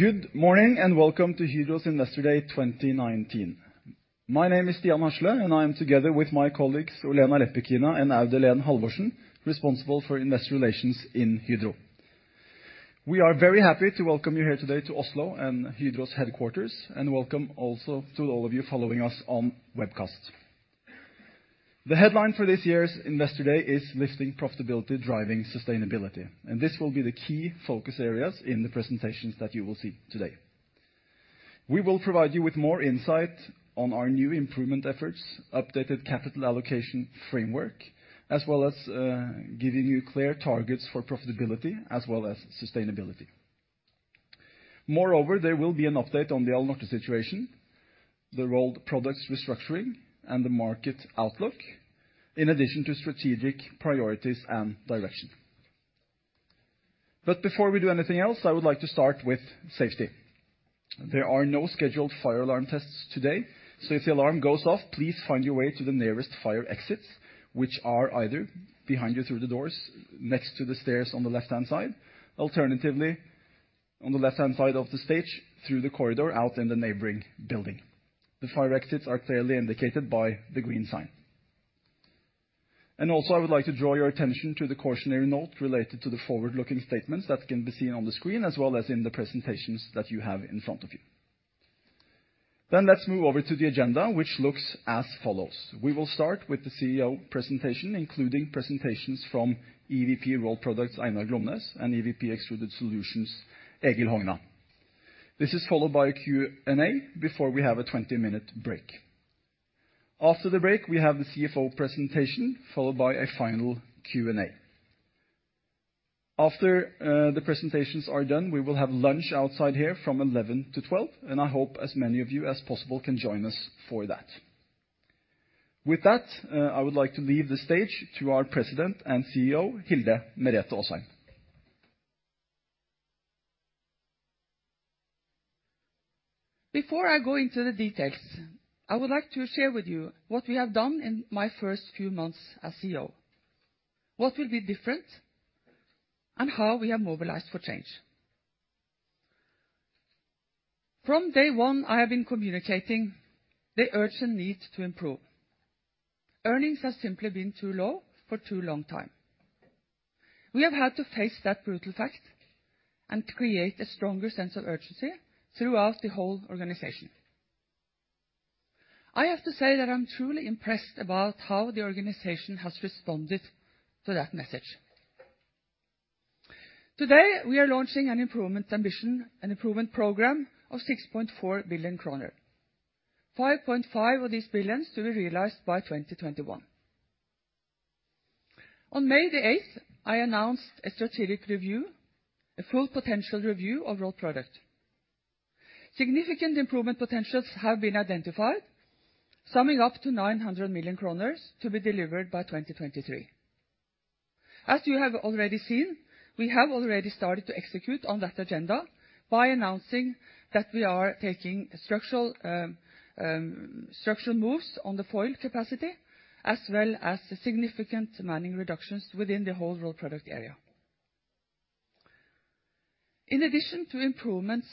Good morning, and welcome to Hydro's Investor Day 2019. My name is Stian Hasle, and I am, together with my colleagues Olena L. Gevoll and Audun Lehn Halvorsen, responsible for investor relations in Hydro. We are very happy to welcome you here today to Oslo and Hydro's headquarters, and welcome also to all of you following us on webcast. The headline for this year's Investor Day is Lifting Profitability, Driving Sustainability, and this will be the key focus areas in the presentations that you will see today. We will provide you with more insight on our new improvement efforts, updated capital allocation framework, as well as giving you clear targets for profitability as well as sustainability. Moreover, there will be an update on the Alunorte situation, the Rolled Products restructuring, and the market outlook, in addition to strategic priorities and direction. Before we do anything else, I would like to start with safety. There are no scheduled fire alarm tests today, so if the alarm goes off, please find your way to the nearest fire exits, which are either behind you through the doors next to the stairs on the left-hand side, alternatively on the left-hand side of the stage through the corridor out in the neighboring building. The fire exits are clearly indicated by the green sign. Also I would like to draw your attention to the cautionary note related to the forward-looking statements that can be seen on the screen, as well as in the presentations that you have in front of you. Let's move over to the agenda which looks as follows. We will start with the CEO presentation, including presentations from EVP Rolled Products, Einar Glomnes, and EVP Extruded Solutions, Egil Hogna. This is followed by a Q&A before we have a 20-minute break. After the break, we have the CFO presentation, followed by a final Q&A. After the presentations are done, we will have lunch outside here from 11 to 12, and I hope as many of you as possible can join us for that. With that, I would like to leave the stage to our President and CEO, Hilde Merete Aasheim. Before I go into the details, I would like to share with you what we have done in my first few months as CEO, what will be different, and how we have mobilized for change. From day one, I have been communicating the urgent need to improve. Earnings have simply been too low for too long time. We have had to face that brutal fact and create a stronger sense of urgency throughout the whole organization. I have to say that I'm truly impressed about how the organization has responded to that message. Today, we are launching an improvement ambition, an improvement program of 6.4 billion kroner. 5.5 billion of these billions to be realized by 2021. On May the eighth, I announced a strategic review, a full potential review of Rolled Products. Significant improvement potentials have been identified, summing up to 900 million kroner to be delivered by 2023. As you have already seen, we have already started to execute on that agenda by announcing that we are taking structural moves on the foil capacity, as well as the significant manning reductions within the whole Rolled Products area. In addition to improvements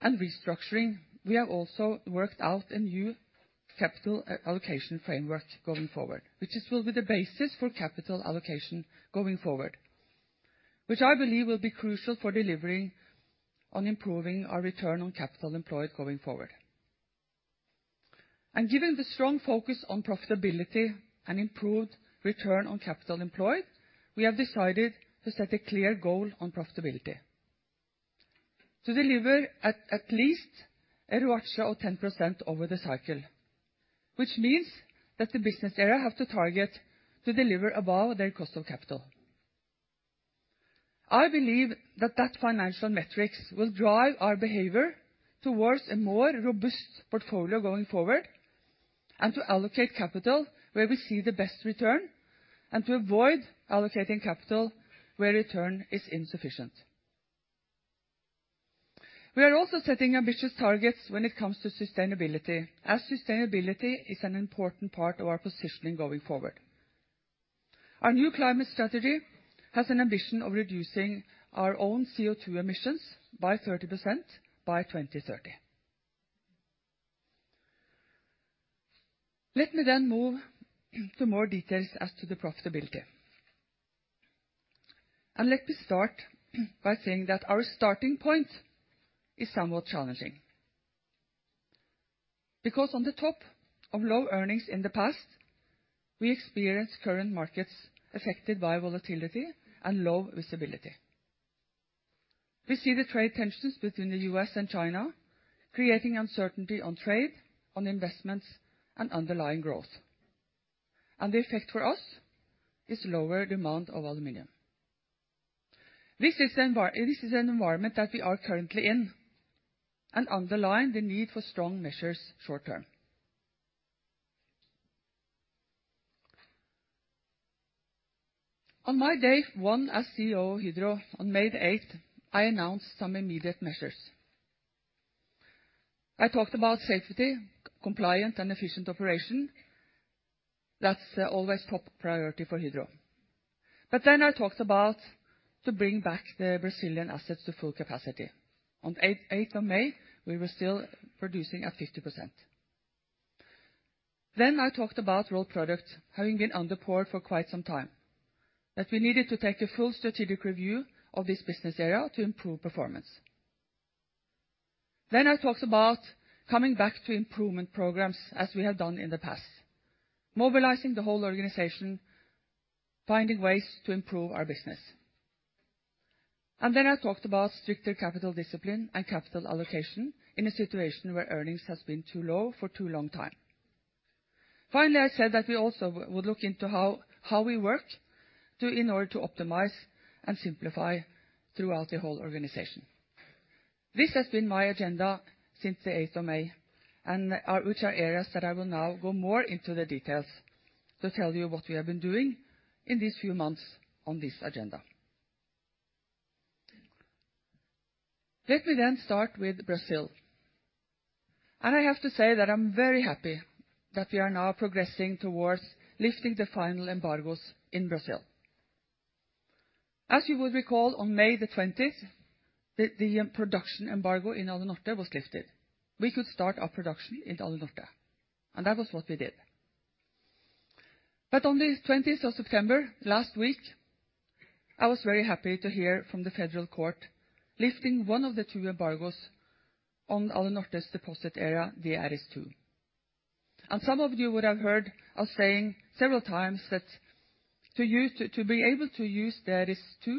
and restructuring, we have also worked out a new capital allocation framework going forward, which will be the basis for capital allocation going forward. Which I believe will be crucial for delivering on improving our return on capital employed going forward. Given the strong focus on profitability and improved return on capital employed, we have decided to set a clear goal on profitability. To deliver at least a ROACE of 10% over the cycle, which means that the business area have to target to deliver above their cost of capital. I believe that financial metrics will drive our behavior towards a more robust portfolio going forward and to allocate capital where we see the best return and to avoid allocating capital where return is insufficient. We are also setting ambitious targets when it comes to sustainability, as sustainability is an important part of our positioning going forward. Our new climate strategy has an ambition of reducing our own CO2 emissions by 30% by 2030. Let me then move to more details as to the profitability. Let me start by saying that our starting point is somewhat challenging. Because on the top of low earnings in the past, we experience current markets affected by volatility and low visibility. We see the trade tensions between the US and China creating uncertainty on trade, on investments, and underlying growth. The effect for us is lower demand of aluminum. This is an environment that we are currently in and underline the need for strong measures short term. On my day one as CEO of Hydro on May the eighth, I announced some immediate measures. I talked about safety, compliance, and efficient operation. That's always top priority for Hydro. I talked about to bring back the Brazilian assets to full capacity. On the eighth of May, we were still producing at 50%. I talked about Rolled Products having been an underperformer for quite some time, that we needed to take a full strategic review of this business area to improve performance. I talked about coming back to improvement programs as we have done in the past, mobilizing the whole organization, finding ways to improve our business. I talked about stricter capital discipline and capital allocation in a situation where earnings has been too low for too long time. I said that we also will look into how we work in order to optimize and simplify throughout the whole organization. This has been my agenda since the eighth of May which are areas that I will now go more into the details to tell you what we have been doing in these few months on this agenda. Let me start with Brazil. I have to say that I'm very happy that we are now progressing towards lifting the final embargoes in Brazil. As you would recall, on May the twentieth, the production embargo in Alunorte was lifted. We could start our production in Alunorte, and that was what we did. On the twentieth of September, last week, I was very happy to hear from the federal court lifting one of the two embargoes on Alunorte's deposit area, the DRS-2. Some of you would have heard us saying several times that to be able to use the DRS-2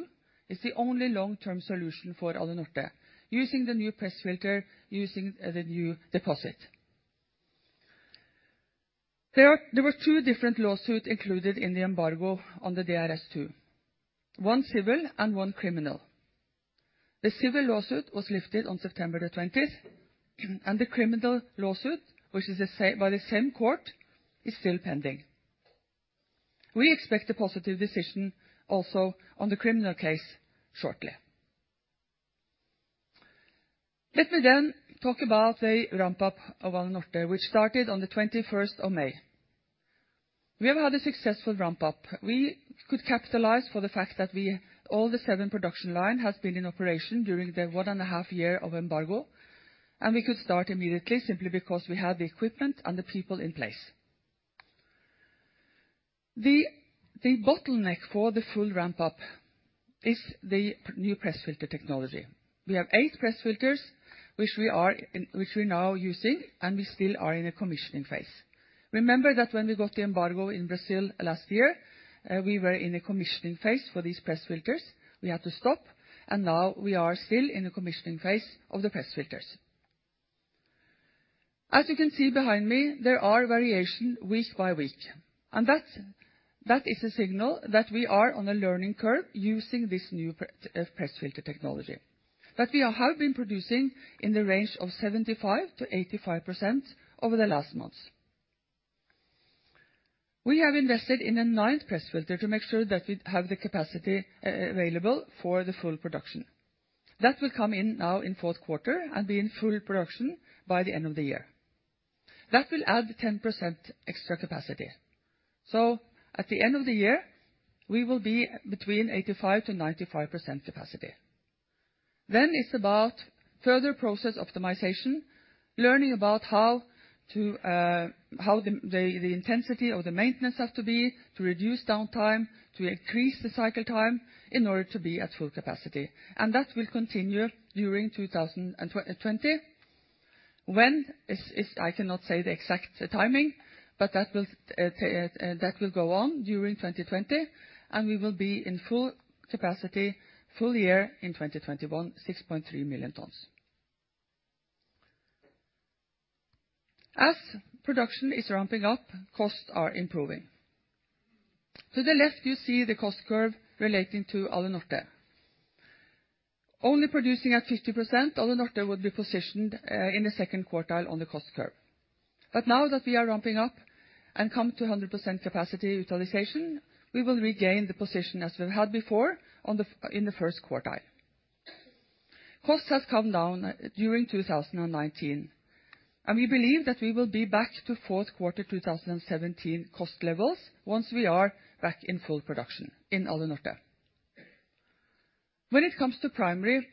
is the only long-term solution for Alunorte, using the new press filter, using the new deposit. There were two different lawsuits included in the embargo on the DRS-2, one civil and one criminal. The civil lawsuit was lifted on September the twentieth, and the criminal lawsuit, which is by the same court, is still pending. We expect a positive decision also on the criminal case shortly. Let me talk about the ramp-up of Alunorte, which started on the twenty-first of May. We have had a successful ramp-up. We could capitalize on the fact that all seven production lines have been in operation during the one and a half years of embargo, and we could start immediately simply because we had the equipment and the people in place. The bottleneck for the full ramp-up is the new press filter technology. We have eight press filters which we're now using, and we still are in a commissioning phase. Remember that when we got the embargo in Brazil last year, we were in a commissioning phase for these press filters. We had to stop, and now we are still in the commissioning phase of the press filters. As you can see behind me, there are variation week by week, and that is a signal that we are on a learning curve using this new press filter technology. We have been producing in the range of 75%-85% over the last months. We have invested in a ninth press filter to make sure that we have the capacity available for the full production. That will come in now in Q4 and be in full production by the end of the year. That will add 10% extra capacity. At the end of the year, we will be between 85%-95% capacity. It's about further process optimization, learning about how the intensity of the maintenance have to be to reduce downtime, to increase the cycle time in order to be at full capacity. That will continue during 2020. I cannot say the exact timing, but that will go on during 2020, and we will be in full capacity full year in 2021, 6.3 million tons. As production is ramping up, costs are improving. To the left, you see the cost curve relating to Alunorte. Only producing at 50%, Alunorte would be positioned in the second quartile on the cost curve. Now that we are ramping up and come to 100% capacity utilization, we will regain the position as we had before in the Q1. Costs has come down during 2019, and we believe that we will be back to Q4 2017 cost levels once we are back in full production in Alunorte. When it comes to primary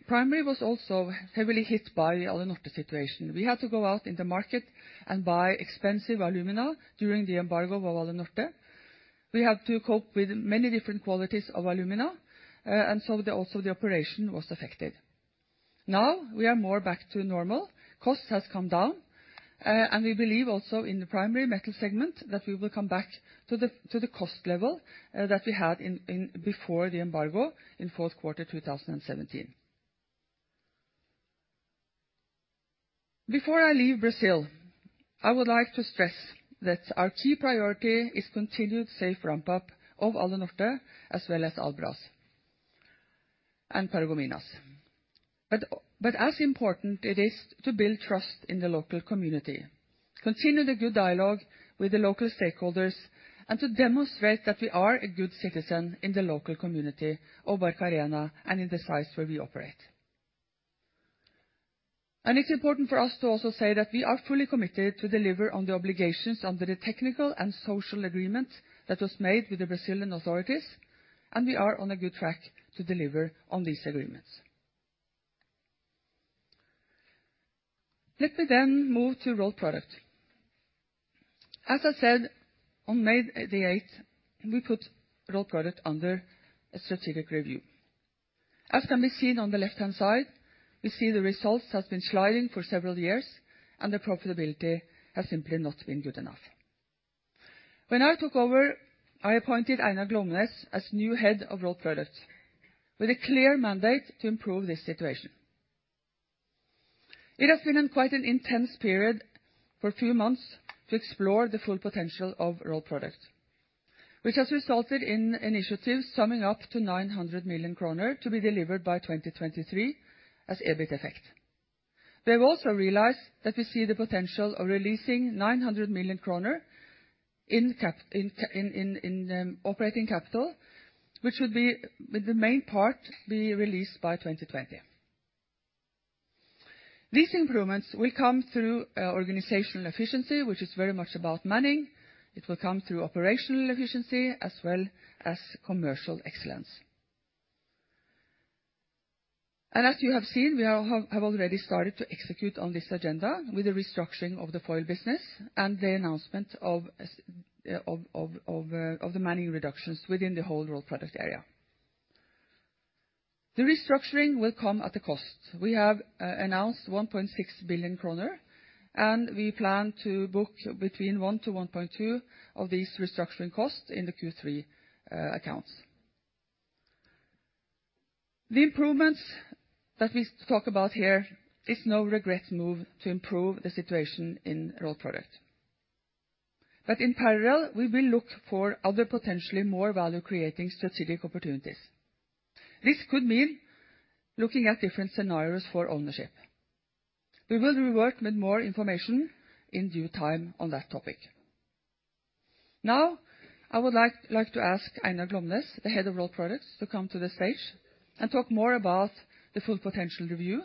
was also heavily hit by the Alunorte situation. We had to go out in the market and buy expensive alumina during the embargo of Alunorte. We had to cope with many different qualities of alumina, and so the operation was affected. Now, we are more back to normal. Costs has come down, and we believe also in the primary metal segment that we will come back to the cost level that we had before the embargo in Q4 2017. Before I leave Brazil, I would like to stress that our key priority is continued safe ramp-up of Alunorte as well as Albras and Paragominas. As important it is to build trust in the local community. Continue the good dialogue with the local stakeholders and to demonstrate that we are a good citizen in the local community of Barcarena and in the sites where we operate. It's important for us to also say that we are fully committed to deliver on the obligations under the technical and social agreement that was made with the Brazilian authorities, and we are on a good track to deliver on these agreements. Let me move to Rolled Products. As I said on May the eighth, we put Rolled Products under a strategic review. As can be seen on the left-hand side, we see the results has been sliding for several years and the profitability has simply not been good enough. When I took over, I appointed Einar Glomnes as new head of Rolled Products with a clear mandate to improve this situation. It has been quite an intense period for a few months to explore the full potential of Rolled Products, which has resulted in initiatives summing up to 900 million kroner to be delivered by 2023 as EBIT effect. We have also realized that we see the potential of releasing 900 million kroner in operating capital, which would be with the main part be released by 2020. These improvements will come through organizational efficiency, which is very much about manning. It will come through operational efficiency as well as commercial excellence. As you have seen, we have already started to execute on this agenda with the restructuring of the foil business and the announcement of the manning reductions within the whole Rolled Products area. The restructuring will come at a cost. We have announced 1.6 billion kroner, and we plan to book between 1 billion-1.2 billion of these restructuring costs in the Q3 accounts. The improvements that we talk about here is no regrets move to improve the situation in Rolled Products. In parallel, we will look for other potentially more value-creating strategic opportunities. This could mean looking at different scenarios for ownership. We will be working with more information in due time on that topic. Now, I would like like to ask Einar Glomnes, the head of Rolled Products, to come to the stage and talk more about the full potential review,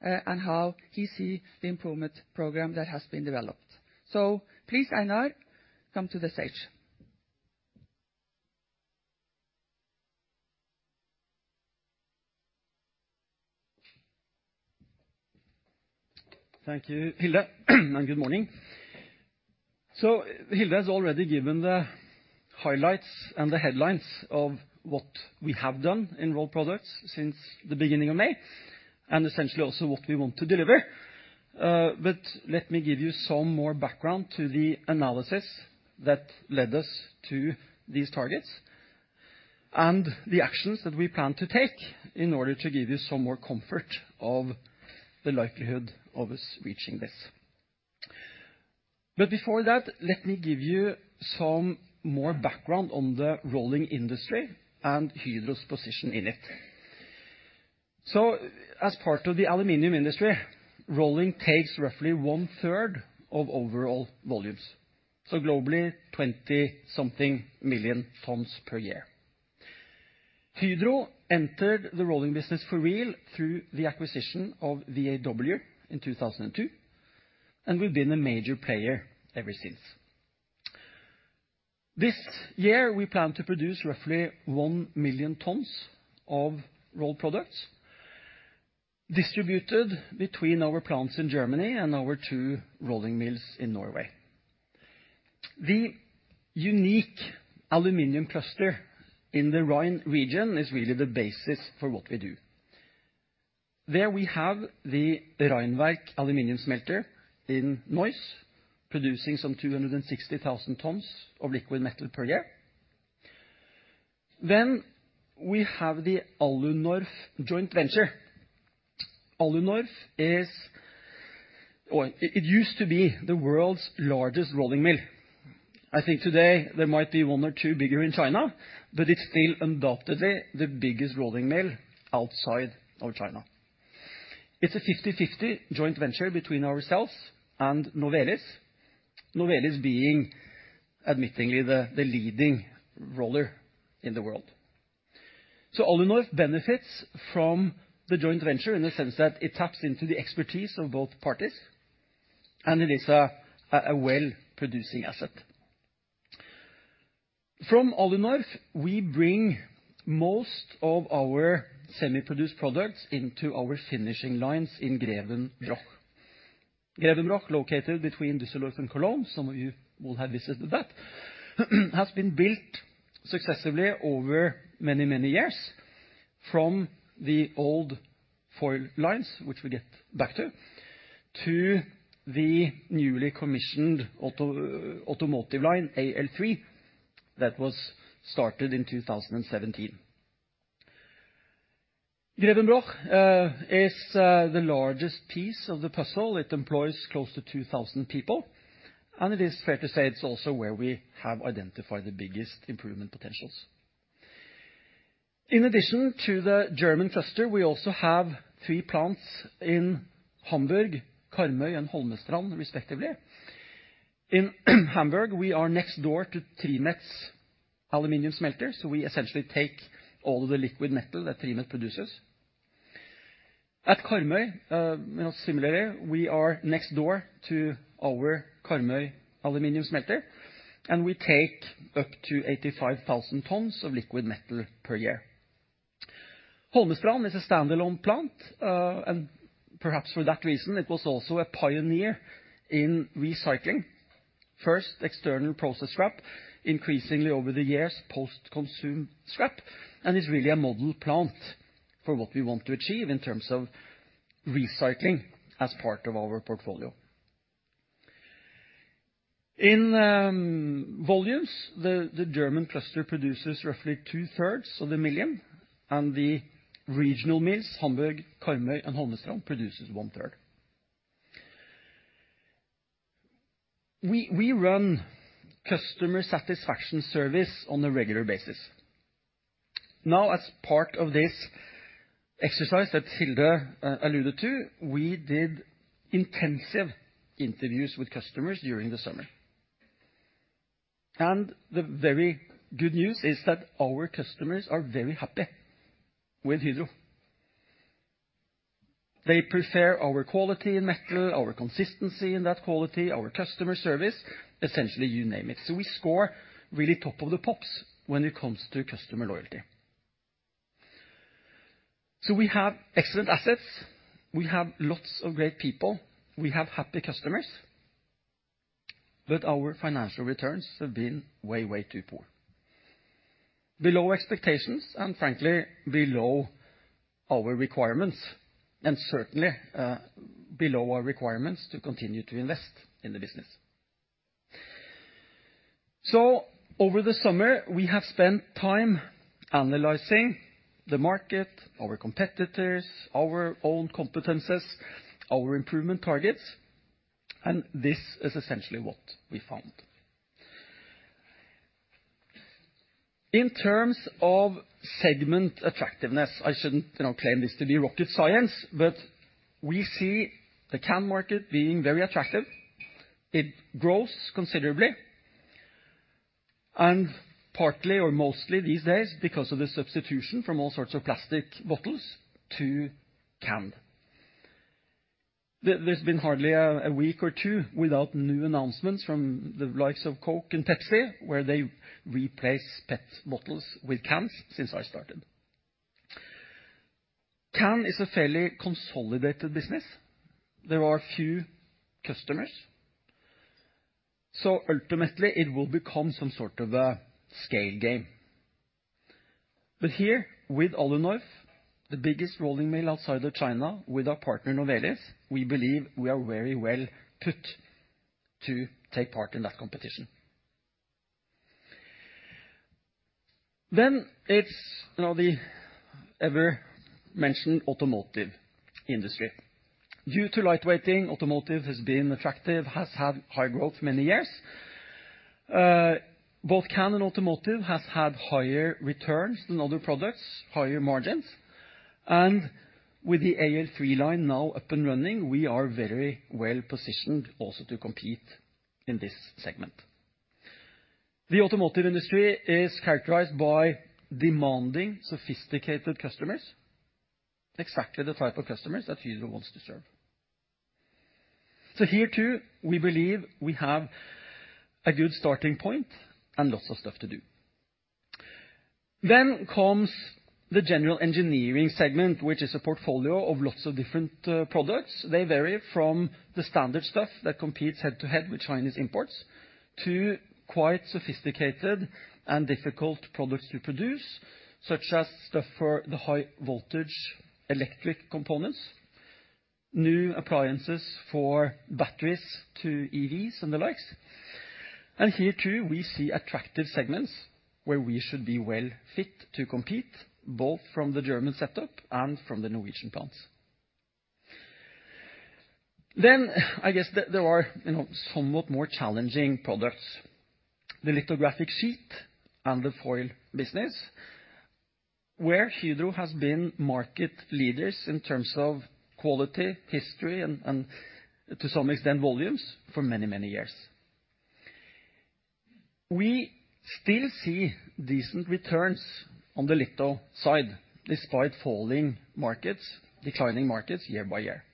and how he see the improvement program that has been developed. Please, Einar, come to the stage. Thank you, Hilde. Good morning. Hilde has already given the highlights and the headlines of what we have done in Rolled Products since the beginning of May, and essentially also what we want to deliver. Let me give you some more background to the analysis that led us to these targets and the actions that we plan to take in order to give you some more comfort of the likelihood of us reaching this. Before that, let me give you some more background on the rolling industry and Hydro's position in it. As part of the aluminum industry, rolling takes roughly 1/3 of overall volumes, so globally, 20-something million tons per year. Hydro entered the rolling business for real through the acquisition of VAW in 2002, and we've been a major player ever since. This year, we plan to produce roughly 1 million tons of rolled products distributed between our plants in Germany and our two rolling mills in Norway. The unique aluminum cluster in the Rhine region is really the basis for what we do. There we have the Rheinwerk aluminum smelter in Neuss, producing some 260,000 tons of liquid metal per year. We have the Alunorf joint venture. Alunorf is or it used to be the world's largest rolling mill. I think today there might be one or two bigger in China, but it's still undoubtedly the biggest rolling mill outside of China. It's a 50-50 joint venture between ourselves and Novelis. Novelis being admittedly the leading roller in the world. Alunorf benefits from the joint venture in the sense that it taps into the expertise of both parties, and it is a well producing asset. From Alunorf, we bring most of our semi-produced products into our finishing lines in Grevenbroich. Grevenbroich, located between Düsseldorf and Cologne, some of you will have visited that, has been built successively over many, many years from the old foil lines, which we'll get back to the newly commissioned automotive line, AL3, that was started in 2017. Grevenbroich is the largest piece of the puzzle. It employs close to 2,000 people, and it is fair to say it's also where we have identified the biggest improvement potentials. In addition to the German cluster, we also have three plants in Hamburg, Karmøy, and Holmestrand respectively. In Hamburg, we are next door to TRIMET's aluminum smelter, so we essentially take all the liquid metal that TRIMET produces. At Karmøy, similarly, we are next door to our Karmøy aluminum smelter, and we take up to 85,000 tons of liquid metal per year. Holmestrand is a standalone plant, and perhaps for that reason, it was also a pioneer in recycling. First, external process scrap, increasingly over the years, post-consumer scrap, and is really a model plant for what we want to achieve in terms of recycling as part of our portfolio. In volumes, the German cluster produces roughly two-thirds of the million, and the regional mills, Hamburg, Karmøy, and Holmestrand, produces one-third. We run customer satisfaction surveys on a regular basis. Now, as part of this exercise that Hilde alluded to, we did intensive interviews with customers during the summer. The very good news is that our customers are very happy with Hydro. They prefer our quality in metal, our consistency in that quality, our customer service, essentially you name it. We score really top of the pops when it comes to customer loyalty. We have excellent assets. We have lots of great people. We have happy customers. Our financial returns have been way too poor. Below expectations, and frankly, below our requirements, and certainly, below our requirements to continue to invest in the business. Over the summer, we have spent time analyzing the market, our competitors, our own competencies, our improvement targets, and this is essentially what we found. In terms of segment attractiveness, I shouldn't, you know, claim this to be rocket science, but we see the can market being very attractive. It grows considerably and partly or mostly these days because of the substitution from all sorts of plastic bottles to can. There's been hardly a week or two without new announcements from the likes of Coke and Pepsi, where they replace PET bottles with cans since I started. Can is a fairly consolidated business. There are few customers. Ultimately it will become some sort of a scale game. Here with Alunorf, the biggest rolling mill outside of China with our partner Novelis, we believe we are very well put to take part in that competition. It's now the ever-mentioned automotive industry. Due to lightweighting, automotive has been attractive, has had high growth many years. Both can and automotive has had higher returns than other products, higher margins. With the AL3 line now up and running, we are very well-positioned also to compete in this segment. The automotive industry is characterized by demanding sophisticated customers, exactly the type of customers that Hydro wants to serve. Here too, we believe we have a good starting point and lots of stuff to do. Comes the general engineering segment, which is a portfolio of lots of different products. They vary from the standard stuff that competes head-to-head with Chinese imports to quite sophisticated and difficult products to produce, such as stuff for the high voltage electric components, new appliances for batteries to EVs and the likes. Here too, we see attractive segments where we should be well fit to compete, both from the German setup and from the Norwegian plants. I guess there are, you know, somewhat more challenging products, the lithographic sheet and the foil business, where Hydro has been market leaders in terms of quality, history and to some extent, volumes for many, many years. We still see decent returns on the litho side, despite falling markets, declining markets year by year.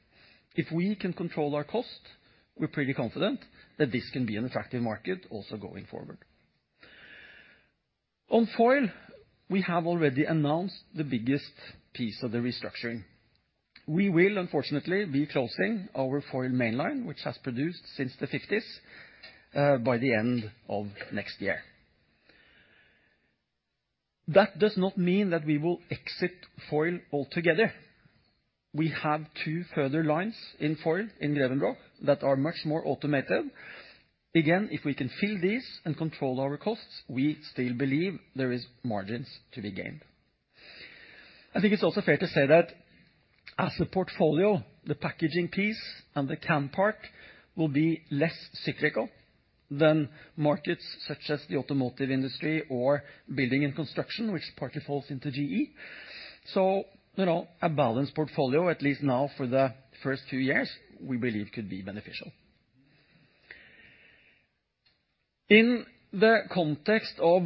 If we can control our cost, we're pretty confident that this can be an attractive market also going forward. On foil, we have already announced the biggest piece of the restructuring. We will unfortunately be closing our foil mainline, which has produced since the fifties by the end of next year. That does not mean that we will exit foil altogether. We have two further lines in foil in Grevenbroich that are much more automated. Again, if we can fill these and control our costs, we still believe there is margins to be gained. I think it's also fair to say that as a portfolio, the packaging piece and the can part will be less cyclical than markets such as the automotive industry or building and construction, which partly falls into GE. You know, a balanced portfolio, at least now for the first few years, we believe could be beneficial. In the context of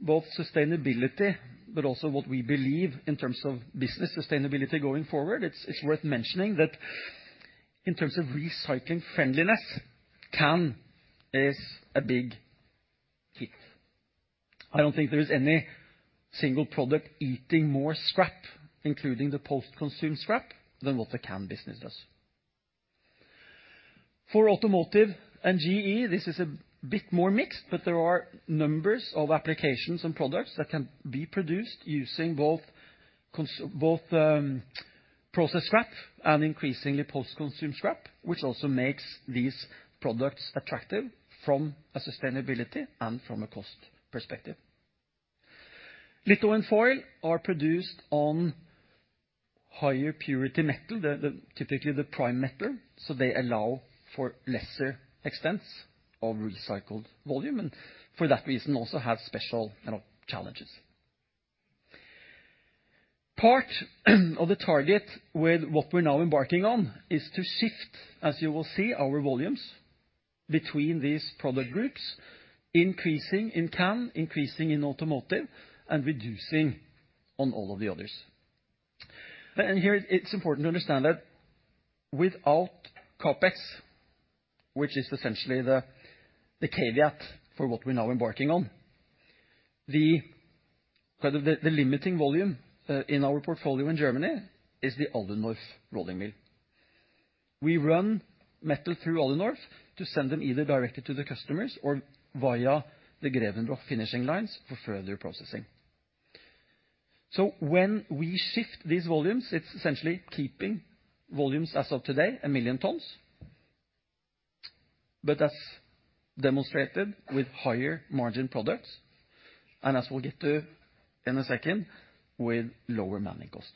both sustainability but also what we believe in terms of business sustainability going forward, it's worth mentioning that in terms of recycling friendliness, can is a big hit. I don't think there is any single product eating more scrap, including the post-consumer scrap, than what the can business does. For automotive and GE, this is a bit more mixed, but there are numbers of applications and products that can be produced using both process scrap and increasingly post-consumer scrap, which also makes these products attractive from a sustainability and from a cost perspective. Litho foil are produced on higher purity metal, typically the prime metal, so they allow for lesser expense of recycled volume, and for that reason also have special kind of challenges. Part of the target with what we're now embarking on is to shift, as you will see, our volumes between these product groups, increasing in can, increasing in automotive, and reducing on all of the others. Here it's important to understand that without CapEx, which is essentially the caveat for what we're now embarking on, the limiting volume in our portfolio in Germany is the Alunorf rolling mill. We run metal through Alunorf to send them either directly to the customers or via the Grevenbroich finishing lines for further processing. When we shift these volumes, it's essentially keeping volumes as of today, 1 million tons, but that's demonstrated with higher margin products, and as we'll get to in a second, with lower manning cost.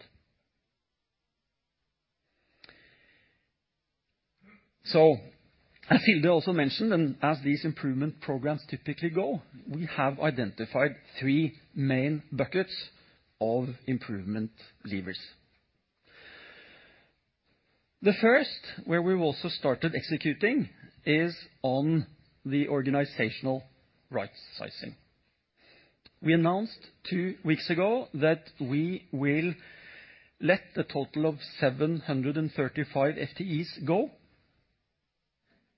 As Hilde also mentioned, and as these improvement programs typically go, we have identified three main buckets of improvement levers. The first, where we've also started executing, is on the organizational rightsizing. We announced two weeks ago that we will let a total of 735 FTEs go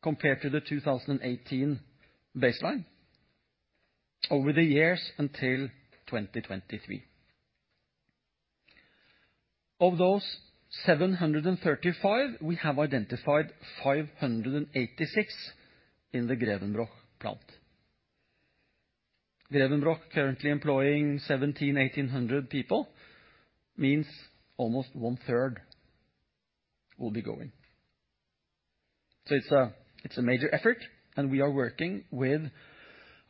compared to the 2018 baseline over the years until 2023. Of those 735, we have identified 586 in the Grevenbroich plant. Grevenbroich currently employing 1,700 people-1,800 people means almost one-third will be going. It's a major effort, and we are working with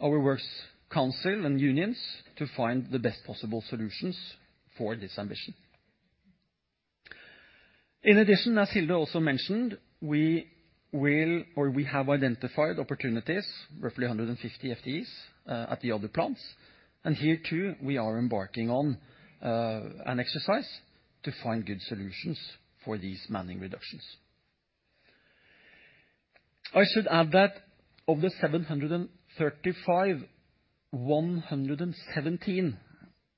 our works council and unions to find the best possible solutions for this ambition. In addition, as Hilde also mentioned, we will, or we have identified opportunities, roughly 150 FTEs at the other plants, and here too we are embarking on an exercise to find good solutions for these manning reductions. I should add that of the 735, 117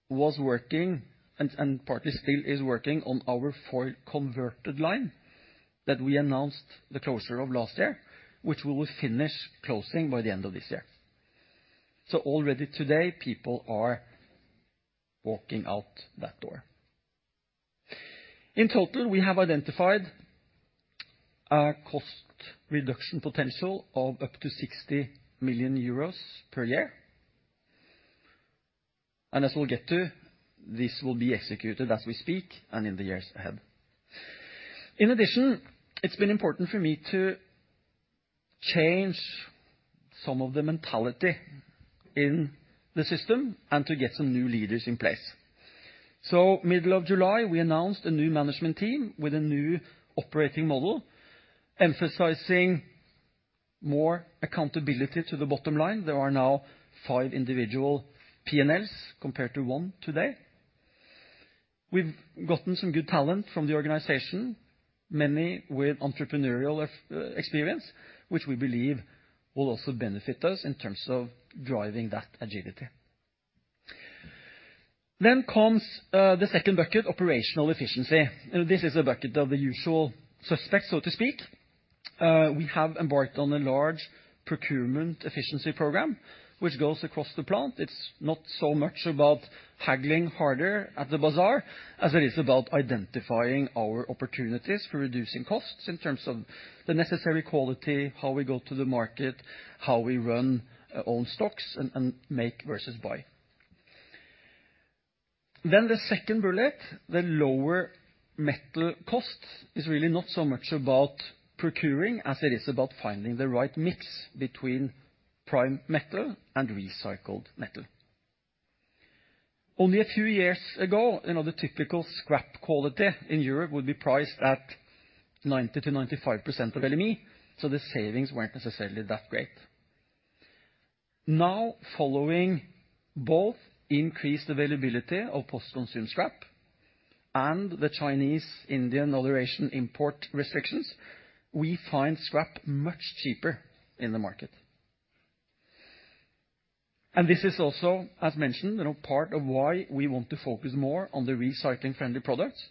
was working, and partly still is working on our foil conversion line that we announced the closure of last year, which we will finish closing by the end of this year. Already today, people are walking out that door. In total, we have identified a cost reduction potential of up to 60 million euros per year. As we'll get to, this will be executed as we speak and in the years ahead. In addition, it's been important for me to change some of the mentality in the system and to get some new leaders in place. Middle of July, we announced a new management team with a new operating model, emphasizing more accountability to the bottom line. There are now five individual P&Ls compared to one today. We've gotten some good talent from the organization, many with entrepreneurial experience, which we believe will also benefit us in terms of driving that agility. Comes the second bucket, operational efficiency. This is a bucket of the usual suspects, so to speak. We have embarked on a large procurement efficiency program which goes across the plant. It's not so much about haggling harder at the bazaar as it is about identifying our opportunities for reducing costs in terms of the necessary quality, how we go to the market, how we run our own stocks, and make versus buy. The second bullet, the lower metal cost, is really not so much about procuring as it is about finding the right mix between prime metal and recycled metal. Only a few years ago, you know, the typical scrap quality in Europe would be priced at 90%-95% of LME, so the savings weren't necessarily that great. Now, following both increased availability of post-consumer scrap and the Chinese, Indian, other Asian import restrictions, we find scrap much cheaper in the market. This is also, as mentioned, you know, part of why we want to focus more on the recycling-friendly products,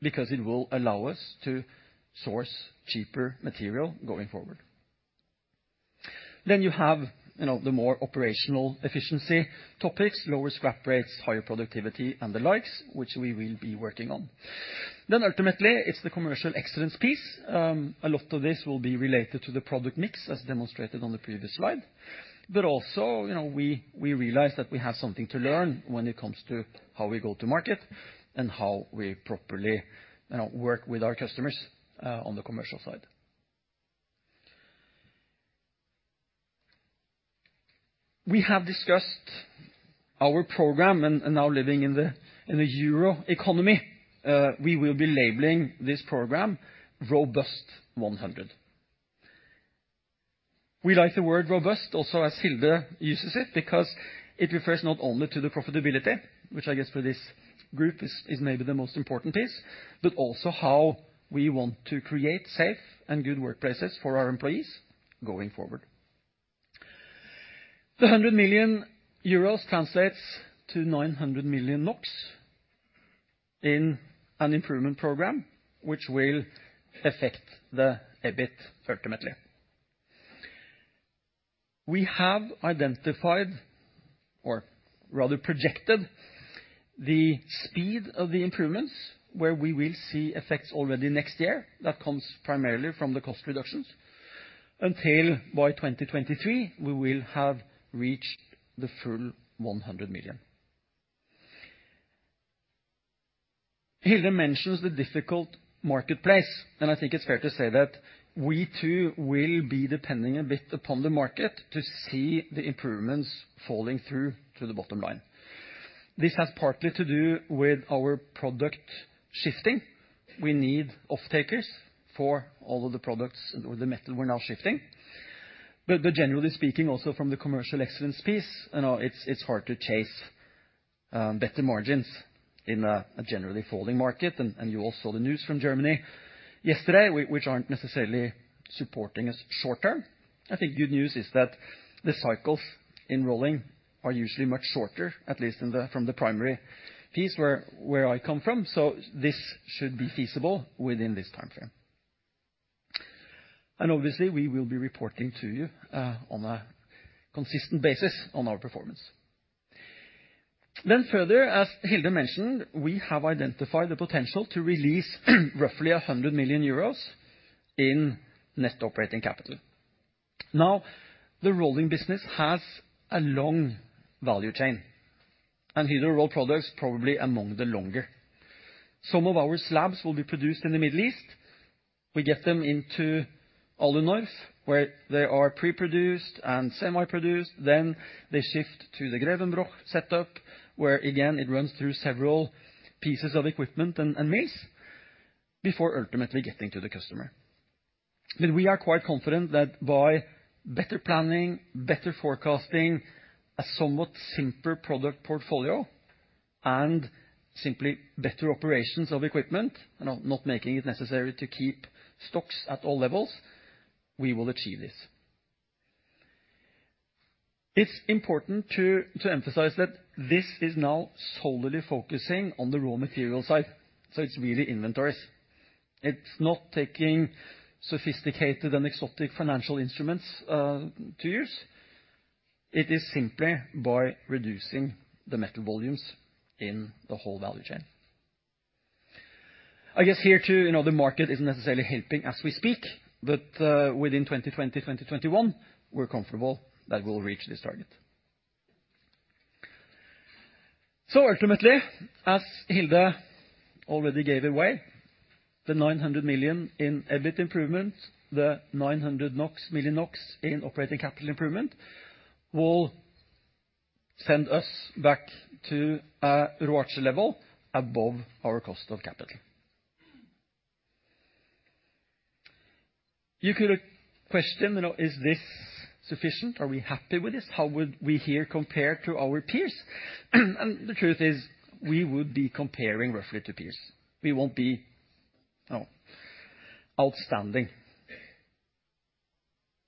because it will allow us to source cheaper material going forward. You have, you know, the more operational efficiency topics, lower scrap rates, higher productivity and the likes, which we will be working on. Ultimately, it's the commercial excellence piece. A lot of this will be related to the product mix, as demonstrated on the previous slide. Also, you know, we realize that we have something to learn when it comes to how we go to market and how we properly, you know, work with our customers, on the commercial side. We have discussed our program and now living in the Euro economy, we will be labeling this program Robust One Hundred. We like the word robust also as Hilde uses it, because it refers not only to the profitability, which I guess for this group is maybe the most important piece, but also how we want to create safe and good workplaces for our employees going forward. The 100 million euros translates to 900 million NOK in an improvement program, which will affect the EBIT ultimately. We have identified, or rather projected, the speed of the improvements, where we will see effects already next year. That comes primarily from the cost reductions. By 2023, we will have reached the full 100 million. Hilde mentions the difficult marketplace, and I think it's fair to say that we too will be depending a bit upon the market to see the improvements flowing through to the bottom line. This has partly to do with our product shifting. We need off-takers for all of the products or the metal we're now shifting. Generally speaking, also from the commercial excellence piece, you know, it's hard to chase better margins in a generally falling market. You all saw the news from Germany yesterday, which aren't necessarily supporting us short term. I think good news is that the cycles in rolling are usually much shorter, at least from the primary piece where I come from, so this should be feasible within this timeframe. Obviously, we will be reporting to you on a consistent basis on our performance. Further, as Hilde mentioned, we have identified the potential to release roughly 100 million euros in net operating capital. Now, the rolling business has a long value chain, and Hydro Rolled Products probably among the longer. Some of our slabs will be produced in the Middle East. We get them into Alunorf, where they are pre-produced and semi-produced. They shift to the Grevenbroich setup, where again, it runs through several pieces of equipment and mills before ultimately getting to the customer. We are quite confident that by better planning, better forecasting, a somewhat simpler product portfolio, and simply better operations of equipment, and not making it necessary to keep stocks at all levels, we will achieve this. It's important to emphasize that this is now solely focusing on the raw material side, so it's really inventories. It's not taking sophisticated and exotic financial instruments to use. It is simply by reducing the metal volumes in the whole value chain. I guess here too, you know, the market isn't necessarily helping as we speak, but within 2020, 2021, we're comfortable that we'll reach this target. Ultimately, as Hilde already gave away, the 900 million in EBIT improvement, the 900 million NOK in operating capital improvement, will send us back to a ROACE level above our cost of capital. You could question, you know, is this sufficient? Are we happy with this? How would we here compare to our peers? The truth is, we would be comparing roughly to peers. We won't be, you know, outstanding.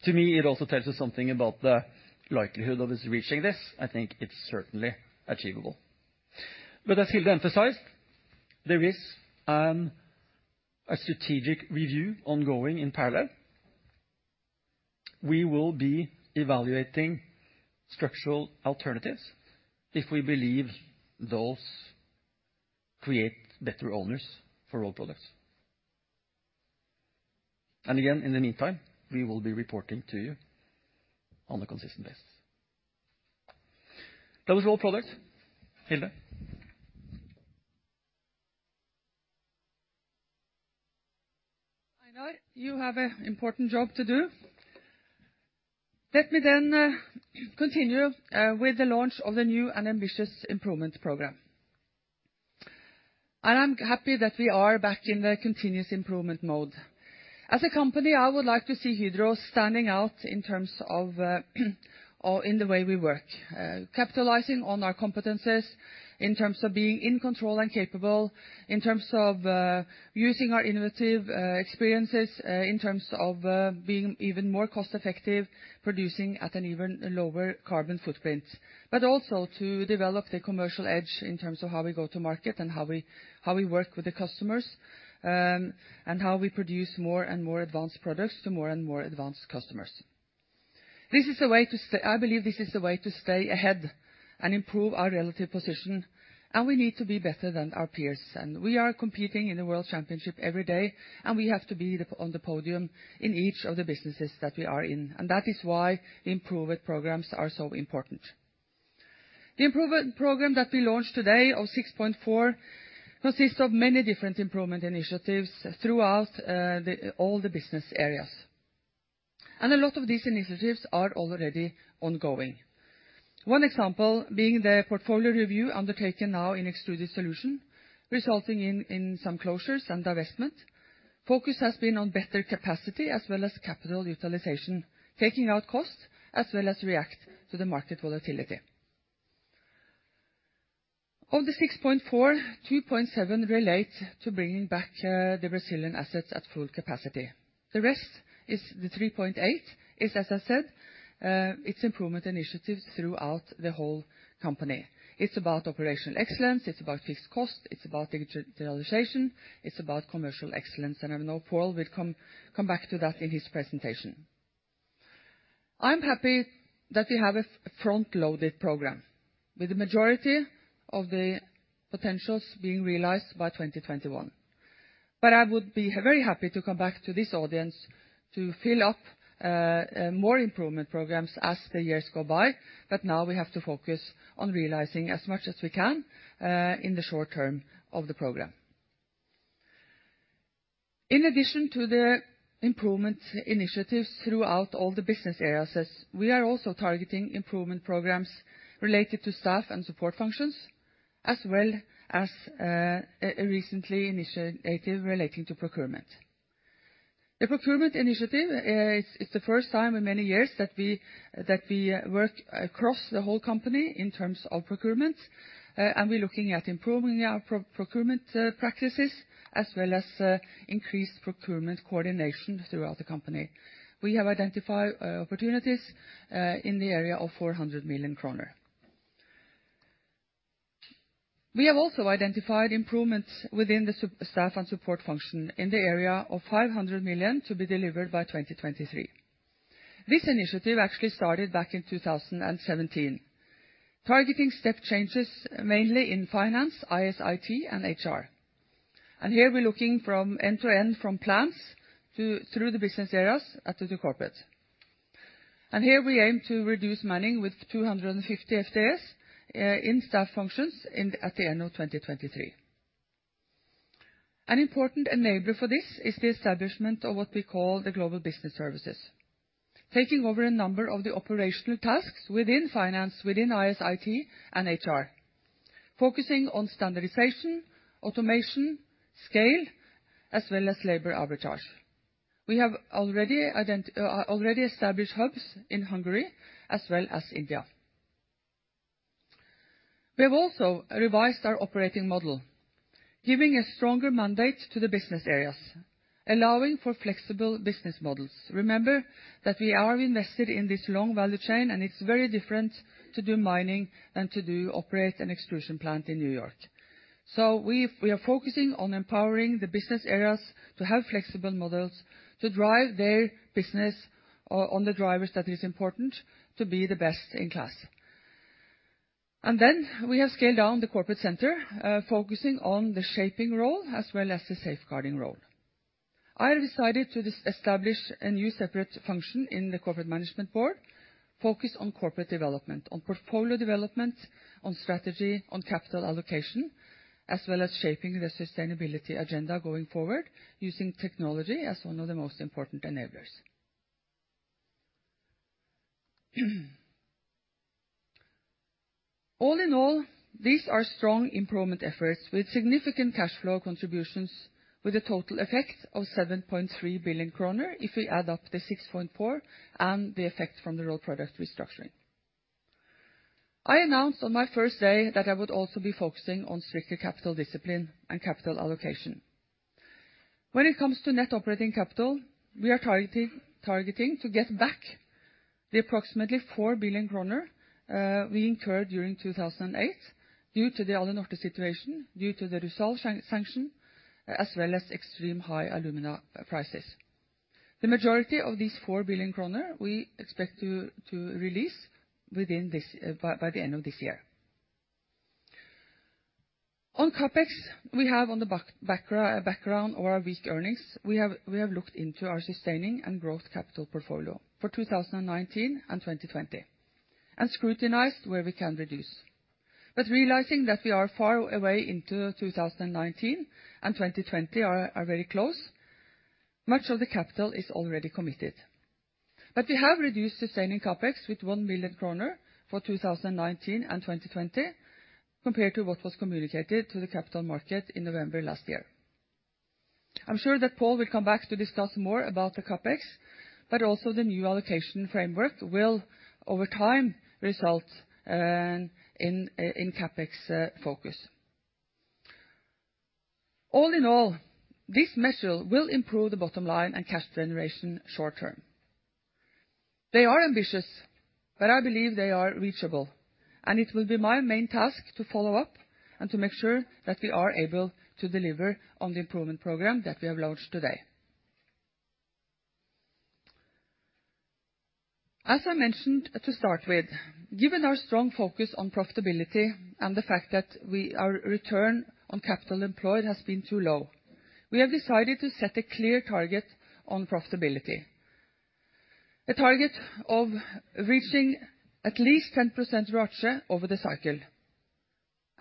To me, it also tells us something about the likelihood of us reaching this. I think it's certainly achievable. As Hilde emphasized, there is a strategic review ongoing in parallel. We will be evaluating structural alternatives if we believe those create better owners for Rolled Products. Again, in the meantime, we will be reporting to you on a consistent basis. That was Rolled Products. Hilde? Einar, you have an important job to do. Let me continue with the launch of the new and ambitious improvement program. I'm happy that we are back in the continuous improvement mode. As a company, I would like to see Hydro standing out in terms of or in the way we work. Capitalizing on our competencies in terms of being in control and capable, in terms of using our innovative experiences, in terms of being even more cost effective, producing at an even lower carbon footprint. I would also like to develop the commercial edge in terms of how we go to market, and how we work with the customers, and how we produce more and more advanced products to more and more advanced customers. This is a way to stay. I believe this is a way to stay ahead and improve our relative position, and we need to be better than our peers. We are competing in a world championship every day, and we have to be on the podium in each of the businesses that we are in. That is why improvement programs are so important. The improvement program that we launched today of 6.4 consists of many different improvement initiatives throughout all the business areas, and a lot of these initiatives are already ongoing. One example being the portfolio review undertaken now in Extruded Solutions, resulting in some closures and divestment. Focus has been on better capacity as well as capital utilization, taking out costs as well as react to the market volatility. Of the 6.4, 2.7 relate to bringing back the Brazilian assets at full capacity. The rest is the 3.8 is, as I said, it's improvement initiatives throughout the whole company. It's about operational excellence, it's about fixed cost, it's about digitalization, it's about commercial excellence, and I know Pål will come back to that in his presentation. I'm happy that we have a front-loaded program with the majority of the potentials being realized by 2021. I would be very happy to come back to this audience to follow up on more improvement programs as the years go by, but now we have to focus on realizing as much as we can in the short term of the program. In addition to the improvement initiatives throughout all the business areas, we are also targeting improvement programs related to staff and support functions, as well as a recent initiative relating to procurement. The procurement initiative, it's the first time in many years that we work across the whole company in terms of procurement. We're looking at improving our procurement practices as well as increased procurement coordination throughout the company. We have identified opportunities in the area of 400 million kroner. We have also identified improvements within the staff and support function in the area of 500 million to be delivered by 2023. This initiative actually started back in 2017. Targeting step changes mainly in finance, IS/IT and HR. Here we're looking from end to end, from plants to through the business areas at the corporate. Here we aim to reduce manning with 250 FTEs in staff functions at the end of 2023. An important enabler for this is the establishment of what we call the Global Business Services. Taking over a number of the operational tasks within finance, within IS/IT and HR, focusing on standardization, automation, scale, as well as labor arbitrage. We have already established hubs in Hungary as well as India. We have also revised our operating model, giving a stronger mandate to the business areas, allowing for flexible business models. Remember that we are invested in this long value chain, and it's very different to do mining than to operate an extrusion plant in New York. We are focusing on empowering the business areas to have flexible models to drive their business on the drivers that is important to be the best in class. We have scaled down the corporate center, focusing on the shaping role as well as the safeguarding role. I decided to establish a new separate function in the corporate management board, focus on corporate development, on portfolio development, on strategy, on capital allocation, as well as shaping the sustainability agenda going forward using technology as one of the most important enablers. All in all, these are strong improvement efforts with significant cash flow contributions with a total effect of 7.3 billion kroner if we add up the 6.4 and the effect from the Rolled Products restructuring. I announced on my first day that I would also be focusing on stricter capital discipline and capital allocation. When it comes to net operating capital, we are targeting to get back the approximately 4 billion kroner we incurred during 2008 due to the Alunorte situation, due to the Rusal sanction, as well as extreme high alumina prices. The majority of these 4 billion kroner we expect to release by the end of this year. On CapEx, we have on the background of our weak earnings, we have looked into our sustaining and growth capital portfolio for 2019 and 2020, and scrutinized where we can reduce. Realizing that we are far into 2019, and 2020 are very close, much of the capital is already committed. We have reduced the same in CapEx with 1 million kroner for 2019 and 2020, compared to what was communicated to the capital market in November last year. I'm sure thatPål will come back to discuss more about the CapEx, but also the new allocation framework will, over time, result in CapEx focus. All in all, this measure will improve the bottom line and cash generation short-term. They are ambitious, but I believe they are reachable, and it will be my main task to follow up and to make sure that we are able to deliver on the improvement program that we have launched today. As I mentioned at the start with given our strong focus on profitability and the fact that we. Our return on capital employed has been too low. We have decided to set a clear target on profitability. A target of reaching at least 10% ROACE over the cycle.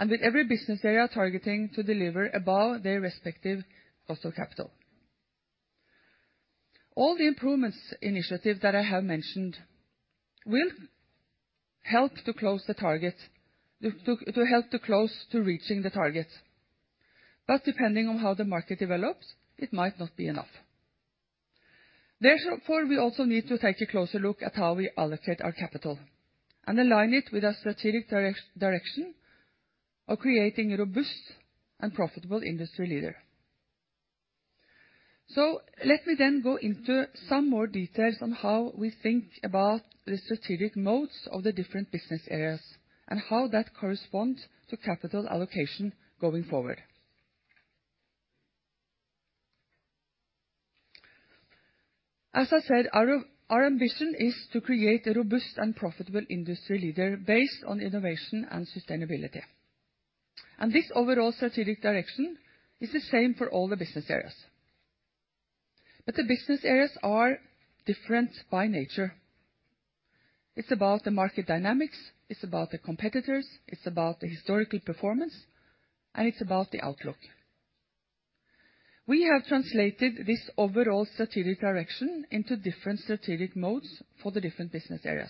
With every business they are targeting to deliver above their respective cost of capital. All the improvements initiative that I have mentioned will help to close the targets. To help to close to reaching the targets. Depending on how the market develops, it might not be enough. Therefore, we also need to take a closer look at how we allocate our capital and align it with our strategic direction of creating a robust and profitable industry leader. Let me then go into some more details on how we think about the strategic modes of the different business areas and how that corresponds to capital allocation going forward. As I said, our ambition is to create a robust and profitable industry leader based on innovation and sustainability. This overall strategic direction is the same for all the business areas. The business areas are different by nature. It's about the market dynamics, it's about the competitors, it's about the historical performance, and it's about the outlook. We have translated this overall strategic direction into different strategic modes for the different business areas.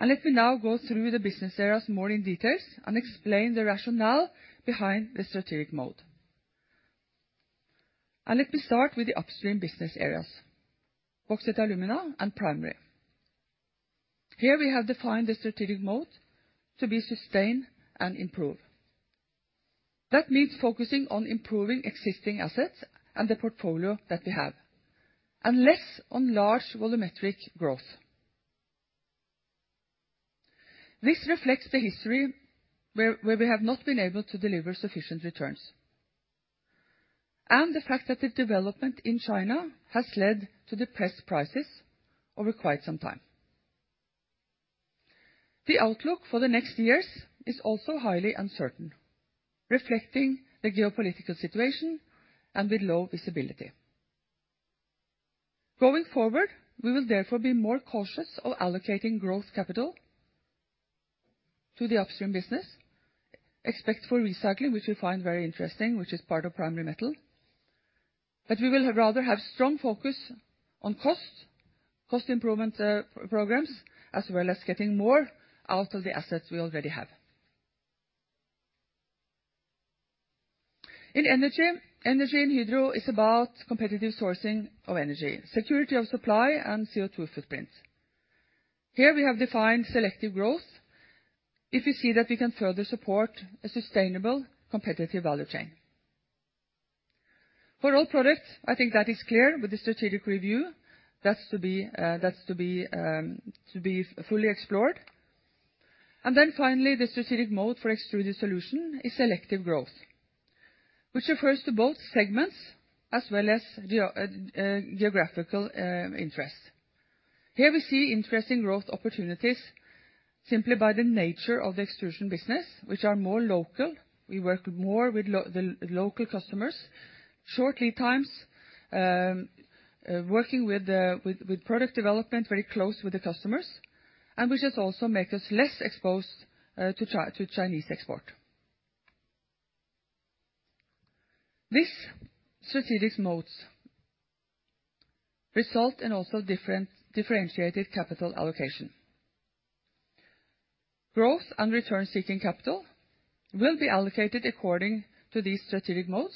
Let me now go through the business areas more in details and explain the rationale behind the strategic mode. Let me start with the upstream business areas, Bauxite & Alumina and Primary. Here we have defined the strategic mode to be sustain and improve. That means focusing on improving existing assets and the portfolio that we have, and less on large volumetric growth. This reflects the history where we have not been able to deliver sufficient returns, and the fact that the development in China has led to depressed prices over quite some time. The outlook for the next years is also highly uncertain, reflecting the geopolitical situation and with low visibility. Going forward, we will therefore be more cautious of allocating growth capital to the upstream business, except for recycling, which we find very interesting, which is part of Primary Metal. We will rather have strong focus on costs, cost improvement programs, as well as getting more out of the assets we already have. In Energy, energy in Hydro is about competitive sourcing of energy, security of supply, and CO2 footprint. Here we have defined selective growth if we see that we can further support a sustainable competitive value chain. For Rolled Products, I think that is clear with the strategic review that's to be fully explored. Then finally, the strategic mode for Extruded Solutions is selective growth, which refers to both segments as well as geographical interests. Here we see interesting growth opportunities simply by the nature of the extrusion business, which are more local. We work more with the local customers, short lead times, working with product development very close with the customers, and which has also make us less exposed to Chinese export. These strategic modes result in also different differentiated capital allocation. Growth and return-seeking capital will be allocated according to these strategic modes,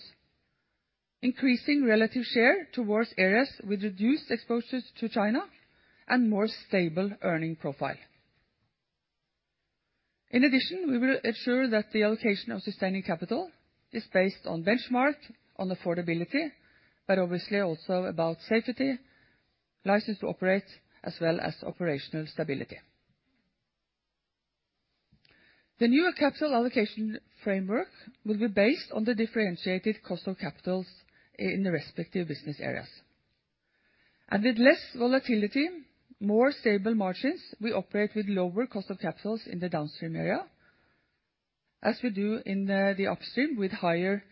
increasing relative share towards areas with reduced exposures to China and more stable earning profile. In addition, we will ensure that the allocation of sustaining capital is based on benchmark on affordability, but obviously also about safety, license to operate, as well as operational stability. The newer capital allocation framework will be based on the differentiated cost of capitals in the respective business areas. With less volatility, more stable margins, we operate with lower cost of capitals in the downstream area, as we do in the upstream with higher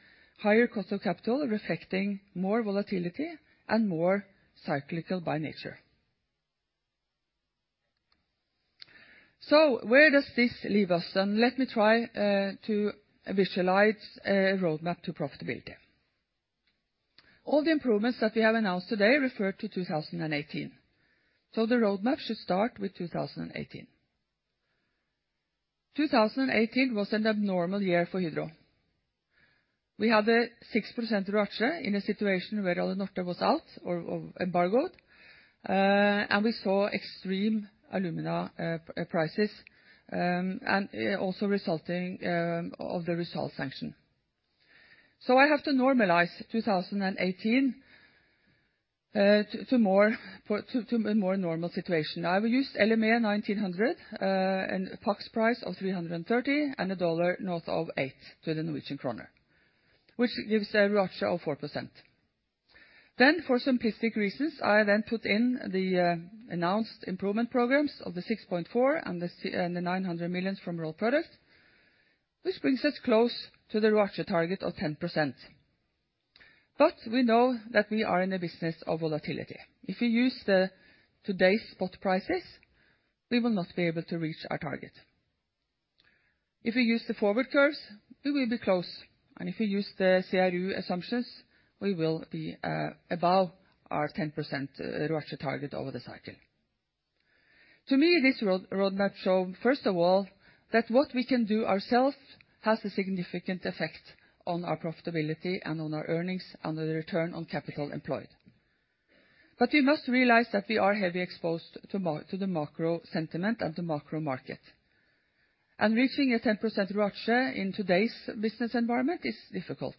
cost of capital reflecting more volatility and more cyclical by nature. Where does this leave us then? Let me try to visualize a roadmap to profitability. All the improvements that we have announced today refer to 2018. The roadmap should start with 2018. 2018 was an abnormal year for Hydro. We had a 6% ROACE in a situation where Alunorte was out or embargoed. We saw extreme alumina prices, and also resulting of the [inaudible] sanction. I have to normalize 2018 to a more normal situation. I will use LME $1,900 and PAX price of $330, and a dollar north of eight to the Norwegian Kroner, which gives a ROACE of 4%. For simplistic reasons, I put in the announced improvement programs of the 6.4 and the 900 million from Rolled Products, which brings us close to the ROACE target of 10%. We know that we are in a business of volatility. If we use today's spot prices, we will not be able to reach our target. If we use the forward curves, we will be close. If we use the CRU assumptions, we will be above our 10% ROACE target over the cycle. To me, this roadmap shows, first of all, that what we can do ourselves has a significant effect on our profitability and on our earnings and the return on capital employed. We must realize that we are heavily exposed to the macro sentiment and to macro market. Reaching a 10% ROACE in today's business environment is difficult.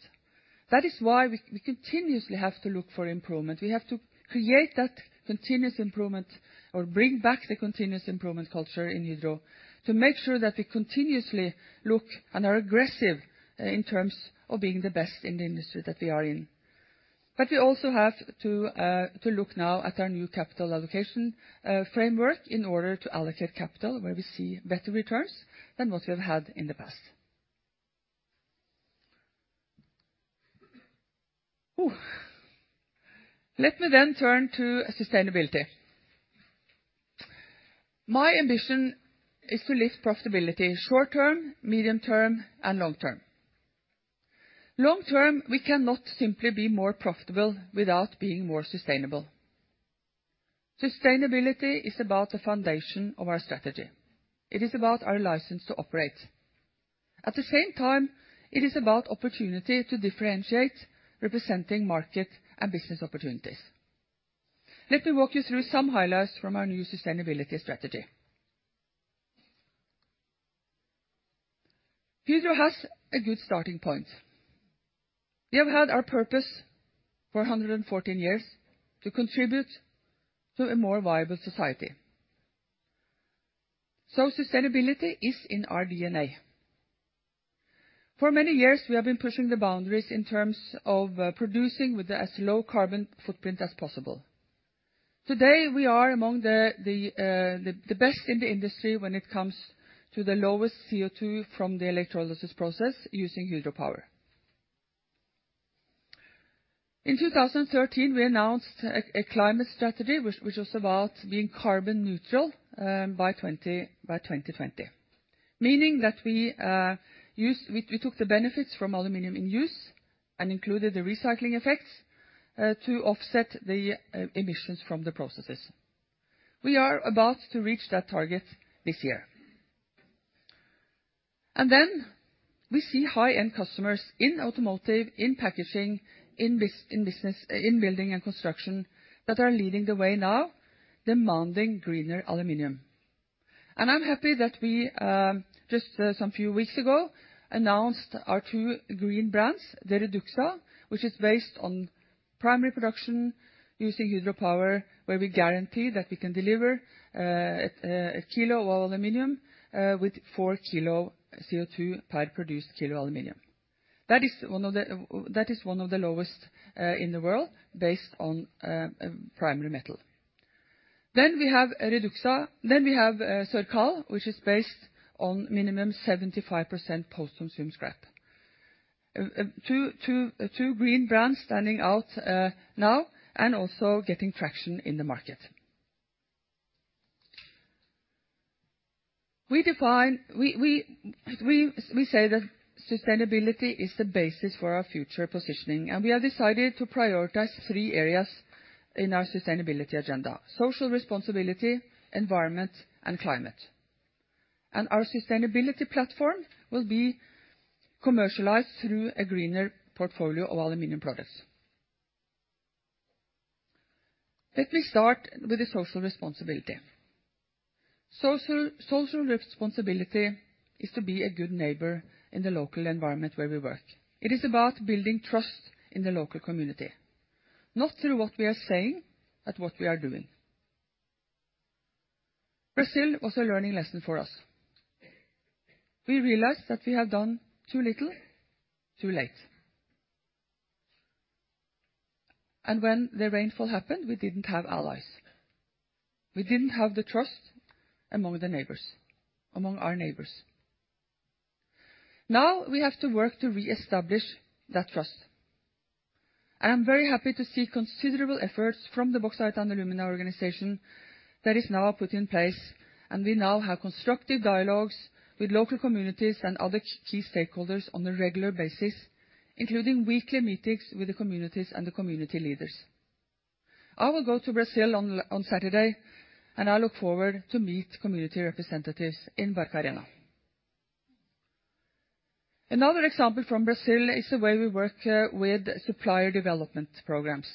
That is why we continuously have to look for improvement. We have to create that continuous improvement or bring back the continuous improvement culture in Hydro to make sure that we continuously look and are aggressive, in terms of being the best in the industry that we are in. We also have to look now at our new capital allocation framework in order to allocate capital where we see better returns than what we have had in the past. Let me turn to sustainability. My ambition is to lift profitability short-term, medium-term, and long-term. Long-term, we cannot simply be more profitable without being more sustainable. Sustainability is about the foundation of our strategy. It is about our license to operate. At the same time, it is about opportunity to differentiate representing market and business opportunities. Let me walk you through some highlights from our new sustainability strategy. Hydro has a good starting point. We have had our purpose for 114 years to contribute to a more viable society. Sustainability is in our DNA. For many years, we have been pushing the boundaries in terms of producing with as low carbon footprint as possible. Today, we are among the best in the industry when it comes to the lowest CO2 from the electrolysis process using hydropower. In 2013, we announced a climate strategy which was about being carbon neutral by 2020, meaning that we took the benefits from aluminum in use and included the recycling effects to offset the emissions from the processes. We are about to reach that target this year. We see high-end customers in automotive, in packaging, in business, in building and construction that are leading the way now, demanding greener aluminum. I'm happy that we just some few weeks ago announced our two green brands, the REDUXA, which is based on primary production using hydropower, where we guarantee that we can deliver a kilo of aluminum with 4 kilo CO2 per produced kilo aluminum. That is one of the lowest in the world based on primary metal. Then we have REDUXA. Then we have CIRCAL, which is based on minimum 75% post-consumer scrap. Two green brands standing out now and also getting traction in the market. We define. We say that sustainability is the basis for our future positioning, and we have decided to prioritize three areas in our sustainability agenda: social responsibility, environment, and climate. Our sustainability platform will be commercialized through a greener portfolio of aluminum products. Let me start with the social responsibility. Social responsibility is to be a good neighbor in the local environment where we work. It is about building trust in the local community, not through what we are saying, but what we are doing. Brazil was a learning lesson for us. We realized that we have done too little, too late. When the rainfall happened, we didn't have allies. We didn't have the trust among the neighbors, among our neighbors. Now we have to work to reestablish that trust. I am very happy to see considerable efforts from the Bauxite & Alumina organization that is now put in place, and we now have constructive dialogues with local communities and other key stakeholders on a regular basis, including weekly meetings with the communities and the community leaders. I will go to Brazil on Saturday, and I look forward to meet community representatives in Barcarena. Another example from Brazil is the way we work with supplier development programs.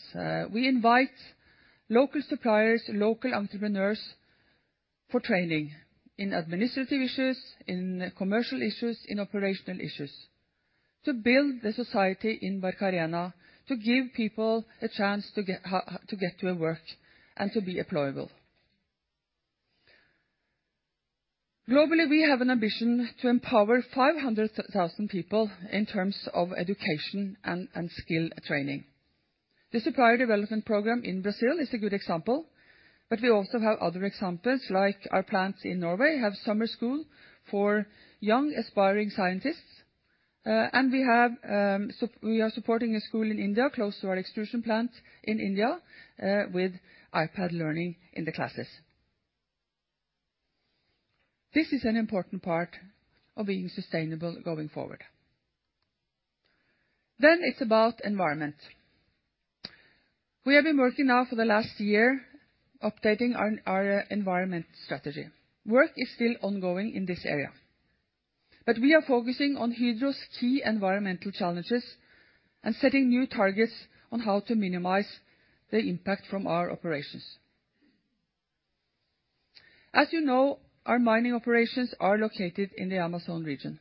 We invite local suppliers, local entrepreneurs for training in administrative issues, in commercial issues, in operational issues to build the society in Barcarena, to give people a chance to get to work and to be employable. Globally, we have an ambition to empower 500,000 people in terms of education and skill training. The supplier development program in Brazil is a good example, but we also have other examples, like our plants in Norway have summer school for young aspiring scientists. We are supporting a school in India close to our extrusion plant in India, with iPad learning in the classes. This is an important part of being sustainable going forward. It's about environment. We have been working now for the last year updating our environment strategy. Work is still ongoing in this area, but we are focusing on Hydro's key environmental challenges and setting new targets on how to minimize the impact from our operations. As you know, our mining operations are located in the Amazon region.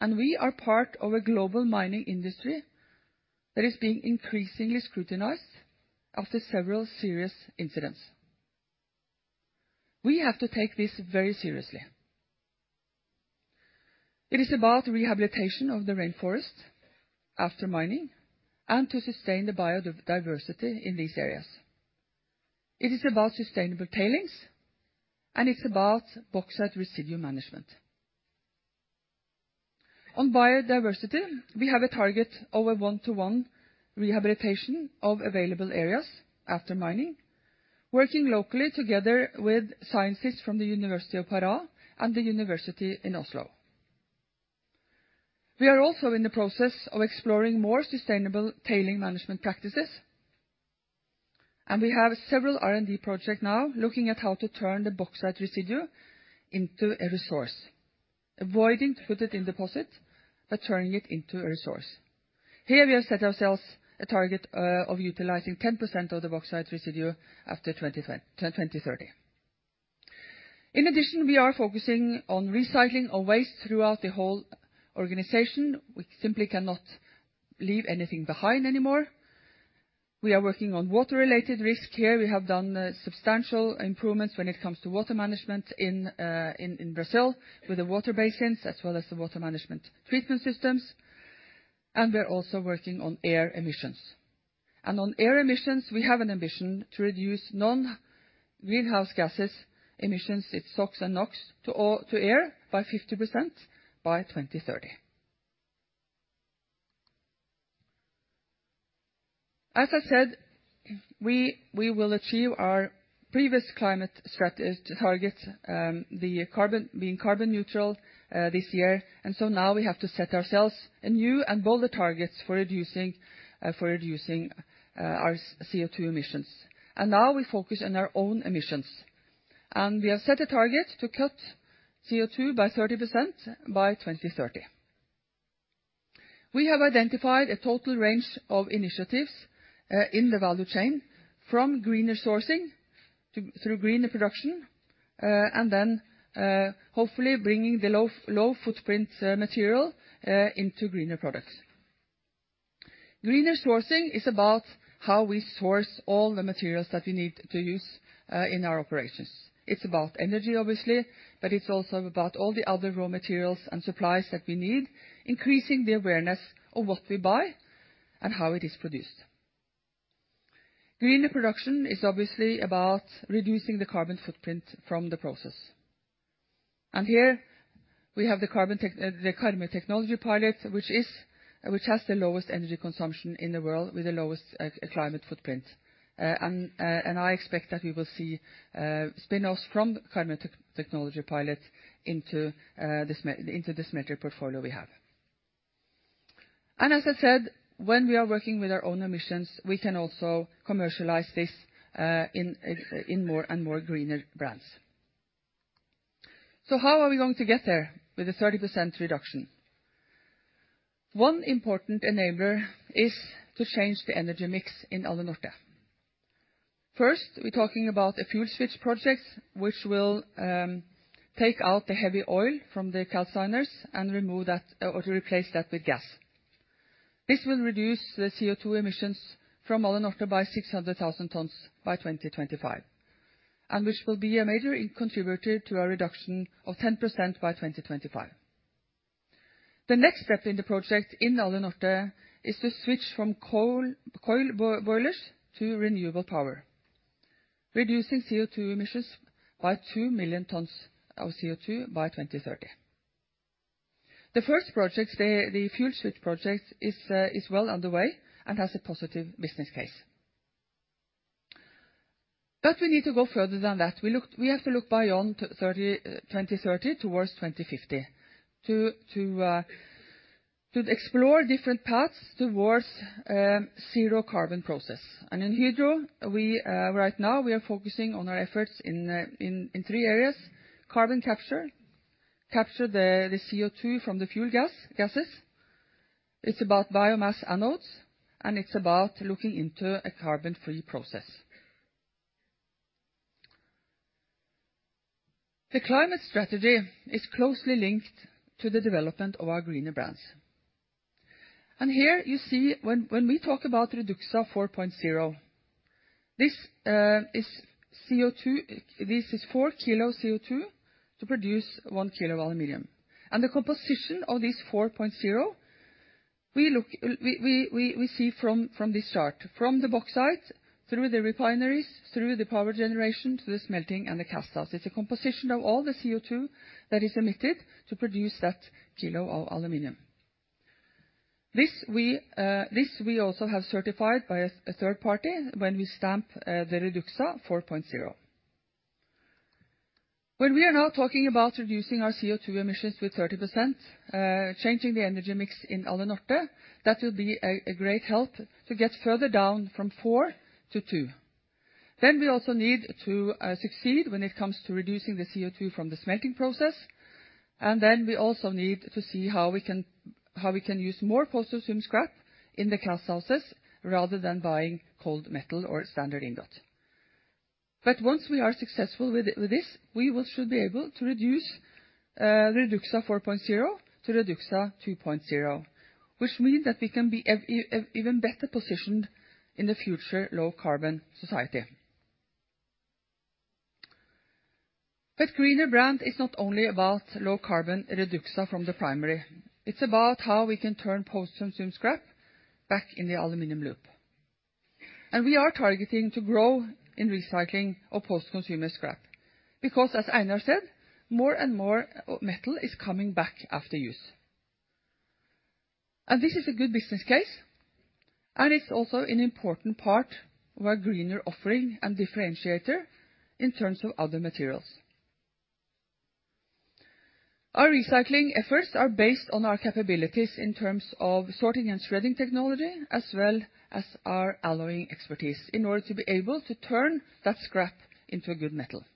We are part of a global mining industry that is being increasingly scrutinized after several serious incidents. We have to take this very seriously. It is about rehabilitation of the rainforest after mining and to sustain the biodiversity in these areas. It is about sustainable tailings, and it's about bauxite residue management. On biodiversity, we have a target of a one-to-one rehabilitation of available areas after mining, working locally together with scientists from the University of Pará and the University of Oslo. We are also in the process of exploring more sustainable tailings management practices, and we have several R&D project now looking at how to turn the bauxite residue into a resource, avoiding to put it in deposit but turning it into a resource. Here we have set ourselves a target of utilizing 10% of the bauxite residue after 2020, 2030. In addition, we are focusing on recycling of waste throughout the whole organization. We simply cannot leave anything behind anymore. We are working on water-related risk here. We have done substantial improvements when it comes to water management in Brazil with the water basins as well as the water management treatment systems, and we're also working on air emissions. On air emissions, we have an ambition to reduce non-greenhouse gases emissions, it's SOx and NOx, to air by 50% by 2030. As I said, we will achieve our previous climate target, the carbon, being carbon neutral, this year. Now we have to set ourselves a new and bolder targets for reducing our CO2 emissions. Now we focus on our own emissions, and we have set a target to cut CO2 by 30% by 2030. We have identified a total range of initiatives in the value chain from greener sourcing through greener production, and then hopefully bringing the low footprint material into greener products. Greener sourcing is about how we source all the materials that we need to use in our operations. It's about energy, obviously, but it's also about all the other raw materials and supplies that we need, increasing the awareness of what we buy and how it is produced. Greener production is obviously about reducing the carbon footprint from the process. Here we have the Karmøy technology pilot, which has the lowest energy consumption in the world with the lowest climate footprint. I expect that we will see spin-offs from the Karmøy technology pilot into this metal portfolio we have. As I said, when we are working with our own emissions, we can also commercialize this in more and more Greener brands. How are we going to get there with a 30% reduction? One important enabler is to change the energy mix in Alunorte. First, we're talking about a fuel switch project, which will take out the heavy oil from the calciners and remove that or to replace that with gas. This will reduce the CO2 emissions from Alunorte by 600,000 tons by 2025, which will be a major contributor to a reduction of 10% by 2025. The next step in the project in Alunorte is to switch from coal, boilers to renewable power. Reducing CO2 emissions by 2 million tons of CO2 by 2030. The first project, the Fuel Switch project, is well underway and has a positive business case. But we need to go further than that. We have to look beyond 2030 towards 2050 to explore different paths towards a zero carbon process. In Hydro, right now we are focusing on our efforts in three areas, carbon capture, the CO2 from the fuel gases, it's about biomass anodes, and it's about looking into a carbon free process. The climate strategy is closely linked to the development of our Greener brands. Here you see when we talk about REDUXA 4.0, this is CO2, this is 4 kil CO2 to produce 1 kilo aluminum. The composition of this 4.0, we see from this chart, from the bauxite through the refineries, through the power generation to the smelting and the cast house. It's a composition of all the CO2 that is emitted to produce that kilo of aluminum. This we also have certified by a third party when we stamp the REDUXA 4.0. When we are now talking about reducing our CO2 emissions with 30%, changing the energy mix in Alunorte, that will be a great help to get further down from 4 to 2. We also need to succeed when it comes to reducing the CO2 from the smelting process. Then we also need to see how we can use more post-consumer scrap in the cast houses rather than buying cold metal or standard ingot. Once we are successful with this, we should be able to reduce REDUXA 4.0 to REDUXA 2.0, which means that we can be even better positioned in the future low carbon society. Greener brand is not only about low carbon REDUXA from the primary. It's about how we can turn post-consumer scrap back in the aluminum loop. We are targeting to grow in recycling of post-consumer scrap. Because as Einar said, more and more metal is coming back after use. This is a good business case, and it's also an important part of our greener offering and differentiator in terms of other materials. Our recycling efforts are based on our capabilities in terms of sorting and shredding technology, as well as our alloying expertise, in order to be able to turn that scrap into a good metal.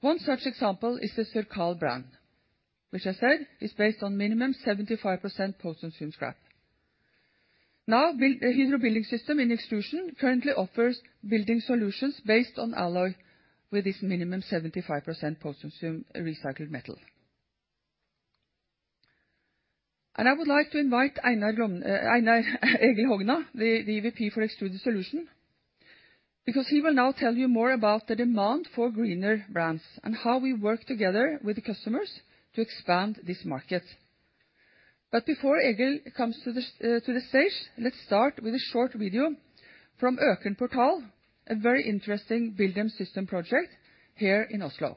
One such example is the CIRCAL brand, which I said is based on minimum 75% post-consumer scrap. Now, Hydro Building Systems in extrusion currently offers building solutions based on alloy with this minimum 75% post-consumer recycled metal. I would like to invite Egil Hogna, the VP for Extruded Solutions, because he will now tell you more about the demand for Greener brands and how we work together with the customers to expand this market. Before Egil comes to the stage, let's start with a short video from Økern Portal, a very interesting building system project here in Oslo.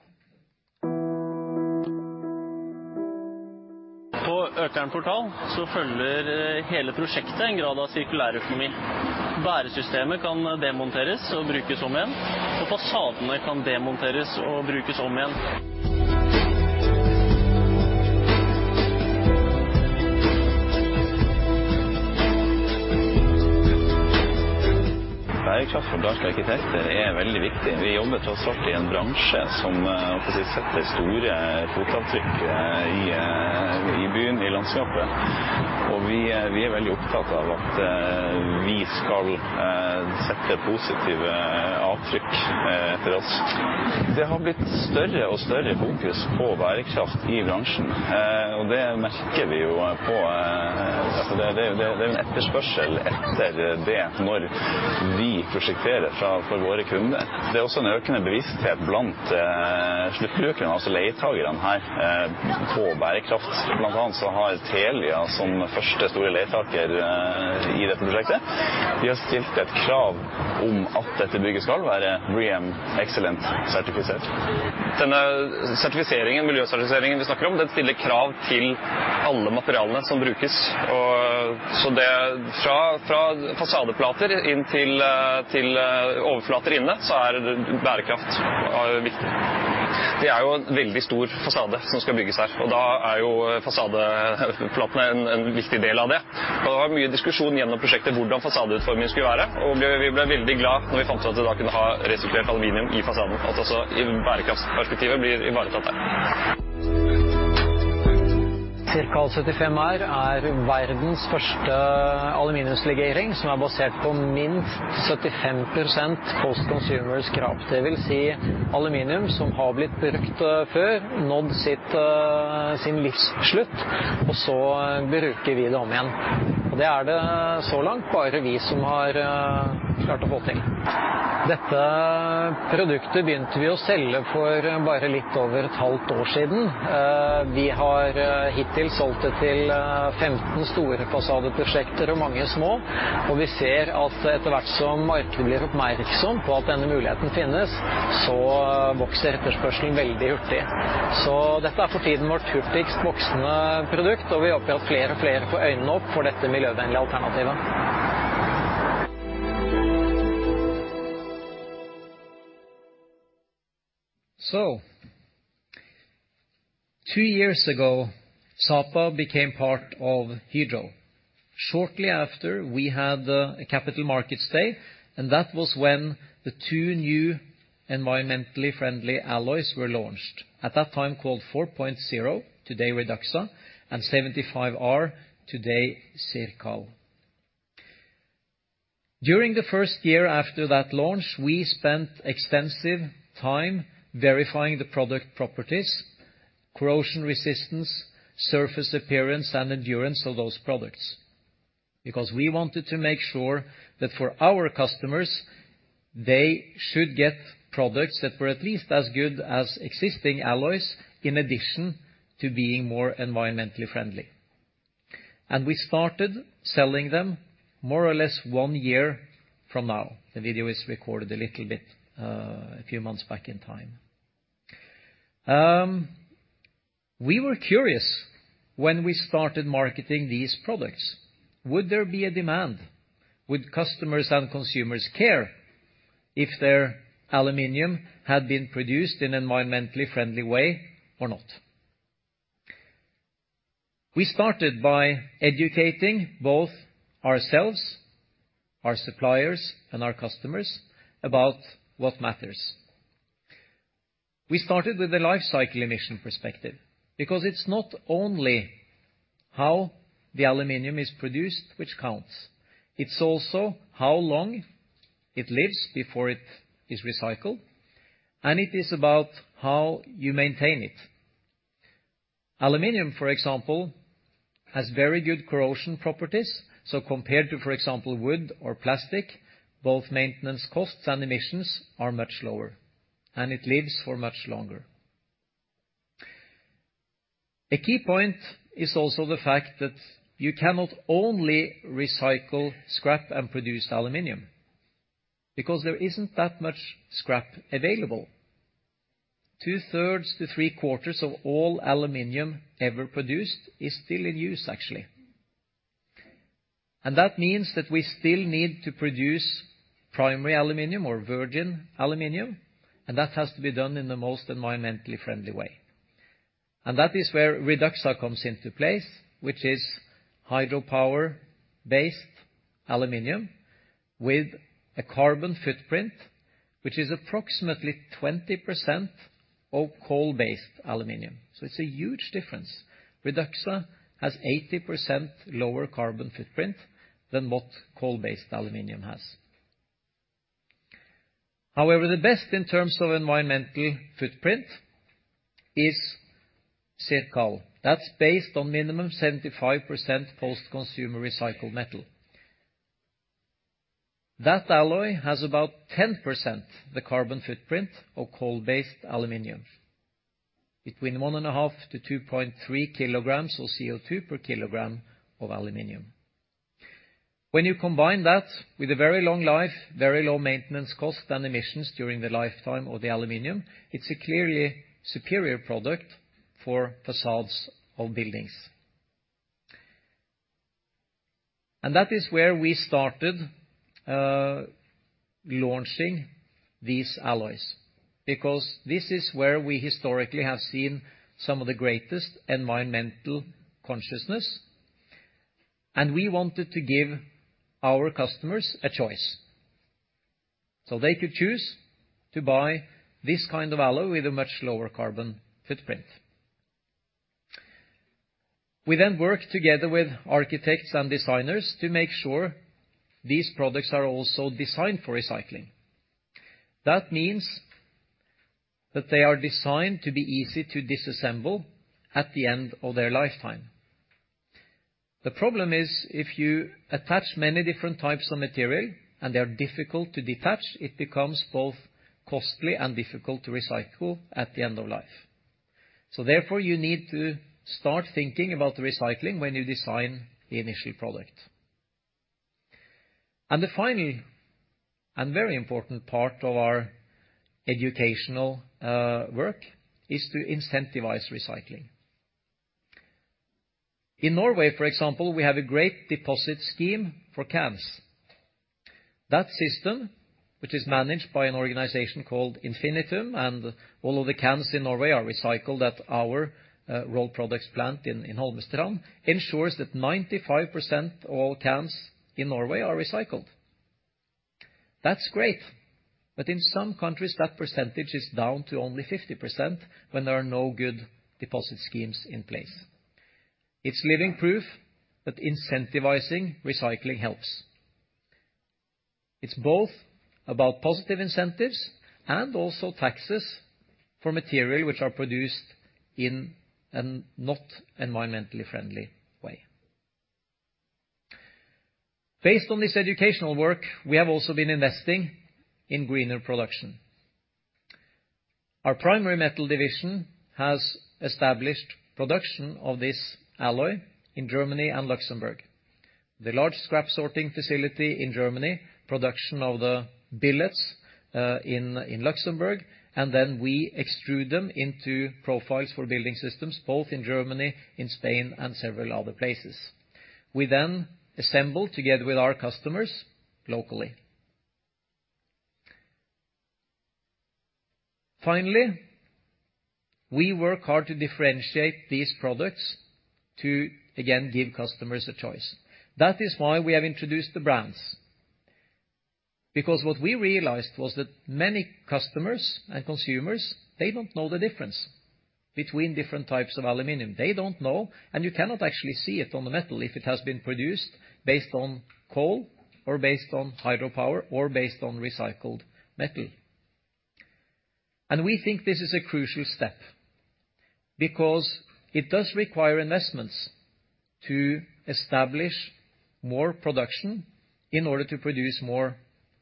On Økern Portal, the whole project follows a degree of circular economy. The load-bearing system can be dismantled and reused, and the facades can be dismantled and reused. Sustainability for us as architects is very important. We work, after all, in an industry that leaves large footprints in the city, in the landscape, and we care a lot about leaving a positive impact after us. There has been a greater and greater focus on sustainability in the industry, and we notice that Two years ago, Sapa became part of Hydro. Shortly after, we had a capital markets day, and that was when the two new environmentally friendly alloys were launched. At that time, called 4.0, today REDUXA, and 75R, today CIRCAL. During the first year after that launch, we spent extensive time verifying the product properties, corrosion resistance, surface appearance, and endurance of those products. Because we wanted to make sure that for our customers, they should get products that were at least as good as existing alloys, in addition to being more environmentally friendly. We started selling them more or less one year from now. The video is recorded a little bit, a few months back in time. We were curious when we started marketing these products. Would there be a demand? Would customers and consumers care if their aluminum had been produced in an environmentally friendly way or not? We started by educating both ourselves, our suppliers, and our customers about what matters. We started with the life cycle emission perspective, because it's not only how the aluminum is produced which counts. It's also how long it lives before it is recycled, and it is about how you maintain it. Aluminum, for example, has very good corrosion properties. Compared to, for example, wood or plastic, both maintenance costs and emissions are much lower, and it lives for much longer. A key point is also the fact that you cannot only recycle scrap and produce aluminum, because there isn't that much scrap available. Two-thirds to three-quarters of all aluminum ever produced is still in use, actually. That means that we still need to produce primary aluminum or virgin aluminum, and that has to be done in the most environmentally friendly way. That is where REDUXA comes into place, which is hydropower-based aluminum with a carbon footprint, which is approximately 20% of coal-based aluminum. It's a huge difference. REDUXA has 80% lower carbon footprint than what coal-based aluminum has. However, the best in terms of environmental footprint is CIRCAL. That's based on minimum 75% post-consumer recycled metal. That alloy has about 10% the carbon footprint of coal-based aluminum, 1.5 kgs-2.3 kgs of CO2 per kg of aluminum. When you combine that with a very long life, very low maintenance cost and emissions during the lifetime of the aluminum, it's a clearly superior product for facades of buildings. That is where we started launching these alloys, because this is where we historically have seen some of the greatest environmental consciousness, and we wanted to give our customers a choice, so they could choose to buy this kind of alloy with a much lower carbon footprint. We then worked together with architects and designers to make sure these products are also designed for recycling. That means that they are designed to be easy to disassemble at the end of their lifetime. The problem is, if you attach many different types of material and they are difficult to detach, it becomes both costly and difficult to recycle at the end of life. Therefore, you need to start thinking about the recycling when you design the initial product. The final and very important part of our educational work is to incentivize recycling. In Norway, for example, we have a great deposit scheme for cans. That system, which is managed by an organization called Infinitum, and all of the cans in Norway are recycled at our Rolled Products plant in Holmestrand, ensures that 95% all cans in Norway are recycled. That's great, but in some countries that percentage is down to only 50% when there are no good deposit schemes in place. It's living proof that incentivizing recycling helps. It's both about positive incentives and also taxes for material which are produced in a not environmentally friendly way. Based on this educational work, we have also been investing in greener production. Our Aluminium Metal has established production of this alloy in Germany and Luxembourg. The large scrap sorting facility in Germany, production of the billets in Luxembourg, and then we extrude them into profiles for building systems, both in Germany, in Spain, and several other places. We then assemble together with our customers locally. Finally, we work hard to differentiate these products to, again, give customers a choice. That is why we have introduced the brands. Because what we realized was that many customers and consumers, they don't know the difference between different types of aluminum. They don't know, and you cannot actually see it on the metal if it has been produced based on coal, or based on hydropower, or based on recycled metal. We think this is a crucial step, because it does require investments to establish more production in order to produce more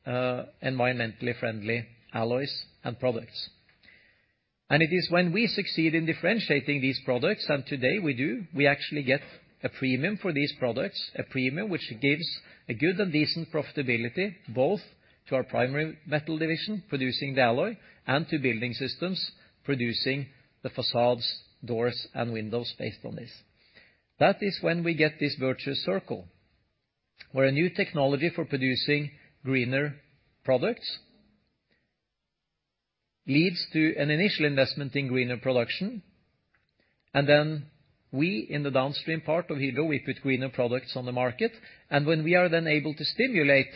environmentally friendly alloys and products. It is when we succeed in differentiating these products, and today we do, we actually get a premium for these products, a premium which gives a good and decent profitability, both to our primary metal division producing the alloy, and to building systems producing the facades, doors, and windows based on this. That is when we get this virtuous circle, where a new technology for producing greener products leads to an initial investment in greener production, and then we in the downstream part of Hydro, we put greener products on the market. When we are then able to stimulate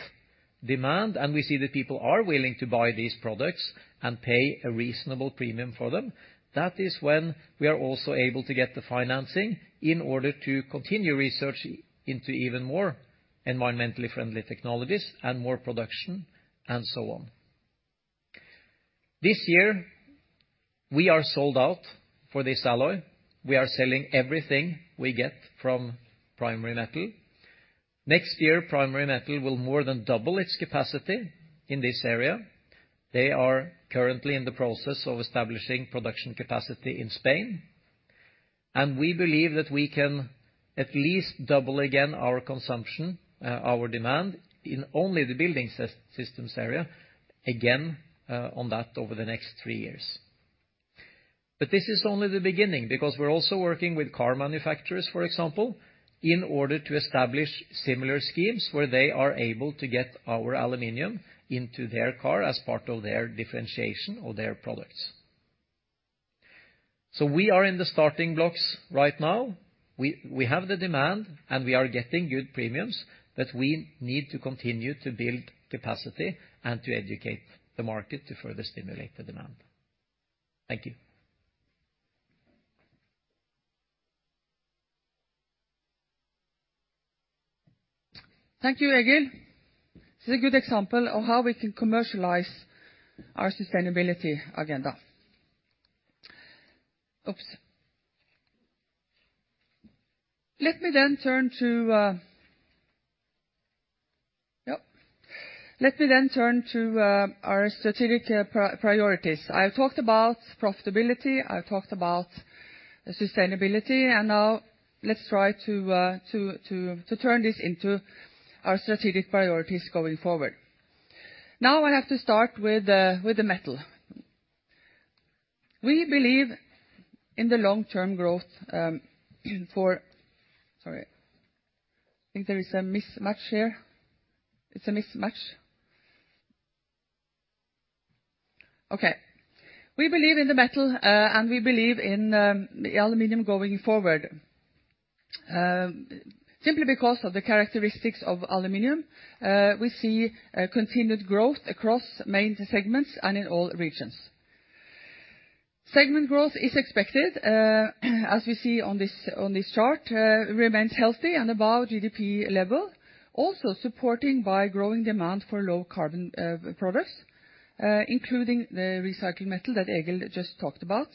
demand, and we see that people are willing to buy these products and pay a reasonable premium for them, that is when we are also able to get the financing in order to continue research into even more environmentally friendly technologies and more production, and so on. This year, we are sold out for this alloy. We are selling everything we get from primary metal. Next year, primary metal will more than double its capacity in this area. They are currently in the process of establishing production capacity in Spain. We believe that we can at least double again our consumption, our demand in only the building systems area, again, on that over the next three years. This is only the beginning, because we're also working with car manufacturers, for example, in order to establish similar schemes where they are able to get our aluminum into their car as part of their differentiation of their products. We are in the starting blocks right now. We have the demand, and we are getting good premiums, but we need to continue to build capacity and to educate the market to further stimulate the demand. Thank you. Thank you, Egil. It's a good example of how we can commercialize our sustainability agenda. Oops. Let me turn to our strategic priorities. I've talked about profitability, I've talked about sustainability, and now let's try to turn this into our strategic priorities going forward. Now I have to start with the metal. We believe in the metal, and we believe in the aluminum going forward. Simply because of the characteristics of aluminum, we see continued growth across main segments and in all regions. Segment growth is expected, as we see on this chart, remains healthy and above GDP level, also supported by growing demand for low carbon products, including the recycled metal that Egil just talked about,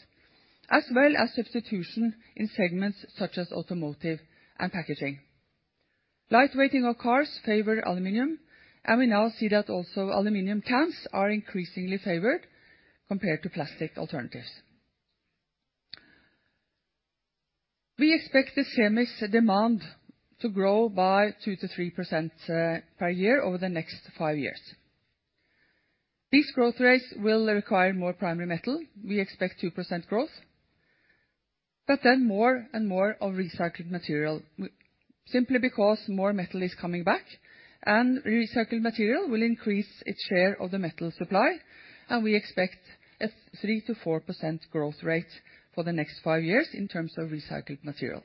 as well as substitution in segments such as automotive and packaging. Lightweighting of cars favors aluminum, and we now see that also aluminum cans are increasingly favored compared to plastic alternatives. We expect the chemical demand to grow by 2%-3% per year over the next 5 years. These growth rates will require more primary metal. We expect 2% growth, but then more and more of recycled material simply because more metal is coming back, and recycled material will increase its share of the metal supply, and we expect a 3%-4% growth rate for the next five years in terms of recycled material.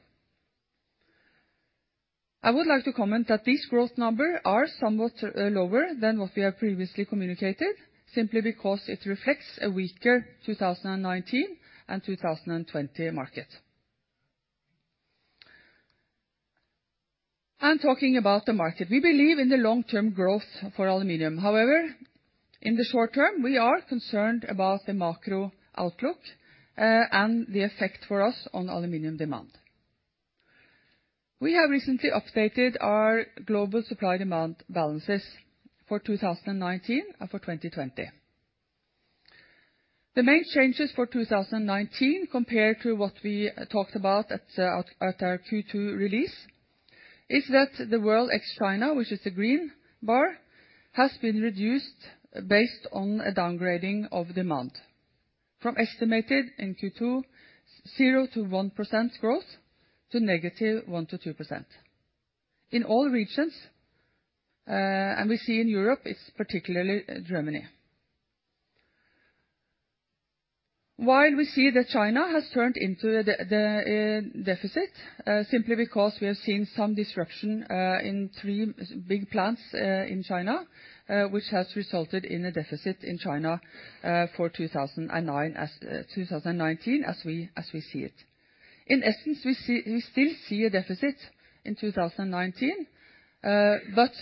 I would like to comment that these growth number are somewhat lower than what we have previously communicated, simply because it reflects a weaker 2019 and 2020 market. Talking about the market, we believe in the long-term growth for aluminum. However. In the short term, we are concerned about the macro outlook, and the effect for us on aluminum demand. We have recently updated our global supply-demand balances for 2019 and for 2020. The main changes for 2019 compared to what we talked about at our Q2 release is that the world ex-China, which is the green bar, has been reduced based on a downgrading of demand from estimated in Q2 0%-1% growth to -1% to 2%. In all regions, and we see in Europe, it's particularly Germany. While we see that China has turned into the deficit, simply because we have seen some disruption in three big plants in China, which has resulted in a deficit in China for 2019 as we see it. In essence, we still see a deficit in 2019, but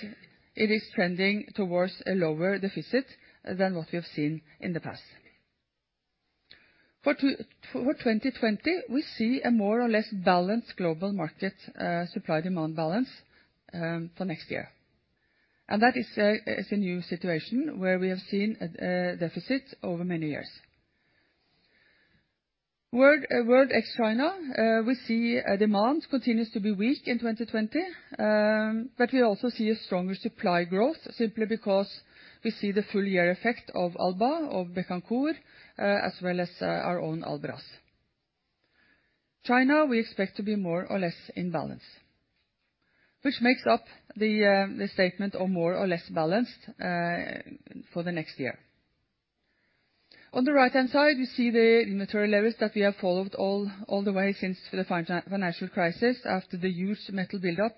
it is trending towards a lower deficit than what we have seen in the past. For 2020, we see a more or less balanced global market, supply-demand balance, for next year. That is a new situation where we have seen a deficit over many years. World ex-China, we see demand continues to be weak in 2020, but we also see a stronger supply growth simply because we see the full year effect of Alba, of Bécancour, as well as our own Albras. China, we expect to be more or less in balance, which makes up the statement of more or less balanced, for the next year. On the right-hand side, we see the inventory levels that we have followed all the way since the financial crisis. After the huge metal buildup,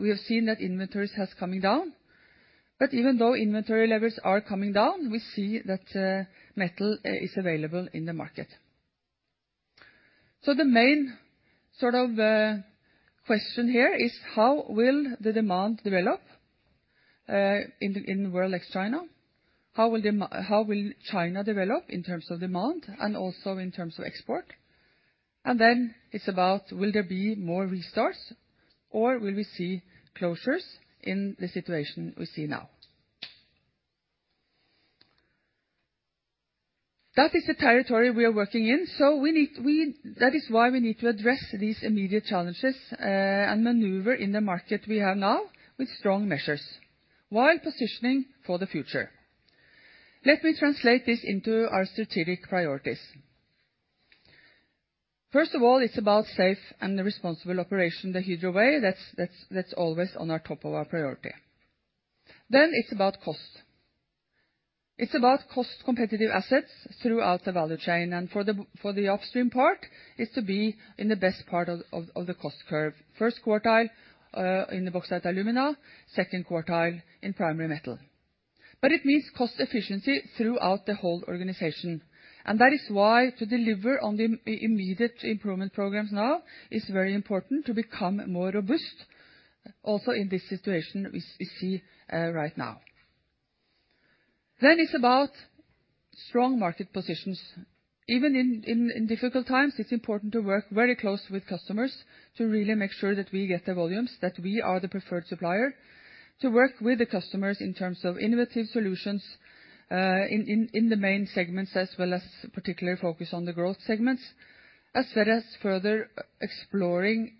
we have seen that inventories has coming down. But even though inventory levels are coming down, we see that metal is available in the market. So the main sort of question here is how will the demand develop in the world ex-China? How will China develop in terms of demand and also in terms of export? Then it's about will there be more restarts or will we see closures in the situation we see now? That is the territory we are working in. That is why we need to address these immediate challenges and maneuver in the market we have now with strong measures while positioning for the future. Let me translate this into our strategic priorities. First of all, it's about safe and responsible operations the Hydro way. That's always at the top of our priorities. It's about cost. It's about cost-competitive assets throughout the value chain. For the upstream part, it's to be in the best part of the cost curve. Q1 in the Bauxite & Alumina, second quartile in primary metal. It means cost efficiency throughout the whole organization, and that is why to deliver on the immediate improvement programs now is very important to become more robust also in this situation we see right now. It's about strong market positions. Even in difficult times, it's important to work very closely with customers to really make sure that we get the volumes, that we are the preferred supplier to work with the customers in terms of innovative solutions, in the main segments as well as particularly focus on the growth segments, as well as further exploring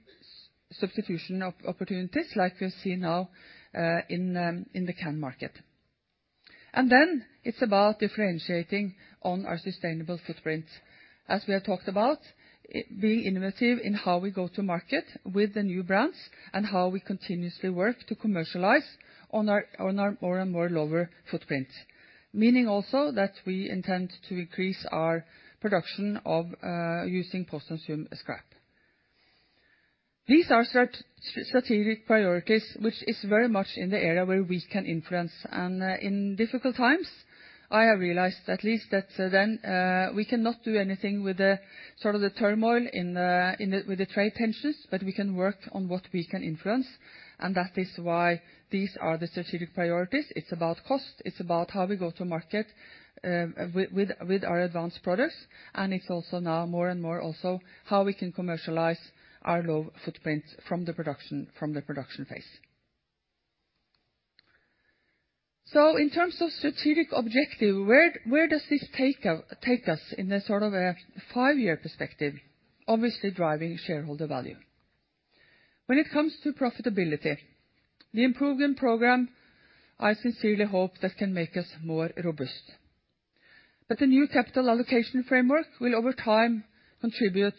substitution opportunities like we see now, in the can market. Then it's about differentiating on our sustainable footprint. As we have talked about, it being innovative in how we go to market with the new brands and how we continuously work to commercialize on our more and more lower footprint, meaning also that we intend to increase our production of using post-consumer scrap. These are strategic priorities, which is very much in the area where we can influence. In difficult times, I have realized at least that then we cannot do anything with the sort of the turmoil in, with the trade tensions, but we can work on what we can influence, and that is why these are the strategic priorities. It's about cost. It's about how we go to market with our advanced products. It's also now more and more also how we can commercialize our low footprint from the production phase. In terms of strategic objective, where does this take us in a sort of a five-year perspective, obviously driving shareholder value? When it comes to profitability, the improvement program, I sincerely hope that can make us more robust. The new capital allocation framework will over time contribute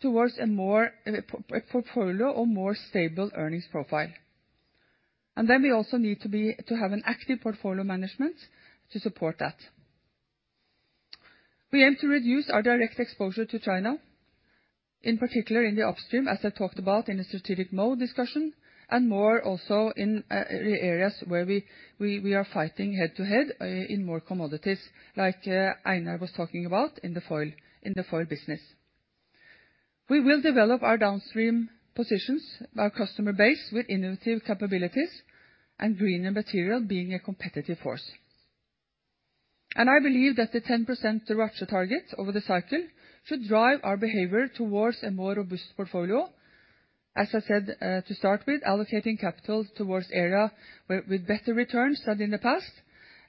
towards a more, a portfolio or more stable earnings profile. We also need to have an active portfolio management to support that. We aim to reduce our direct exposure to China, in particular in the upstream, as I talked about in the strategic mode discussion, and more also in the areas where we are fighting head to head in more commodities, like Einar was talking about in the foil business. We will develop our downstream positions, our customer base with innovative capabilities and greener material being a competitive force. I believe that the 10% ROACE target over the cycle should drive our behavior towards a more robust portfolio. As I said, to start with allocating capital towards areas with better returns than in the past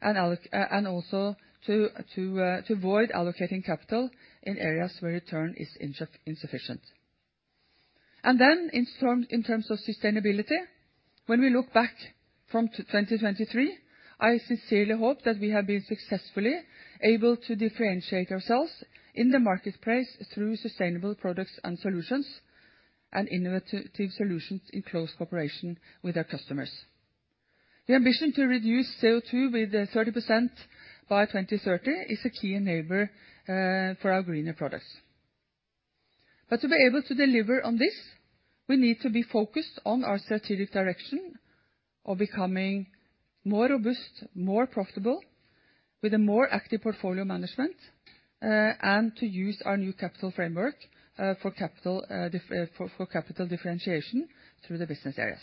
and also to avoid allocating capital in areas where return is insufficient. In terms of sustainability, when we look back from 2023, I sincerely hope that we have been successfully able to differentiate ourselves in the marketplace through sustainable products and solutions, and innovative solutions in close cooperation with our customers. The ambition to reduce CO2 with 30% by 2030 is a key enabler for our greener products. To be able to deliver on this, we need to be focused on our strategic direction of becoming more robust, more profitable, with a more active portfolio management, and to use our new capital framework for capital differentiation through the business areas.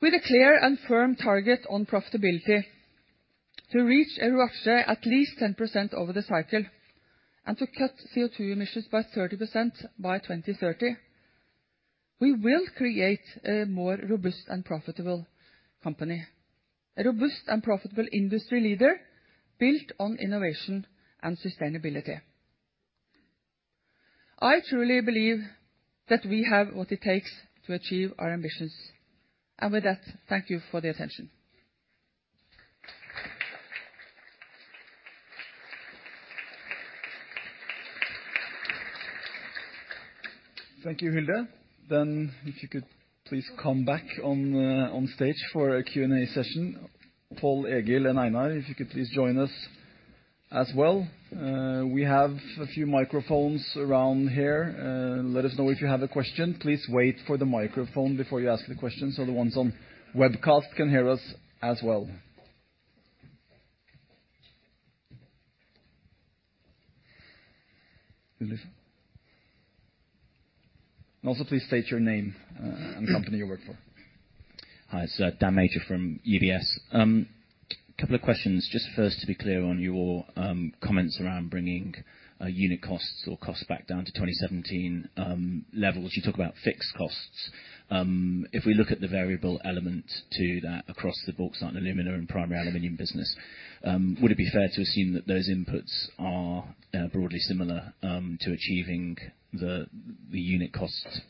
With a clear and firm target on profitability, to reach a ROACE at least 10% over the cycle, and to cut CO2 emissions by 30% by 2030, we will create a more robust and profitable company. A robust and profitable industry leader built on innovation and sustainability. I truly believe that we have what it takes to achieve our ambitions. With that, thank you for the attention. Thank you, Hilde. If you could please come back on stage for a Q&A session. Pål, Egil, and Einar, if you could please join us as well. We have a few microphones around here. Let us know if you have a question. Please wait for the microphone before you ask the question, so the ones on webcast can hear us as well. Also, please state your name and the company you work for. Hi it's Daniel Major from UBS. Couple of questions. Just first, to be clear on your comments around bringing unit costs or costs back down to 2017 levels. You talk about fixed costs. If we look at the variable element to that across the bauxite and alumina and primary aluminum business, would it be fair to assume that those inputs are broadly similar to achieving the unit cost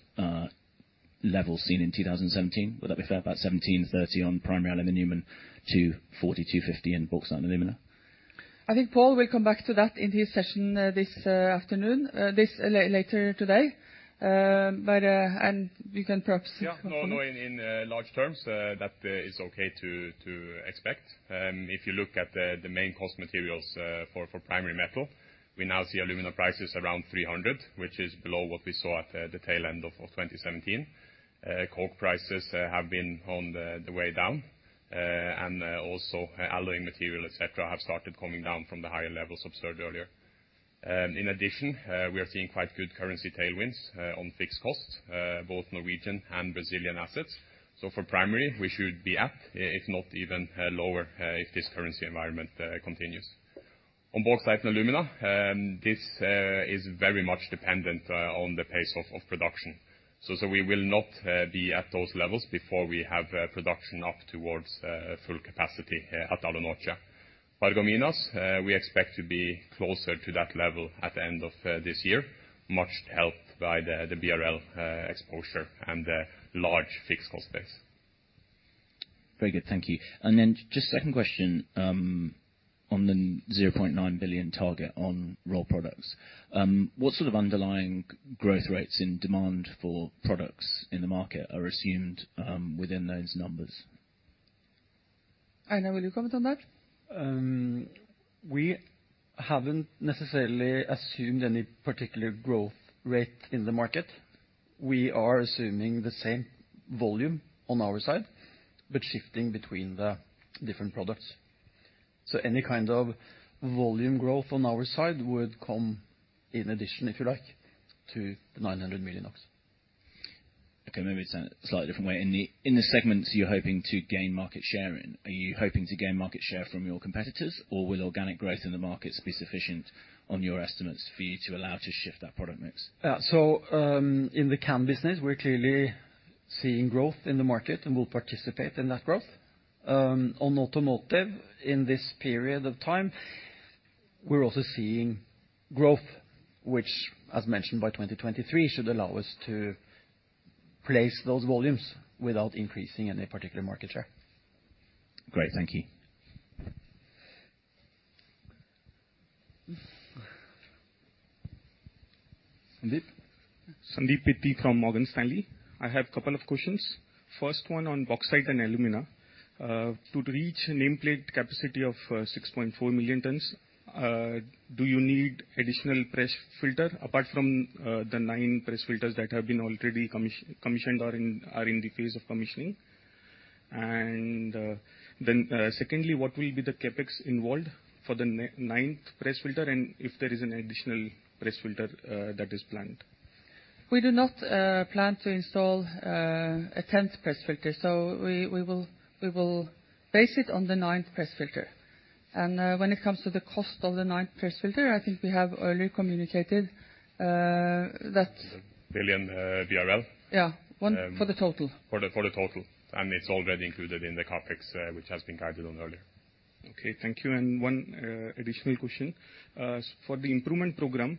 levels seen in 2017? Would that be fair? About $1,730 on primary aluminum and $240-$250 in bauxite and alumina. I think Pål will come back to that in his session later today, and we can perhaps- No, in large terms, that is okay to expect. If you look at the main cost materials for primary metal, we now see alumina prices around $300, which is below what we saw at the tail end of 2017. Coke prices have been on the way down, and also alloy material, et cetera, have started coming down from the higher levels observed earlier. In addition, we are seeing quite good currency tailwinds on fixed costs, both Norwegian and Brazilian assets. For primary, we should be at, if not even lower, if this currency environment continues. On Bauxite & Alumina, this is very much dependent on the pace of production. We will not be at those levels before we have production up towards full capacity at Alunorte. Paragominas, we expect to be closer to that level at the end of this year, much helped by the BRL exposure and the large fixed cost base. Very good, thank you. Just second question on the 0.9 billion target on Rolled Products. What sort of underlying growth rates in demand for products in the market are assumed within those numbers? Einar, will you comment on that? We haven't necessarily assumed any particular growth rate in the market. We are assuming the same volume on our side, but shifting between the different products. Any kind of volume growth on our side would come in addition, if you like, to the 900 million. Okay, maybe it's a slightly different way. In the segments you're hoping to gain market share in, are you hoping to gain market share from your competitors? Or will organic growth in the markets be sufficient on your estimates for you to allow to shift that product mix? In the can business, we're clearly seeing growth in the market and will participate in that growth. On automotive in this period of time, we're also seeing growth, which as mentioned by 2023, should allow us to place those volumes without increasing any particular market share. Great. Thank you. Sandeep? Sandeep Deshpande from J.P. Morgan. I have a couple of questions. First one on Bauxite & Alumina. To reach a nameplate capacity of 6.4 million tons, do you need additional press filter apart from the 9 press filters that have already been commissioned or are in the phase of commissioning? Secondly, what will be the CapEx involved for the ninth press filter? If there is an additional press filter that is planned. We do not plan to install a tenth press filter. We will base it on the ninth press filter. When it comes to the cost of the ninth press filter, I think we have already communicated that. BRL 1 billion. Yeah. One for the total. For the total. It's already included in the CapEx, which has been guided on earlier. Okay, thank you. One additional question. For the improvement program,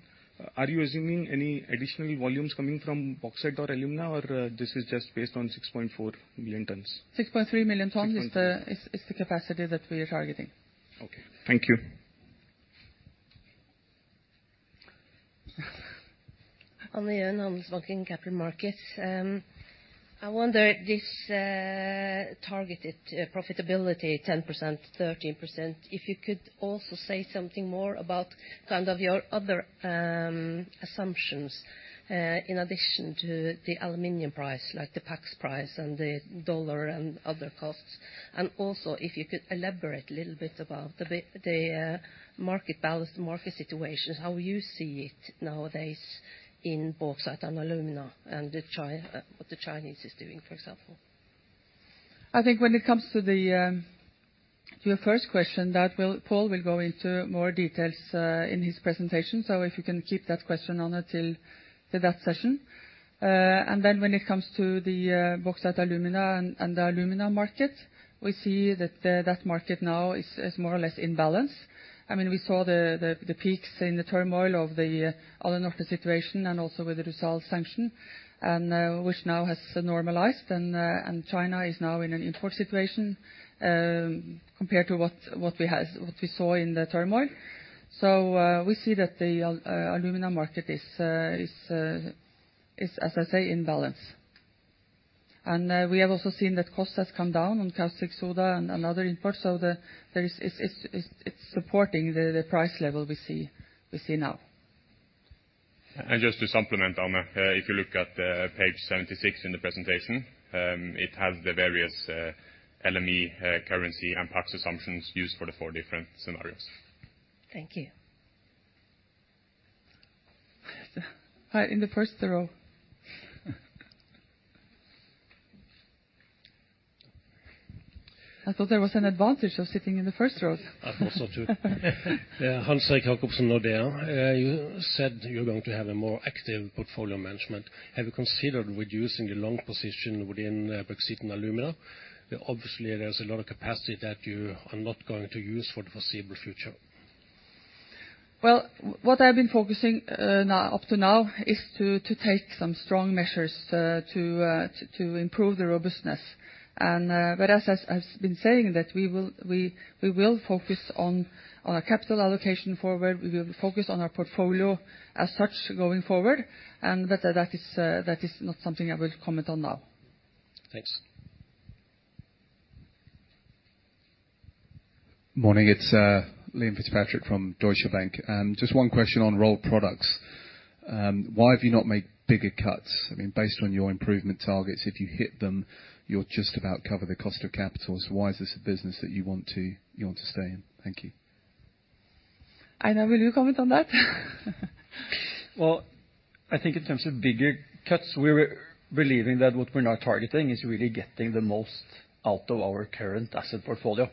are you assuming any additional volumes coming from bauxite or alumina, or this is just based on 6.4 million tons? 6.3 million tons is the 6.3. Is the capacity that we are targeting? Okay, thank you. Anne Gjoen, Handelsbanken Capital Markets. I wonder if this targeted profitability 10%, 13%, if you could also say something more about kind of your other assumptions in addition to the aluminum price, like the PAX price and the dollar and other costs. Also if you could elaborate a little bit about the market balance, market situation, how you see it nowadays in bauxite and alumina and what the Chinese is doing, for example. I think when it comes to your first question, Pål will go into more details in his presentation. If you can keep that question on until that session. When it comes to the bauxite, alumina and the alumina market, we see that market now is more or less in balance. I mean, we saw the peaks in the turmoil of the Alunorte situation and also with the Rusal sanction, which now has normalized. China is now in an import situation compared to what we had, what we saw in the turmoil. We see that the alumina market is, as I say, in balance. We have also seen that cost has come down on caustic soda and other imports. It's supporting the price level we see now. Just to supplement, Anne, if you look at page 76 in the presentation, it has the various LME, currency and PAX assumptions used for the four different scenarios. Thank you. In the first row. I thought there was an advantage of sitting in the first row. I thought so too. Yeah. Hans-Erik Jacobsen, Nordea. You said you're going to have a more active portfolio management. Have you considered reducing the long position within Bauxite & Alumina? Obviously, there's a lot of capacity that you are not going to use for the foreseeable future. Well, what I've been focusing now up to now is to take some strong measures to improve the robustness. As I've been saying, we will focus on our capital allocation forward. We will focus on our portfolio as such going forward. That is not something I will comment on now. Thanks. Morning, it's Liam Fitzpatrick from Deutsche Bank. Just one question on Rolled Products. Why have you not made bigger cuts? I mean, based on your improvement targets, if you hit them, you'll just about cover the cost of capital. Why is this a business that you want to stay in? Thank you. Einar, will you comment on that? Well, I think in terms of bigger cuts, we're believing that what we're now targeting is really getting the most out of our current asset portfolio.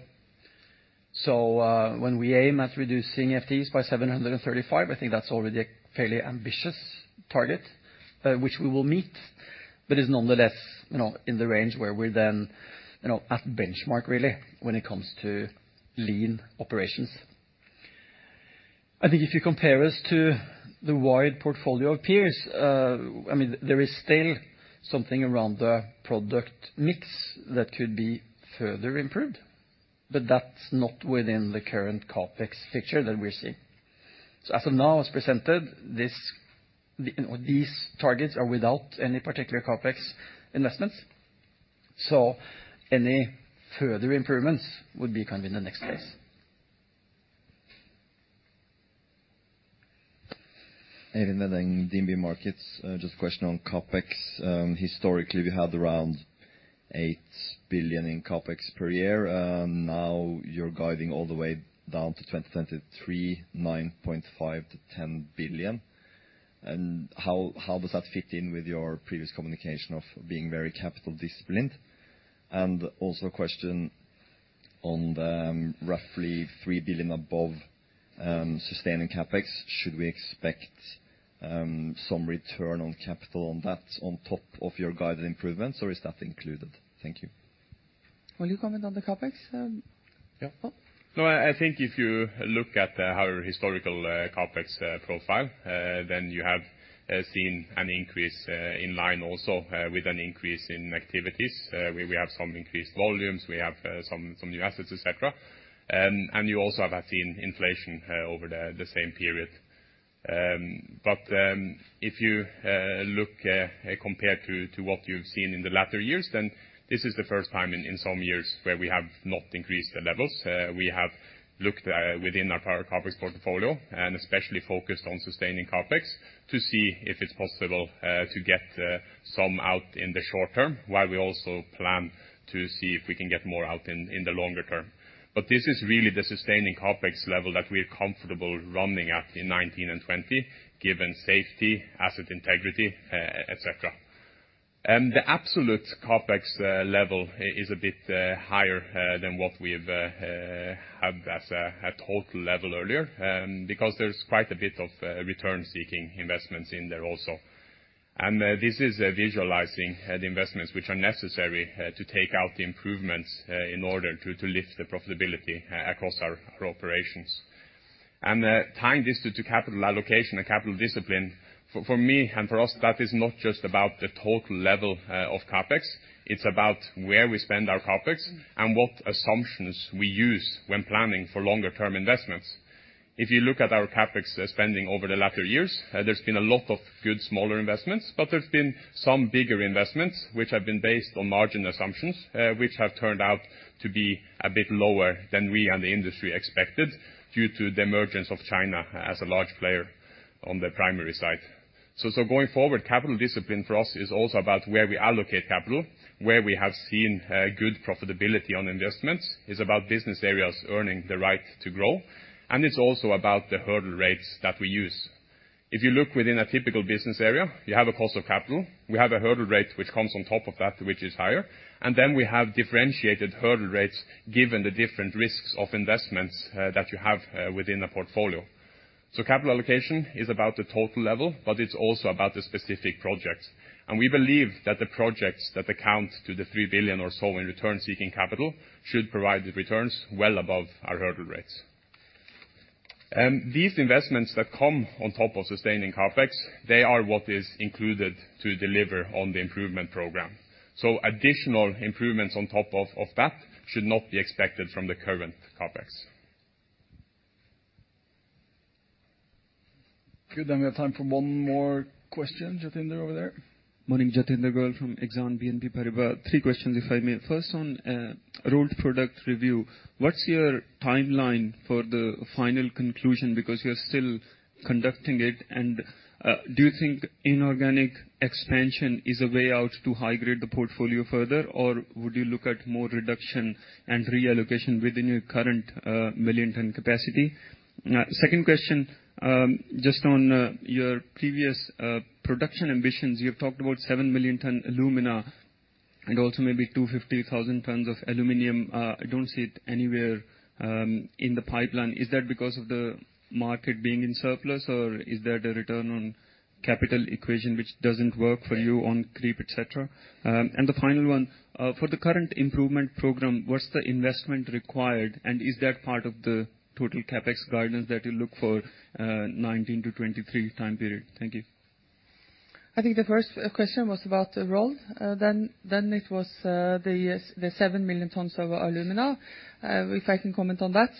When we aim at reducing FTEs by 735, I think that's already a fairly ambitious target, which we will meet, but is nonetheless, you know, in the range where we're then, you know, at benchmark really when it comes to lean operations. I think if you compare us to the wide portfolio of peers, I mean, there is still something around the product mix that could be further improved, but that's not within the current CapEx picture that we're seeing. As of now, as presented, this, you know, these targets are without any particular CapEx investments, so any further improvements would be kind of in the next phase. Eivind Lysaker, DNB Markets. Just a question on CapEx. Historically, we had around 8 billion in CapEx per year. Now you're guiding all the way down to 2023, 9.5 billion-10 billion. How does that fit in with your previous communication of being very capital disciplined? Also a question on the roughly 3 billion above sustaining CapEx. Should we expect some return on capital on that on top of your guided improvements, or is that included? Thank you. Will you comment on the CapEx, Pål? No, I think if you look at our historical CapEx profile, then you have seen an increase in line also with an increase in activities. We have some increased volumes, we have some new assets, et cetera. You also have seen inflation over the same period. If you look at compared to what you've seen in the latter years, then this is the first time in some years where we have not increased the levels. We have looked within our power CapEx portfolio, and especially focused on sustaining CapEx to see if it's possible to get some out in the short term, while we also plan to see if we can get more out in the longer term. This is really the sustaining CapEx level that we're comfortable running at in 2019 and 2020, given safety, asset integrity, et cetera. The absolute CapEx level is a bit higher than what we've had as a total level earlier, because there's quite a bit of return-seeking investments in there also. This is visualizing the investments which are necessary to take out the improvements in order to lift the profitability across our operations. Tying this to capital allocation and capital discipline, for me and for us, that is not just about the total level of CapEx. It's about where we spend our CapEx and what assumptions we use when planning for longer term investments. If you look at our CapEx spending over the latter years, there's been a lot of good smaller investments, but there's been some bigger investments which have been based on margin assumptions, which have turned out to be a bit lower than we and the industry expected due to the emergence of China as a large player on the primary side. Going forward, capital discipline for us is also about where we allocate capital, where we have seen good profitability on investments. It's about business areas earning the right to grow, and it's also about the hurdle rates that we use. If you look within a typical business area, you have a cost of capital. We have a hurdle rate which comes on top of that, which is higher. We have differentiated hurdle rates given the different risks of investments that you have within a portfolio. Capital allocation is about the total level, but it's also about the specific projects. We believe that the projects that amount to the 3 billion or so in return-seeking capital should provide the returns well above our hurdle rates. These investments that come on top of sustaining CapEx, they are what is included to deliver on the improvement program. Additional improvements on top of that should not be expected from the current CapEx. Good. We have time for one more question. Jatinder over there. Morning. Jatinder Goel from Exane BNP Paribas. Three questions if I may. First, on Rolled Products product review, what's your timeline for the final conclusion? Because you're still conducting it. Do you think inorganic expansion is a way out to high grade the portfolio further, or would you look at more reduction and reallocation within your current 1 million ton capacity? Second question, just on your previous production ambitions. You have talked about 7 million tons of alumina and also maybe 250,000 tons of aluminum. I don't see it anywhere in the pipeline. Is that because of the market being in surplus, or is there a return on capital equation which doesn't work for you on CapEx, et cetera? The final one, for the current improvement program, what's the investment required, and is that part of the total CapEx guidance that you look for, 2019-2023 time period? Thank you. I think the first question was about the Rolled Products. Then it was the 7 million tons of alumina. If I can comment on that.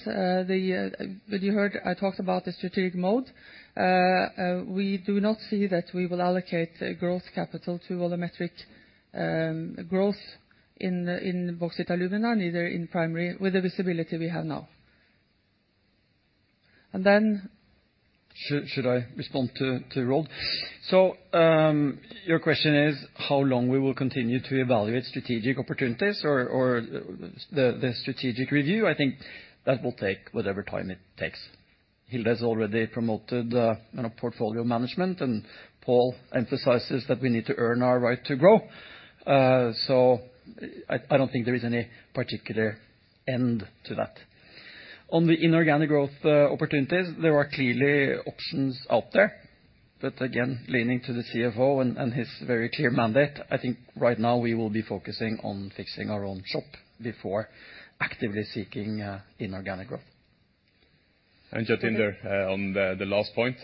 You heard I talked about the strategic move. We do not see that we will allocate a growth capital to volumetric growth in Bauxite & Alumina, neither in primary, with the visibility we have now. Should I respond to Rolled Products? Your question is how long we will continue to evaluate strategic opportunities or the strategic review. I think that will take whatever time it takes. Hilde's already promoted, you know, portfolio management. Pål emphasizes that we need to earn our right to grow. I don't think there is any particular end to that. On the inorganic growth opportunities, there are clearly options out there that, again, leaving to the CFO and his very clear mandate. I think right now we will be focusing on fixing our own shop before actively seeking inorganic growth. Jatinder, on the last point,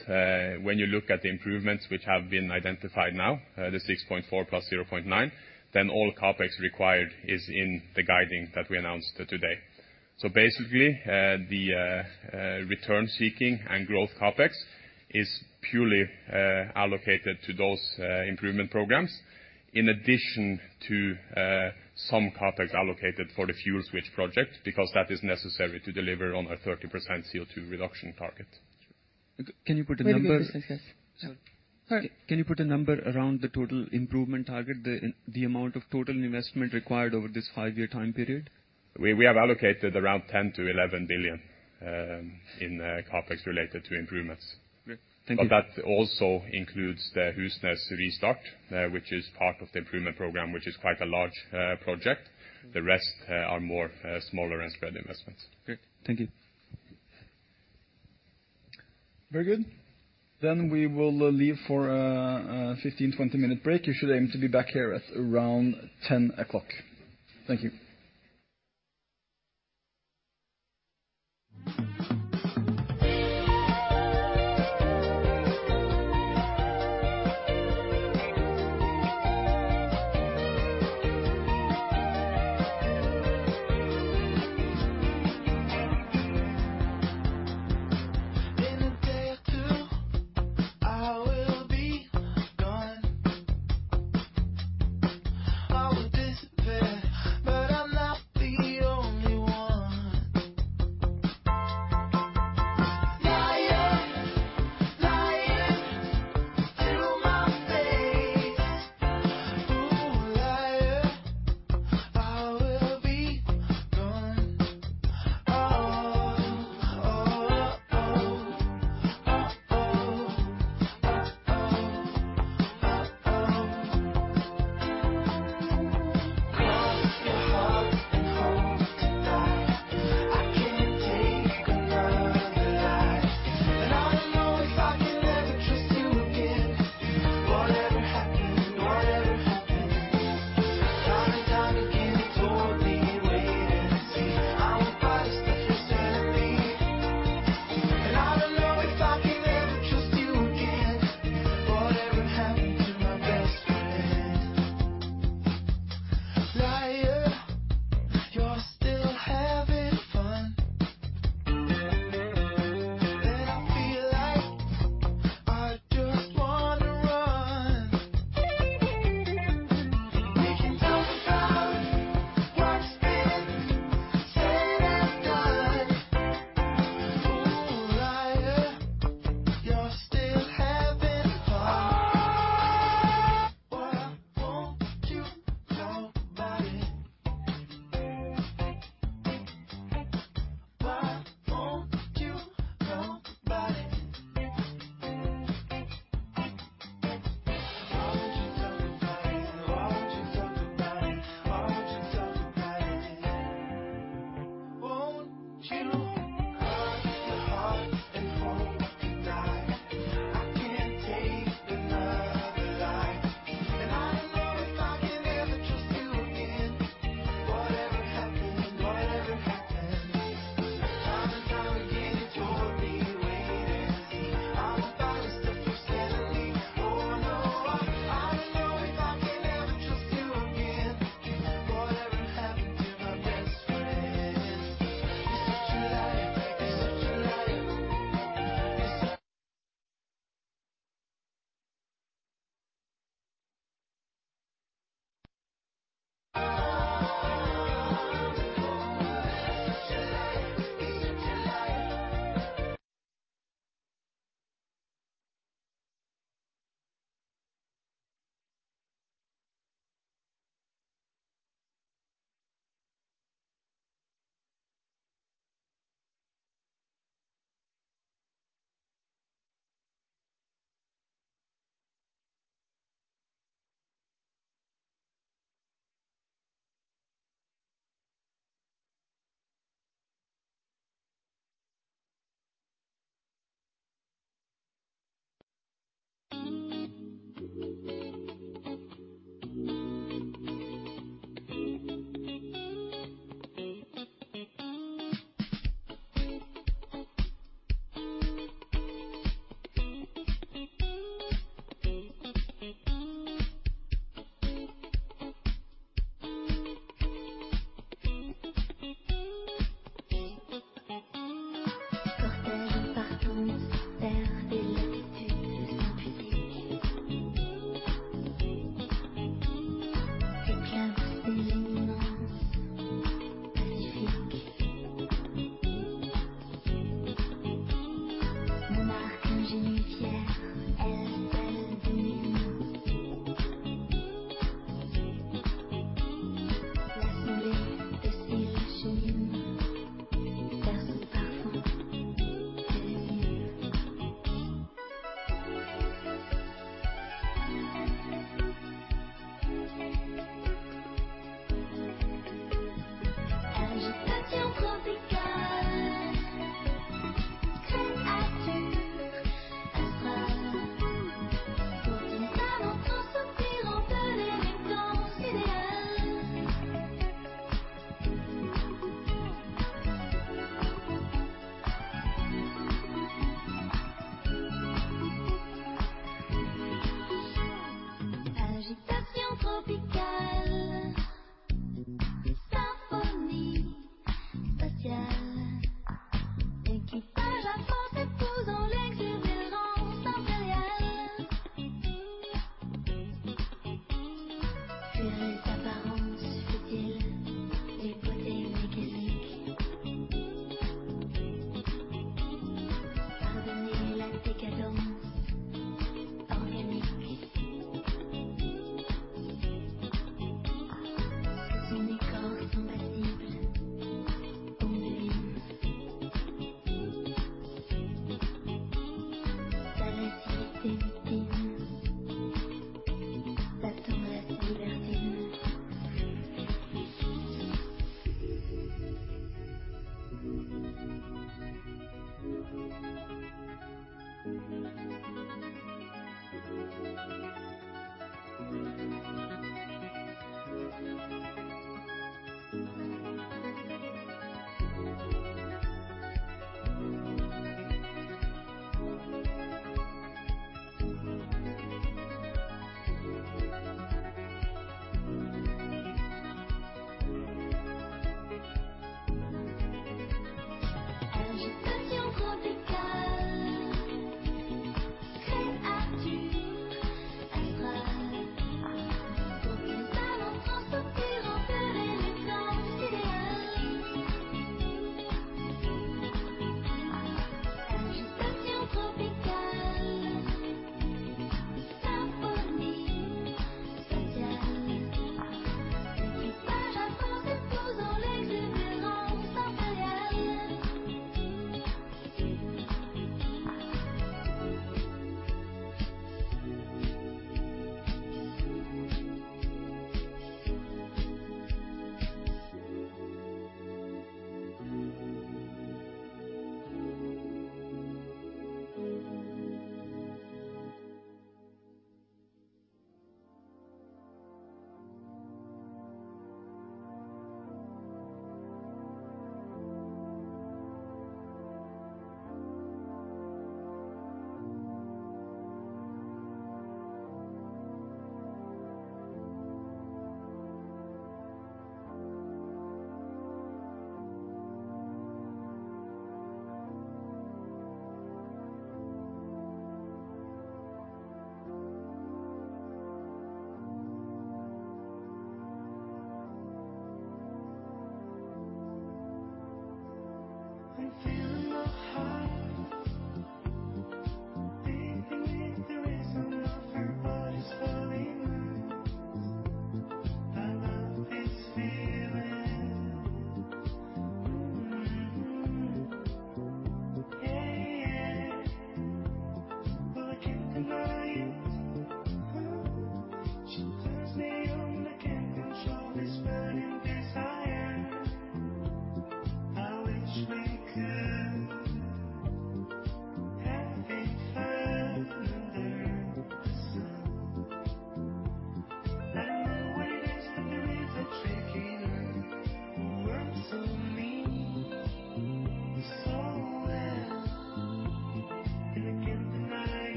when you look at the improvements which have been identified now, the 6.4 + 0.9, then all CapEx required is in the guidance that we announced today. Basically, the return seeking and growth CapEx is purely allocated to those improvement programs, in addition to some CapEx allocated for the fuel switch project because that is necessary to deliver on a 30% CO2 reduction target. Can you put a number? Wait, yes. Sorry. Sorry. Can you put a number around the total improvement target, the amount of total investment required over this five-year time period? We have allocated around 10-11 billion in CapEx related to improvements. Great. Thank you. That also includes the Husnes restart, which is part of the improvement program, which is quite a large project. The rest are more smaller and spread investments. Great. Thank you. Very good. We will leave for a 15-20 minute break. You should aim to be back here at around 10 o'clock. Thank you.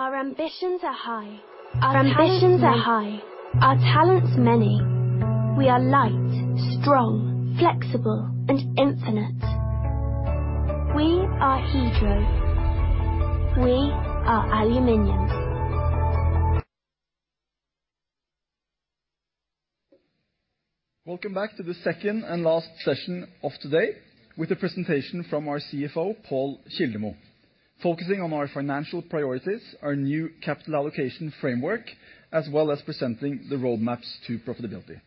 Welcome back to the second and last session of today with a presentation from our CFO, Pål Kildemo, focusing on our financial priorities, our new capital allocation framework, as well as presenting the roadmaps to profitability.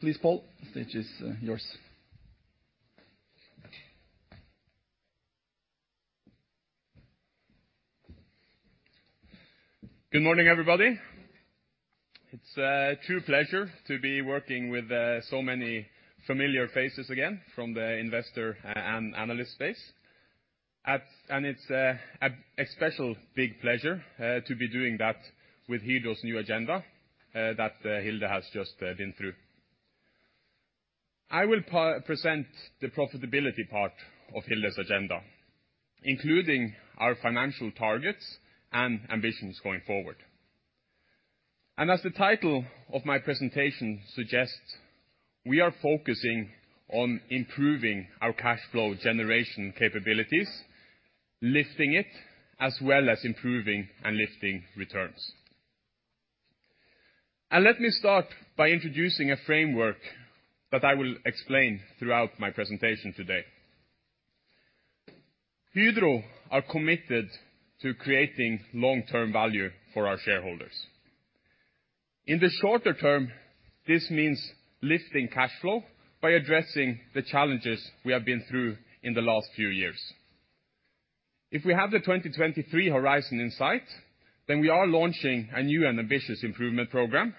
Please, Pål, the stage is yours. Good morning, everybody. It's a true pleasure to be working with so many familiar faces again from the investor and analyst space. It's a special big pleasure to be doing that with Hydro's new agenda that Hilde has just been through. I will present the profitability part of Hilde's agenda, including our financial targets and ambitions going forward. As the title of my presentation suggests, we are focusing on improving our cash flow generation capabilities, lifting it, as well as improving and lifting returns. Let me start by introducing a framework that I will explain throughout my presentation today. Hydro are committed to creating long-term value for our shareholders. In the shorter term, this means lifting cash flow by addressing the challenges we have been through in the last few years. If we have the 2023 horizon in sight, then we are launching a new and ambitious improvement program.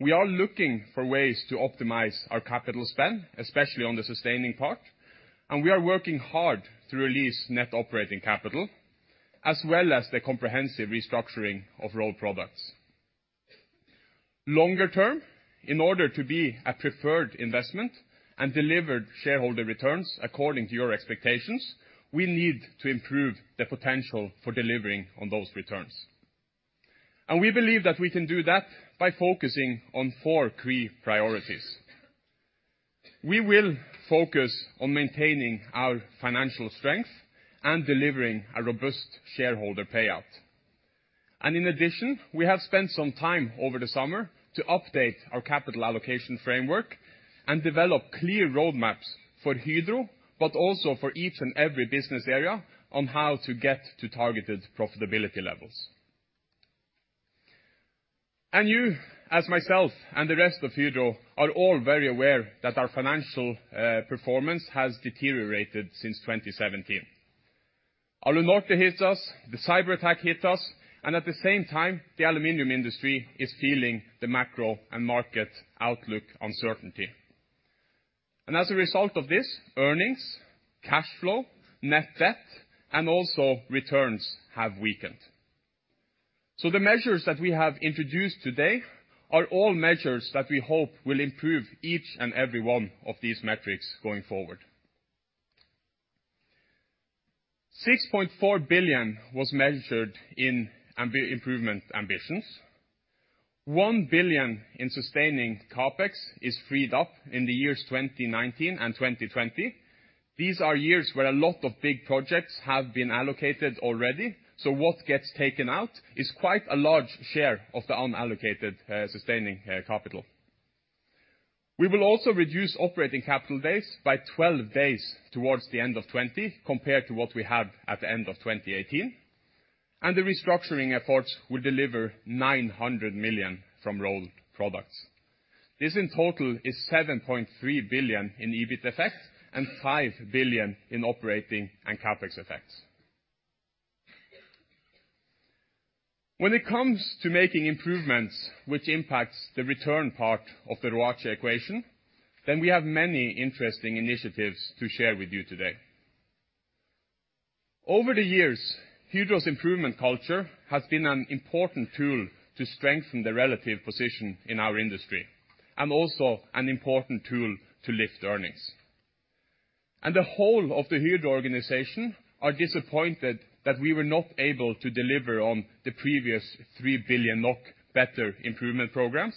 We are looking for ways to optimize our capital spend, especially on the sustaining part, and we are working hard to release net operating capital, as well as the comprehensive restructuring of Rolled Products. Longer term, in order to be a preferred investment and deliver shareholder returns according to your expectations, we need to improve the potential for delivering on those returns. We believe that we can do that by focusing on four key priorities. We will focus on maintaining our financial strength and delivering a robust shareholder payout. In addition, we have spent some time over the summer to update our capital allocation framework and develop clear roadmaps for Hydro, but also for each and every business area on how to get to targeted profitability levels. You, as myself and the rest of Hydro, are all very aware that our financial performance has deteriorated since 2017. Alunorte hit us, the cyberattack hit us, and at the same time, the aluminum industry is feeling the macro and market outlook uncertainty. As a result of this, earnings, cash flow, net debt, and also returns have weakened. The measures that we have introduced today are all measures that we hope will improve each and every one of these metrics going forward. 6.4 billion was measured in improvement ambitions. 1 billion in sustaining CapEx is freed up in the years 2019 and 2020. These are years where a lot of big projects have been allocated already. What gets taken out is quite a large share of the unallocated, sustaining capital. We will also reduce operating capital days by 12 days towards the end of 2020, compared to what we have at the end of 2018. The restructuring efforts will deliver 900 million from Rolled Products. This in total is 7.3 billion in EBIT effects and 5 billion in operating and CapEx effects. When it comes to making improvements which impacts the return part of the ROACE equation, then we have many interesting initiatives to share with you today. Over the years, Hydro's improvement culture has been an important tool to strengthen the relative position in our industry, and also an important tool to lift earnings. The whole of the Hydro organization are disappointed that we were not able to deliver on the previous 3 billion NOK better improvement programs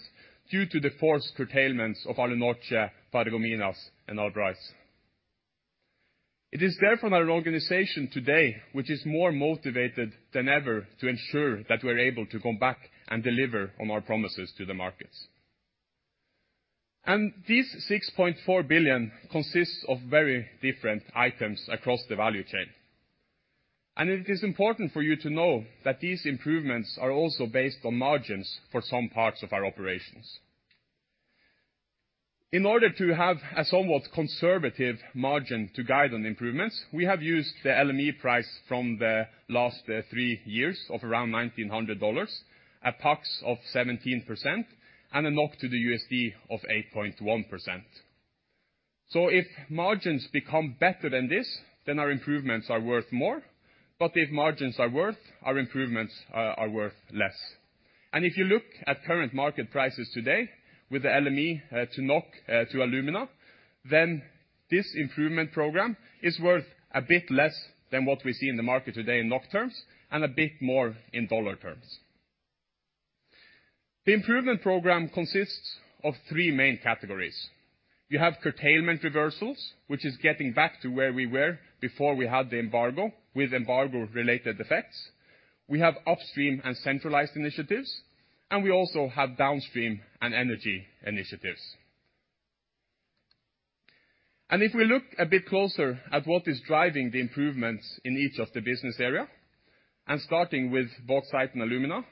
due to the forced curtailments of Alunorte, Paragominas, and Albras. It is therefore an organization today which is more motivated than ever to ensure that we're able to come back and deliver on our promises to the markets. This 6.4 billion consists of very different items across the value chain. It is important for you to know that these improvements are also based on margins for some parts of our operations. In order to have a somewhat conservative margin to guide on improvements, we have used the LME price from the last three years of around $1,900, a PAX of 17%, and a NOK to the USD of 8.1. If margins become better than this, then our improvements are worth more. If margins are worse, our improvements are worth less. If you look at current market prices today with the LME to NOK to alumina, then this improvement program is worth a bit less than what we see in the market today in NOK terms and a bit more in dollar terms. The improvement program consists of three main categories. You have curtailment reversals, which is getting back to where we were before we had the embargo, with embargo-related effects. We have upstream and centralized initiatives, and we also have downstream and energy initiatives. If we look a bit closer at what is driving the improvements in each of the business area, and starting with Bauxite & Alumina,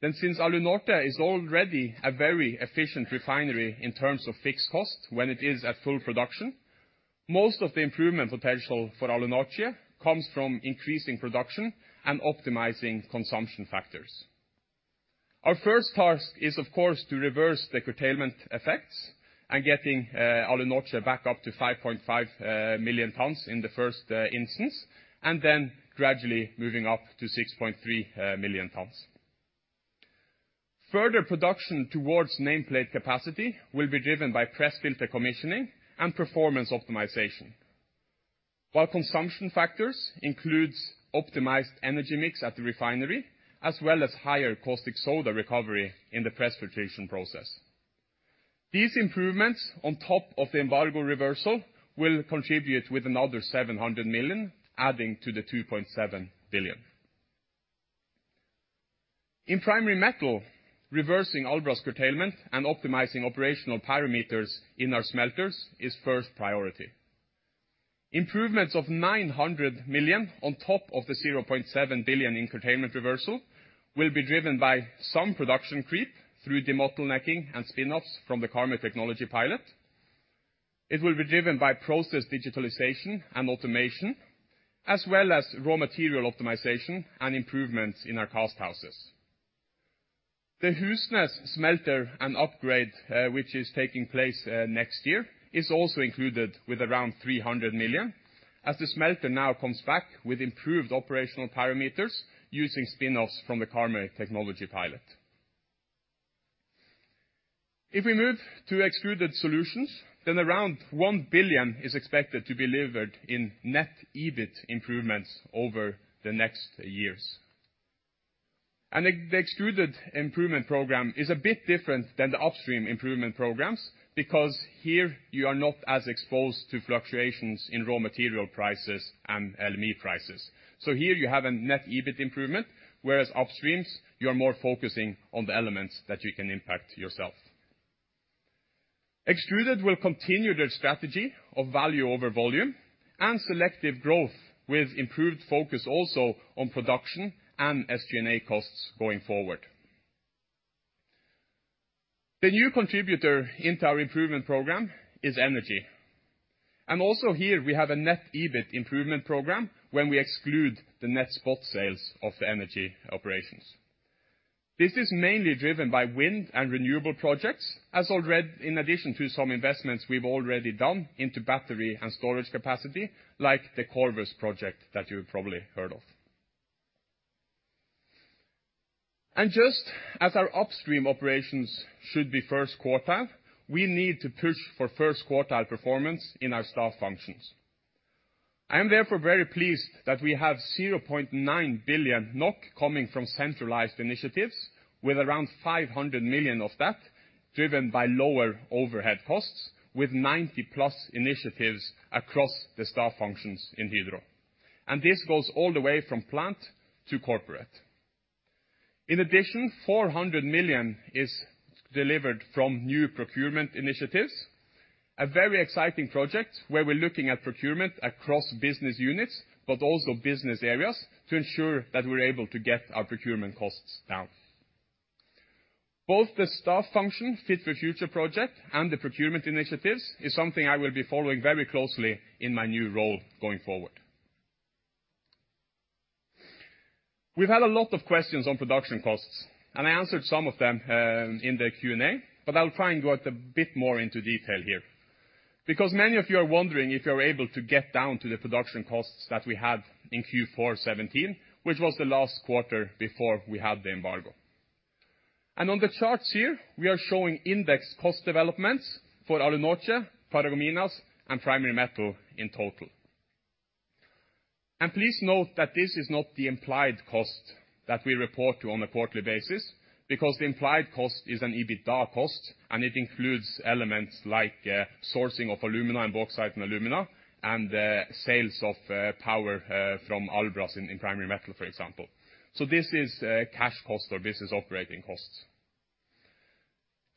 then since Alunorte is already a very efficient refinery in terms of fixed cost when it is at full production, most of the improvement potential for Alunorte comes from increasing production and optimizing consumption factors. Our first task is, of course, to reverse the curtailment effects and getting Alunorte back up to 5.5 million tons in the first instance, and then gradually moving up to 6.3 million tons. Further production towards nameplate capacity will be driven by press filter commissioning and performance optimization. While consumption factors includes optimized energy mix at the refinery, as well as higher caustic soda recovery in the press filtration process. These improvements on top of the embargo reversal will contribute with another 700 million, adding to the 2.7 billion. In Primary Metal, reversing Albras curtailment and optimizing operational parameters in our smelters is first priority. Improvements of 900 million on top of the 0.7 billion in curtailment reversal will be driven by some production creep through debottlenecking and spin-offs from the Karmøy technology pilot. It will be driven by process digitalization and automation, as well as raw material optimization and improvements in our cast houses. The Husnes smelter and upgrade, which is taking place next year is also included with around 300 million. As the smelter now comes back with improved operational parameters using spin-offs from the Karmøy technology pilot. If we move to Extruded Solutions, then around 1 billion is expected to be delivered in net EBIT improvements over the next years. The extruded improvement program is a bit different than the upstream improvement programs because here you are not as exposed to fluctuations in raw material prices and LME prices. Here you have a net EBIT improvement, whereas upstreams, you are more focusing on the elements that you can impact yourself. Extruded will continue their strategy of value over volume and selective growth with improved focus also on production and SG&A costs going forward. The new contributor into our improvement program is energy. Here we have a net EBIT improvement program when we exclude the net spot sales of the energy operations. This is mainly driven by wind and renewable projects, in addition to some investments we've already done into battery and storage capacity, like the Corvus project that you've probably heard of. Just as our upstream operations should be Q1, we need to push for Q1 performance in our staff functions. I am therefore very pleased that we have 0.9 billion NOK coming from centralized initiatives with around 500 million of that driven by lower overhead costs with 90+ initiatives across the staff functions in Hydro. This goes all the way from plant to corporate. In addition, 400 million is delivered from new procurement initiatives, a very exciting project where we're looking at procurement across business units, but also business areas to ensure that we're able to get our procurement costs down. Both the staff function Fit for Future project and the procurement initiatives is something I will be following very closely in my new role going forward. We've had a lot of questions on production costs, and I answered some of them, in the Q&A, but I'll try and go out a bit more into detail here. Because many of you are wondering if you're able to get down to the production costs that we had in Q4 2017, which was the last quarter before we had the embargo. On the charts here, we are showing index cost developments for Alunorte, Paragominas, and Primary Metal in total. Please note that this is not the implied cost that we report on a quarterly basis because the implied cost is an EBITDA cost, and it includes elements like sourcing of alumina and bauxite and alumina and sales of power from Albras in Primary Metal, for example. This is cash cost or business operating costs.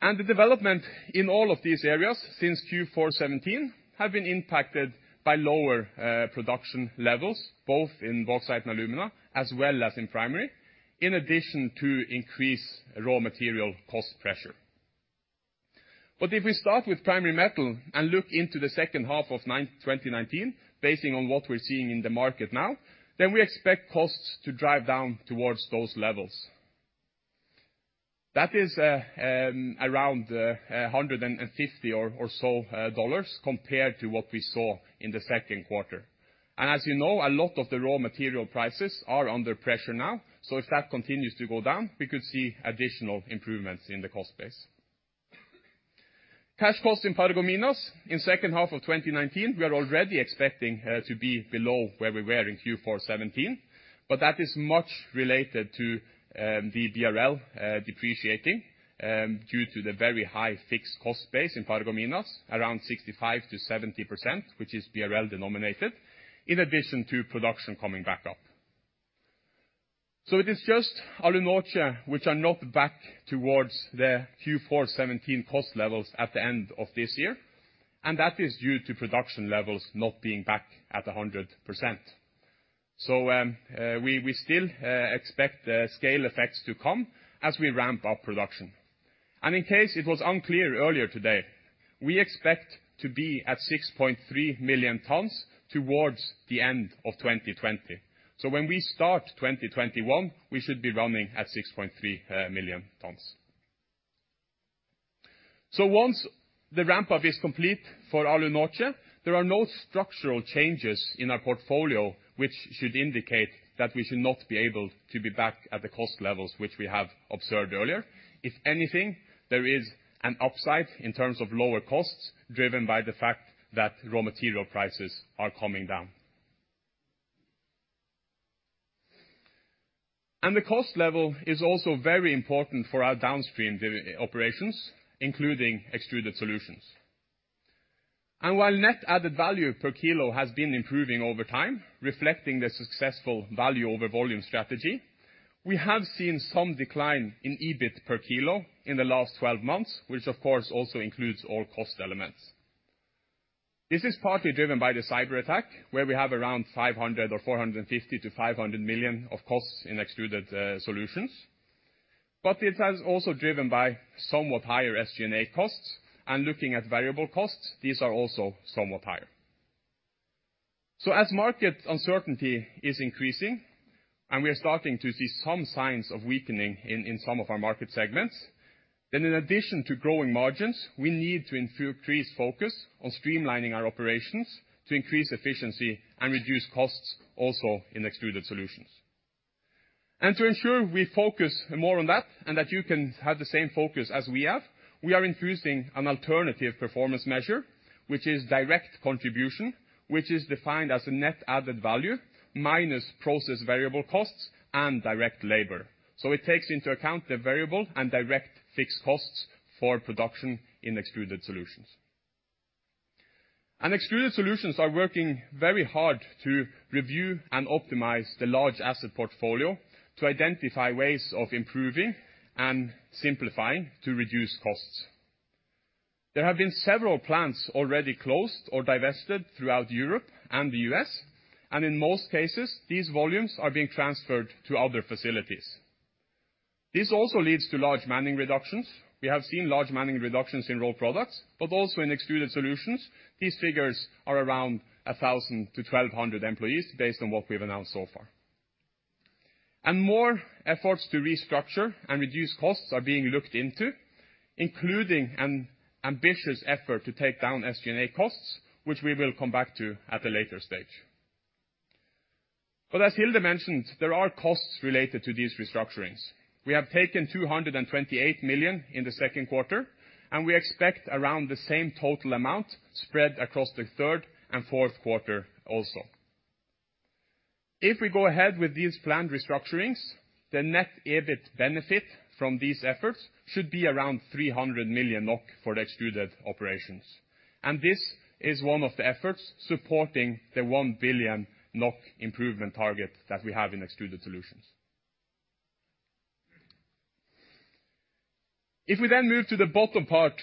The development in all of these areas since Q4 2017 has been impacted by lower production levels, both in bauxite and alumina, as well as in Primary, in addition to increased raw material cost pressure. If we start with Primary Metal and look into the H2 of 2019, based on what we're seeing in the market now, then we expect costs to drive down towards those levels. That is around $150 or so dollars compared to what we saw in the Q2. As you know, a lot of the raw material prices are under pressure now. If that continues to go down, we could see additional improvements in the cost base. Cash costs in Paragominas in H2 of 2019, we are already expecting to be below where we were in Q4 2017, but that is much related to the BRL depreciating due to the very high fixed cost base in Paragominas, around 65%-70%, which is BRL denominated, in addition to production coming back up. It is just Alunorte which are not back towards their Q4 2017 cost levels at the end of this year, and that is due to production levels not being back at 100%. We still expect the scale effects to come as we ramp up production. In case it was unclear earlier today, we expect to be at 6.3 million tons towards the end of 2020. When we start 2021, we should be running at 6.3 million tons. Once the ramp-up is complete for Alunorte, there are no structural changes in our portfolio which should indicate that we should not be able to be back at the cost levels which we have observed earlier. If anything, there is an upside in terms of lower costs driven by the fact that raw material prices are coming down. The cost level is also very important for our downstream operations, including Extruded Solutions. While net added value per kilo has been improving over time, reflecting the successful value over volume strategy, we have seen some decline in EBIT per kilo in the last 12 months, which of course also includes all cost elements. This is partly driven by the cyberattack, where we have around 500 million or 450 million-500 million of costs in Extruded Solutions. It has also driven by somewhat higher SG&A costs and looking at variable costs, these are also somewhat higher. As market uncertainty is increasing and we are starting to see some signs of weakening in some of our market segments, then in addition to growing margins, we need to increase focus on streamlining our operations to increase efficiency and reduce costs also in Extruded Solutions. To ensure we focus more on that and that you can have the same focus as we have, we are introducing an alternative performance measure, which is direct contribution, which is defined as a net added value minus process variable costs and direct labor. It takes into account the variable and direct fixed costs for production in Extruded Solutions. Extruded Solutions are working very hard to review and optimize the large asset portfolio to identify ways of improving and simplifying to reduce costs. There have been several plants already closed or divested throughout Europe and the US, and in most cases, these volumes are being transferred to other facilities. This also leads to large manning reductions. We have seen large manning reductions in Rolled Products, but also in Extruded Solutions. These figures are around 1,000 employees-1,200 employees based on what we've announced so far. More efforts to restructure and reduce costs are being looked into, including an ambitious effort to take down SG&A costs, which we will come back to at a later stage. As Hilde mentioned, there are costs related to these restructurings. We have taken 228 million in the Q2, and we expect around the same total amount spread across the Q3 and Q4 also. If we go ahead with these planned restructurings, the net EBIT benefit from these efforts should be around 300 million NOK for the Extruded Solutions operations. This is one of the efforts supporting the 1 billion NOK improvement target that we have in Extruded Solutions. If we then move to the bottom part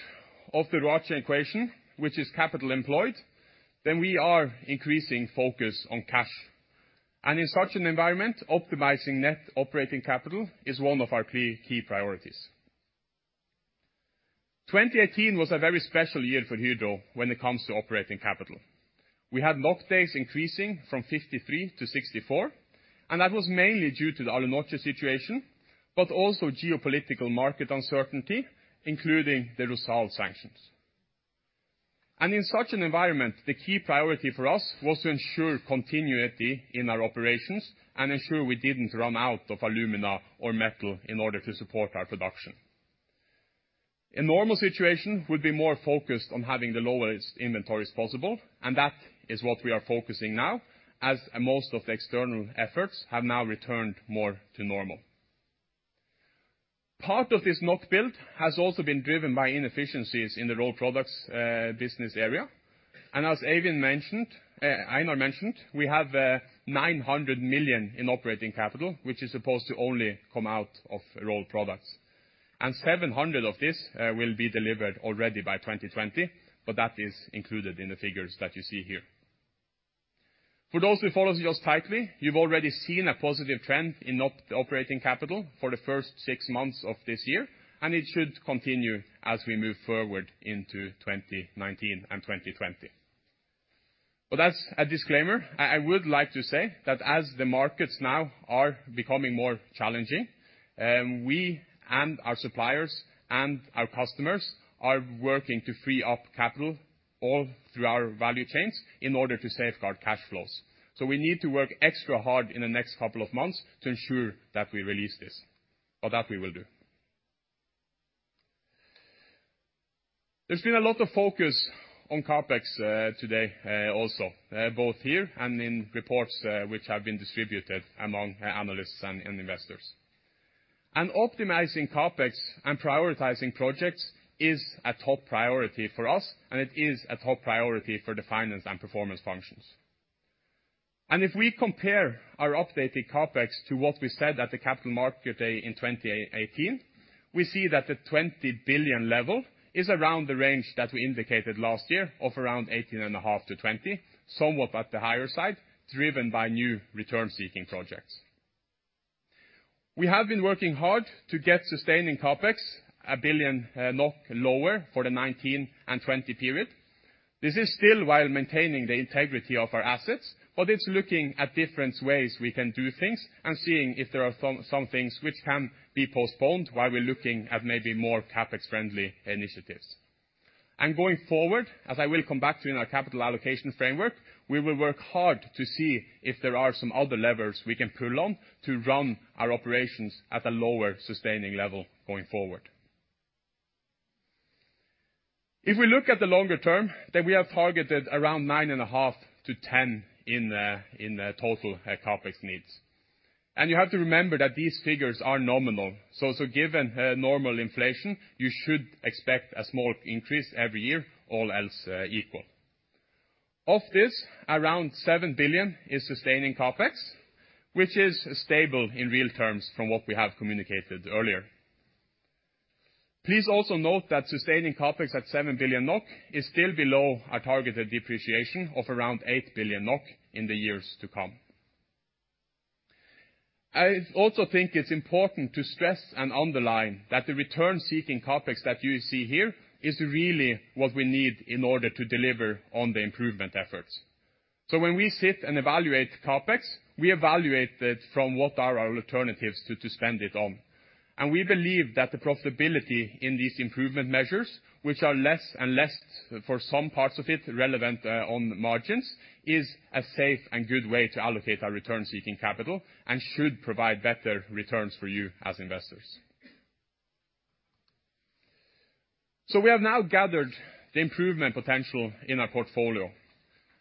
of the ROACE equation, which is capital employed, then we are increasing focus on cash. In such an environment, optimizing net operating capital is one of our key priorities. 2018 was a very special year for Hydro when it comes to operating capital. We had NOC days increasing from 53 to 64, and that was mainly due to the Alunorte situation, but also geopolitical market uncertainty, including the Rusal sanctions. In such an environment, the key priority for us was to ensure continuity in our operations and ensure we didn't run out of alumina or metal in order to support our production. A normal situation would be more focused on having the lowest inventories possible, and that is what we are focusing now, as most of the external efforts have now returned more to normal. Part of this NOK build has also been driven by inefficiencies in the Rolled Products business area. As Eivind mentioned, Einar mentioned, we have 900 million in operating capital, which is supposed to only come out of Rolled Products. Seven hundred of this will be delivered already by 2020, but that is included in the figures that you see here. For those who follow us just tightly, you've already seen a positive trend in the operating capital for the first six months of this year, and it should continue as we move forward into 2019 and 2020. As a disclaimer, I would like to say that as the markets now are becoming more challenging, we and our suppliers and our customers are working to free up capital all through our value chains in order to safeguard cash flows. We need to work extra hard in the next couple of months to ensure that we release this, but that we will do. There's been a lot of focus on CapEx today, also both here and in reports which have been distributed among analysts and investors. Optimizing CapEx and prioritizing projects is a top priority for us, and it is a top priority for the finance and performance functions. If we compare our updated CapEx to what we said at the Capital Markets Day in 2018, we see that the 20 billion level is around the range that we indicated last year of around 18.5 billion-20 billion, somewhat at the higher side, driven by new return-seeking projects. We have been working hard to get sustaining CapEx 1 billion NOK lower for the 2019 and 2020 period. This is still while maintaining the integrity of our assets, but it's looking at different ways we can do things and seeing if there are some things which can be postponed while we're looking at maybe more CapEx-friendly initiatives. Going forward, as I will come back to in our capital allocation framework, we will work hard to see if there are some other levers we can pull on to run our operations at a lower sustaining level going forward. If we look at the longer term, we have targeted around 9.5 billion-10 billion in total CapEx needs. You have to remember that these figures are nominal. Given normal inflation, you should expect a small increase every year, all else equal. Of this, around 7 billion is sustaining CapEx, which is stable in real terms from what we have communicated earlier. Please also note that sustaining CapEx at 7 billion NOK is still below our targeted depreciation of around 8 billion NOK in the years to come. I also think it's important to stress and underline that the return-seeking CapEx that you see here is really what we need in order to deliver on the improvement efforts. When we sit and evaluate CapEx, we evaluate it from what are our alternatives to spend it on. We believe that the profitability in these improvement measures, which are less and less for some parts of it relevant, on the margins, is a safe and good way to allocate our return-seeking capital and should provide better returns for you as investors. We have now gathered the improvement potential in our portfolio,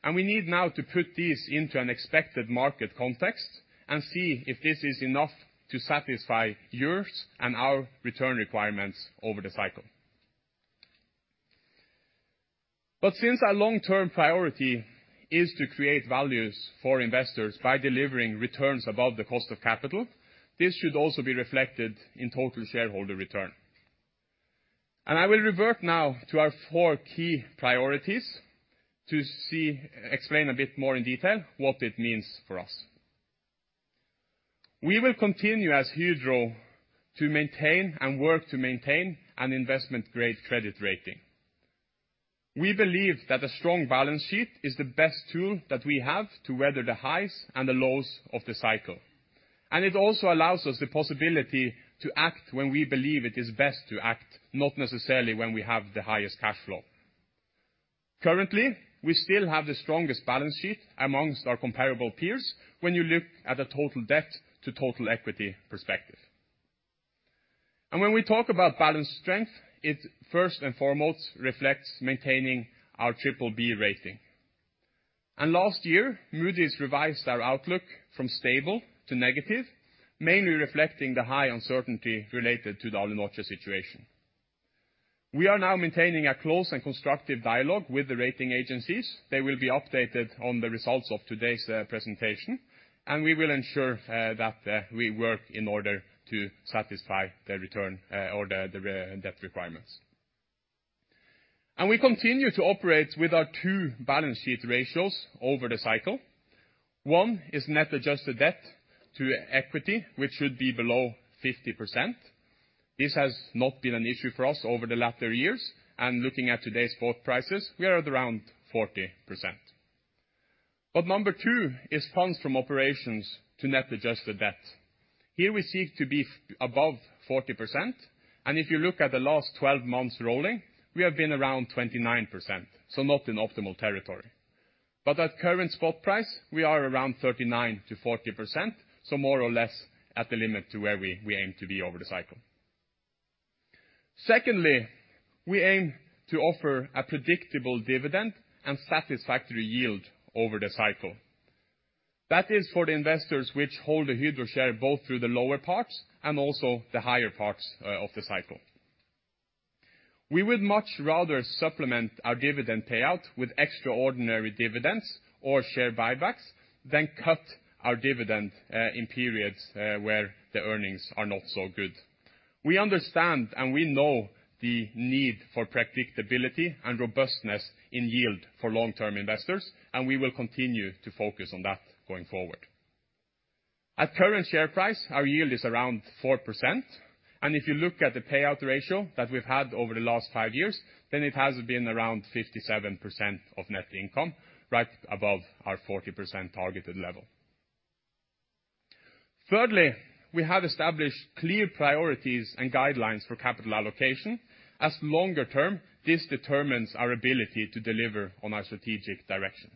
and we need now to put this into an expected market context and see if this is enough to satisfy yours and our return requirements over the cycle. Since our long-term priority is to create values for investors by delivering returns above the cost of capital, this should also be reflected in total shareholder return. I will revert now to our four key priorities to explain a bit more in detail what it means for us. We will continue as Hydro to maintain and work to maintain an investment-grade credit rating. We believe that a strong balance sheet is the best tool that we have to weather the highs and the lows of the cycle. It also allows us the possibility to act when we believe it is best to act, not necessarily when we have the highest cash flow. Currently, we still have the strongest balance sheet among our comparable peers when you look at the total debt to total equity perspective. When we talk about balance sheet strength, it first and foremost reflects maintaining our BBB rating. Last year, Moody's revised our outlook from stable to negative, mainly reflecting the high uncertainty related to the Alunorte situation. We are now maintaining a close and constructive dialogue with the rating agencies. They will be updated on the results of today's presentation, and we will ensure that we work in order to satisfy their return or the debt requirements. We continue to operate with our two balance sheet ratios over the cycle. One is net adjusted debt to equity, which should be below 50%. This has not been an issue for us over the latter years, and looking at today's spot prices, we are at around 40%. Number two is funds from operations to net adjusted debt. Here we seek to be above 40%, and if you look at the last twelve months rolling, we have been around 29%, so not in optimal territory. At current spot price, we are around 39%-40%, so more or less at the limit to where we aim to be over the cycle. Secondly, we aim to offer a predictable dividend and satisfactory yield over the cycle. That is for the investors which hold the Hydro share both through the lower parts and also the higher parts of the cycle. We would much rather supplement our dividend payout with extraordinary dividends or share buybacks than cut our dividend in periods where the earnings are not so good. We understand and we know the need for predictability and robustness in yield for long-term investors, and we will continue to focus on that going forward. At current share price, our yield is around 4%, and if you look at the payout ratio that we've had over the last 5 years, then it has been around 57% of net income, right above our 40% targeted level. Thirdly, we have established clear priorities and guidelines for capital allocation. In the longer term, this determines our ability to deliver on our strategic direction.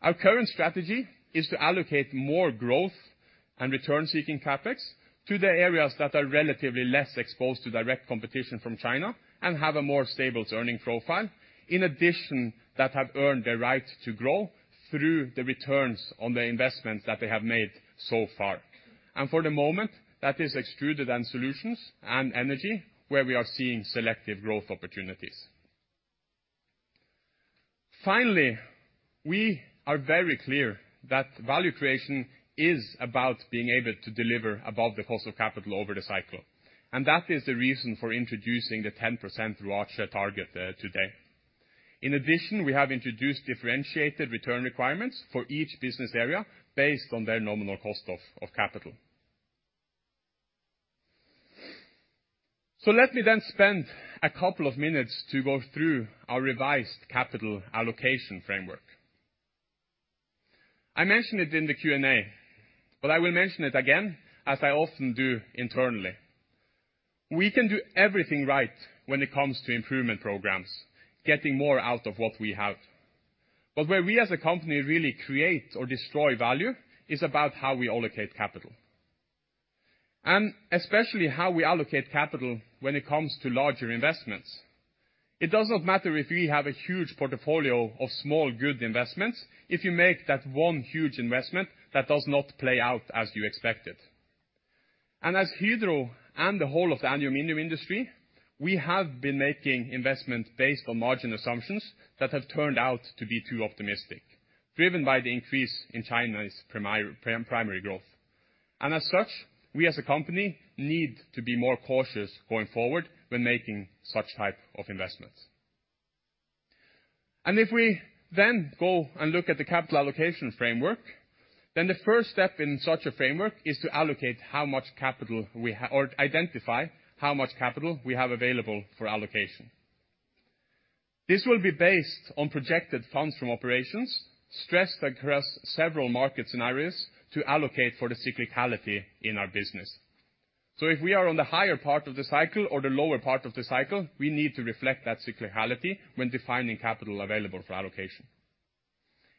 Our current strategy is to allocate more growth and return-seeking CapEx to the areas that are relatively less exposed to direct competition from China and have a more stable earning profile. In addition, that have earned the right to grow through the returns on the investments that they have made so far. For the moment, that is Extruded Solutions and Energy, where we are seeing selective growth opportunities. Finally, we are very clear that value creation is about being able to deliver above the cost of capital over the cycle, and that is the reason for introducing the 10% ROACE target today. In addition, we have introduced differentiated return requirements for each business area based on their nominal cost of capital. Let me then spend a couple of minutes to go through our revised capital allocation framework. I mentioned it in the Q&A, but I will mention it again, as I often do internally. We can do everything right when it comes to improvement programs, getting more out of what we have. Where we as a company really create or destroy value is about how we allocate capital, and especially how we allocate capital when it comes to larger investments. It does not matter if we have a huge portfolio of small, good investments, if you make that one huge investment that does not play out as you expected. As Hydro and the whole of the aluminum industry. We have been making investments based on margin assumptions that have turned out to be too optimistic, driven by the increase in China's primary growth. As such, we as a company need to be more cautious going forward when making such type of investments. If we then go and look at the capital allocation framework, then the first step in such a framework is to identify how much capital we have available for allocation. This will be based on projected funds from operations, stressed across several market scenarios to allocate for the cyclicality in our business. If we are on the higher part of the cycle or the lower part of the cycle, we need to reflect that cyclicality when defining capital available for allocation.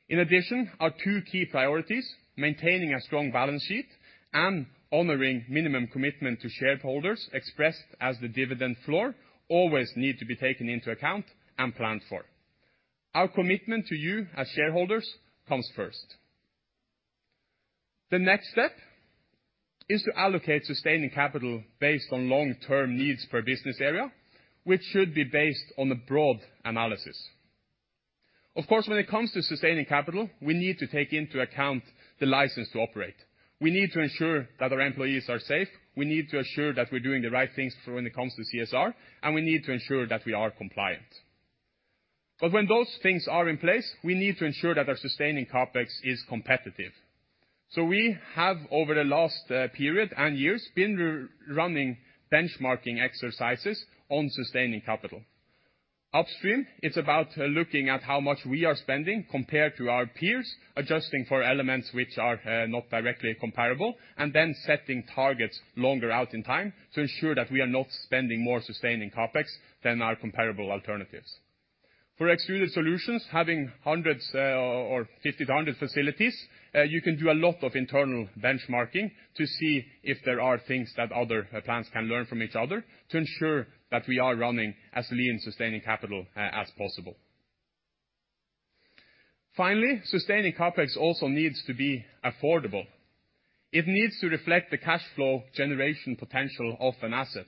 In addition, our two key priorities, maintaining a strong balance sheet and honoring minimum commitment to shareholders expressed as the dividend floor, always need to be taken into account and planned for. Our commitment to you as shareholders comes first. The next step is to allocate sustaining capital based on long-term needs per business area, which should be based on a broad analysis. Of course, when it comes to sustaining capital, we need to take into account the license to operate. We need to ensure that our employees are safe. We need to ensure that we're doing the right things for when it comes to CSR, and we need to ensure that we are compliant. When those things are in place, we need to ensure that our sustaining CapEx is competitive. We have, over the last period and years, been running benchmarking exercises on sustaining capital. Upstream, it's about looking at how much we are spending compared to our peers, adjusting for elements which are not directly comparable, and then setting targets longer out in time to ensure that we are not spending more sustaining CapEx than our comparable alternatives. For Extruded Solutions, having hundreds, or 50 facilities-100 facilities, you can do a lot of internal benchmarking to see if there are things that other plants can learn from each other to ensure that we are running as lean sustaining capital as possible. Finally, sustaining CapEx also needs to be affordable. It needs to reflect the cash flow generation potential of an asset.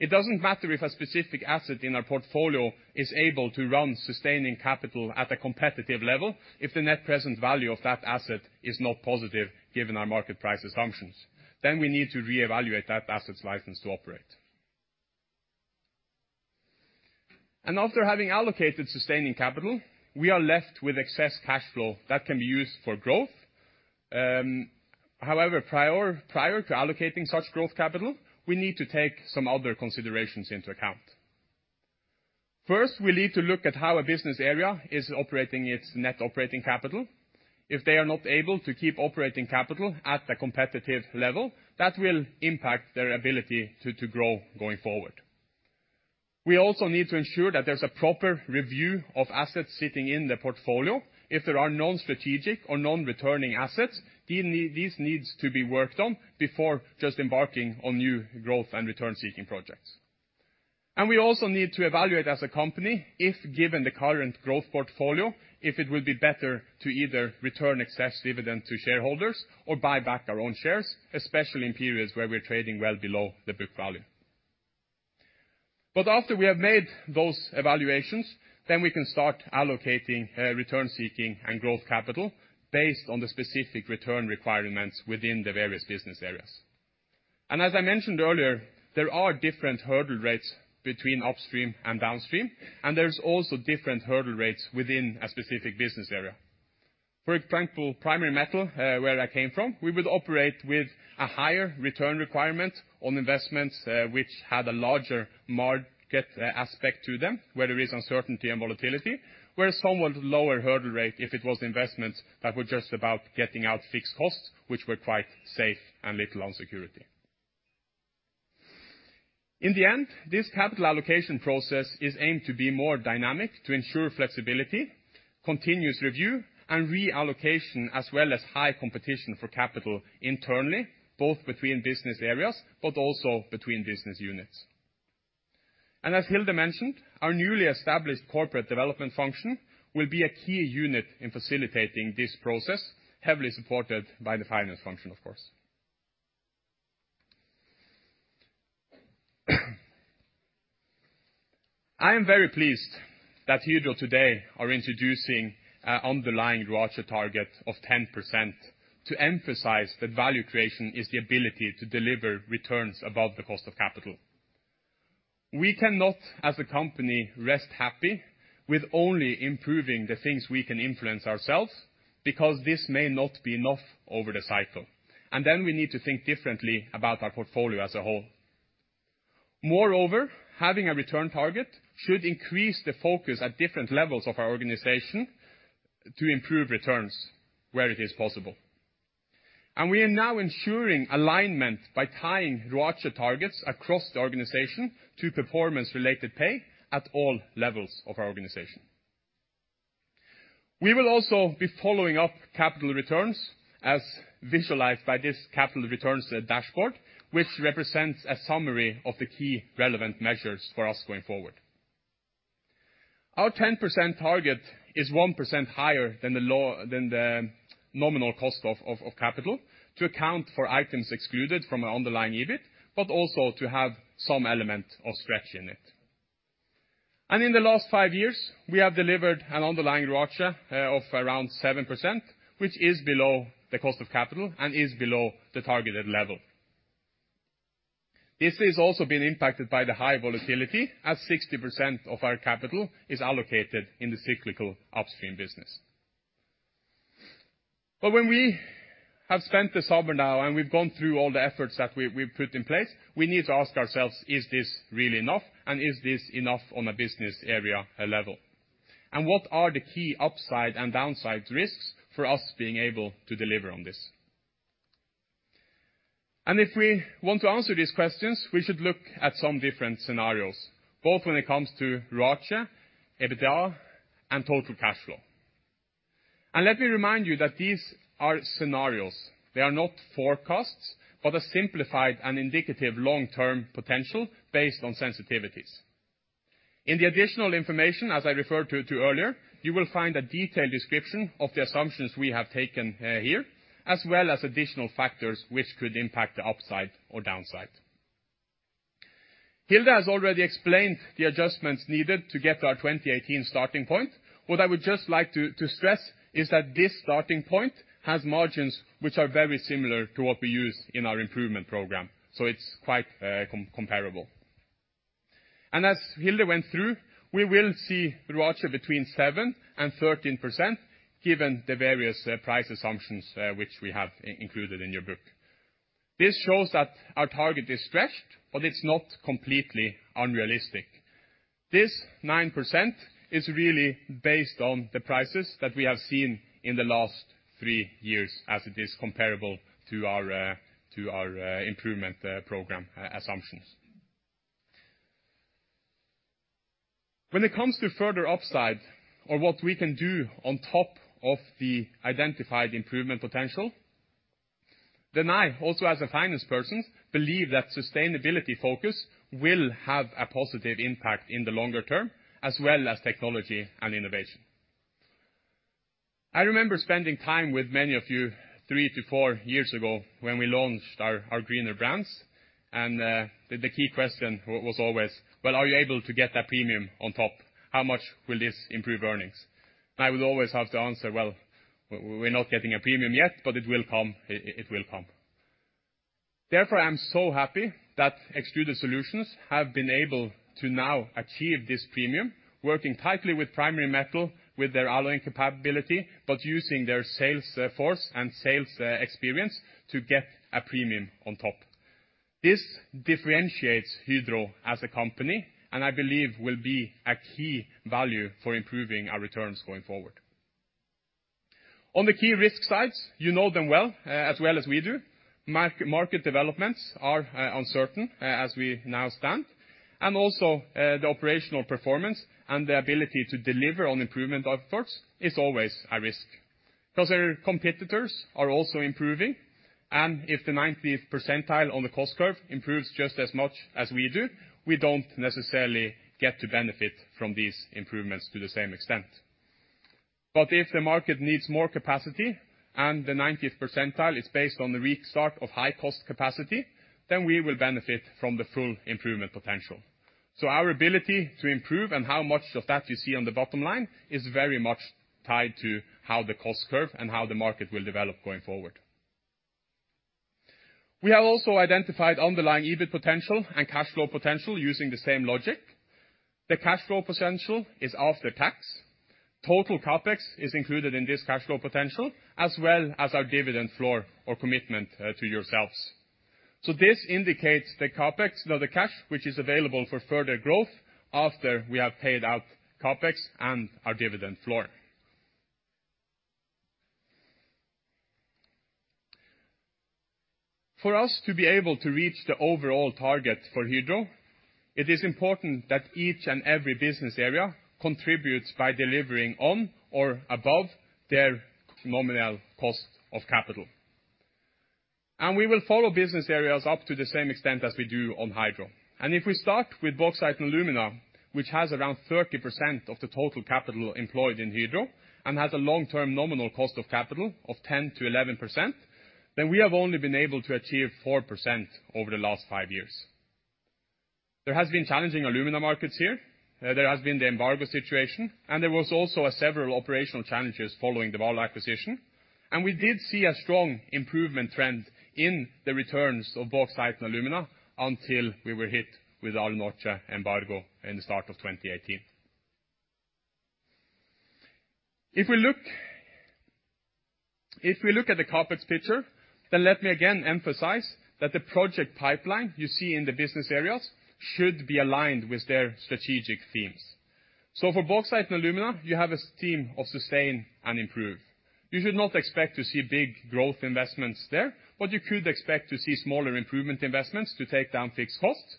It doesn't matter if a specific asset in our portfolio is able to run sustaining capital at a competitive level if the net present value of that asset is not positive given our market price assumptions. Then we need to reevaluate that asset's license to operate. After having allocated sustaining capital, we are left with excess cash flow that can be used for growth. However, prior to allocating such growth capital, we need to take some other considerations into account. First, we need to look at how a business area is operating its net operating capital. If they are not able to keep operating capital at a competitive level, that will impact their ability to grow going forward. We also need to ensure that there's a proper review of assets sitting in the portfolio. If there are non-strategic or non-returning assets, these need to be worked on before just embarking on new growth and return-seeking projects. We also need to evaluate as a company, if given the current growth portfolio, if it would be better to either return excess dividend to shareholders or buy back our own shares, especially in periods where we're trading well below the book value. After we have made those evaluations, then we can start allocating, return-seeking and growth capital based on the specific return requirements within the various business areas. As I mentioned earlier, there are different hurdle rates between upstream and downstream, and there's also different hurdle rates within a specific business area. For example, Primary Metal, where I came from, we would operate with a higher return requirement on investments, which had a larger market, aspect to them, where there is uncertainty and volatility, where somewhat lower hurdle rate if it was investments that were just about getting out fixed costs, which were quite safe and little on security. In the end, this capital allocation process is aimed to be more dynamic to ensure flexibility, continuous review, and reallocation, as well as high competition for capital internally, both between business areas, but also between business units. As Hilde mentioned, our newly established corporate development function will be a key unit in facilitating this process, heavily supported by the finance function, of course. I am very pleased that Hydro today are introducing an underlying ROACE target of 10% to emphasize that value creation is the ability to deliver returns above the cost of capital. We cannot, as a company, rest happy with only improving the things we can influence ourselves because this may not be enough over the cycle. We need to think differently about our portfolio as a whole. Moreover, having a return target should increase the focus at different levels of our organization to improve returns where it is possible. We are now ensuring alignment by tying ROACE targets across the organization to performance-related pay at all levels of our organization. We will also be following up capital returns as visualized by this capital returns dashboard, which represents a summary of the key relevant measures for us going forward. Our 10% target is 1% higher than the nominal cost of capital to account for items excluded from our underlying EBIT, but also to have some element of stretch in it. In the last five years, we have delivered an underlying ROACE of around 7%, which is below the cost of capital and is below the targeted level. This has also been impacted by the high volatility as 60% of our capital is allocated in the cyclical upstream business. When we have spent the summer now, and we've gone through all the efforts that we've put in place, we need to ask ourselves, is this really enough? Is this enough on a business area level? What are the key upside and downside risks for us being able to deliver on this? If we want to answer these questions, we should look at some different scenarios, both when it comes to ROACE, EBITDA, and total cash flow. Let me remind you that these are scenarios. They are not forecasts, but a simplified and indicative long-term potential based on sensitivities. In the additional information, as I referred to earlier, you will find a detailed description of the assumptions we have taken here, as well as additional factors which could impact the upside or downside. Hilde has already explained the adjustments needed to get our 2018 starting point. What I would just like to stress is that this starting point has margins which are very similar to what we use in our improvement program. It's quite comparable. As Hilde went through, we will see ROACE between 7%-13% given the various price assumptions which we have included in your book. This shows that our target is stretched, but it's not completely unrealistic. This 9% is really based on the prices that we have seen in the last three years as it is comparable to our improvement program assumptions. When it comes to further upside or what we can do on top of the identified improvement potential, I also as a finance person believe that sustainability focus will have a positive impact in the longer term, as well as technology and innovation. I remember spending time with many of you three to four years ago when we launched our Greener brands, and the key question was always, "Well, are you able to get that premium on top? How much will this improve earnings?" I would always have to answer, "Well, we're not getting a premium yet, but it will come. It will come." Therefore, I'm so happy that Extruded Solutions have been able to now achieve this premium, working tightly with Primary Metal, with their alloy capability, but using their sales force and sales experience to get a premium on top. This differentiates Hydro as a company, and I believe will be a key value for improving our returns going forward. On the key risk sides, you know them well, as well as we do. Market developments are uncertain, as we now stand. Also, the operational performance and the ability to deliver on improvement efforts is always a risk because our competitors are also improving. If the ninetieth percentile on the cost curve improves just as much as we do, we don't necessarily get to benefit from these improvements to the same extent. If the market needs more capacity and the ninetieth percentile is based on the weak start of high-cost capacity, then we will benefit from the full improvement potential. Our ability to improve and how much of that you see on the bottom line is very much tied to how the cost curve and how the market will develop going forward. We have also identified underlying EBIT potential and cash flow potential using the same logic. The cash flow potential is after tax. Total CapEx is included in this cash flow potential, as well as our dividend floor or commitment to yourselves. This indicates the cash, which is available for further growth after we have paid out CapEx and our dividend floor. For us to be able to reach the overall target for Hydro, it is important that each and every business area contributes by delivering on or above their nominal cost of capital. We will follow business areas up to the same extent as we do on Hydro. If we start with Bauxite & Alumina, which has around 30% of the total capital employed in Hydro and has a long-term nominal cost of capital of 10%-11%, then we have only been able to achieve 4% over the last 5 years. There has been challenging alumina markets here. There has been the embargo situation, and there was also several operational challenges following the B&A acquisition. We did see a strong improvement trend in the returns of Bauxite & Alumina until we were hit with Alunorte embargo in the start of 2018. If we look at the CapEx picture, then let me again emphasize that the project pipeline you see in the business areas should be aligned with their strategic themes. For Bauxite & Alumina, you have a theme of sustain and improve. You should not expect to see big growth investments there, but you could expect to see smaller improvement investments to take down fixed costs.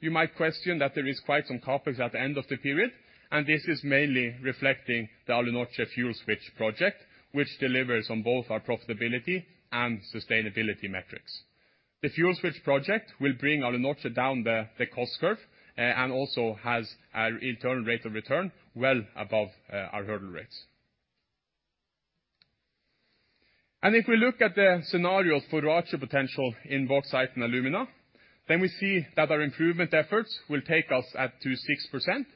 You might question that there is quite some CapEx at the end of the period, and this is mainly reflecting the Alunorte fuel switch project, which delivers on both our profitability and sustainability metrics. The fuel switch project will bring our CO2 down the cost curve, and also has our internal rate of return well above our hurdle rates. If we look at the scenarios for ROACE potential in Bauxite & Alumina, then we see that our improvement efforts will take us up to 6%,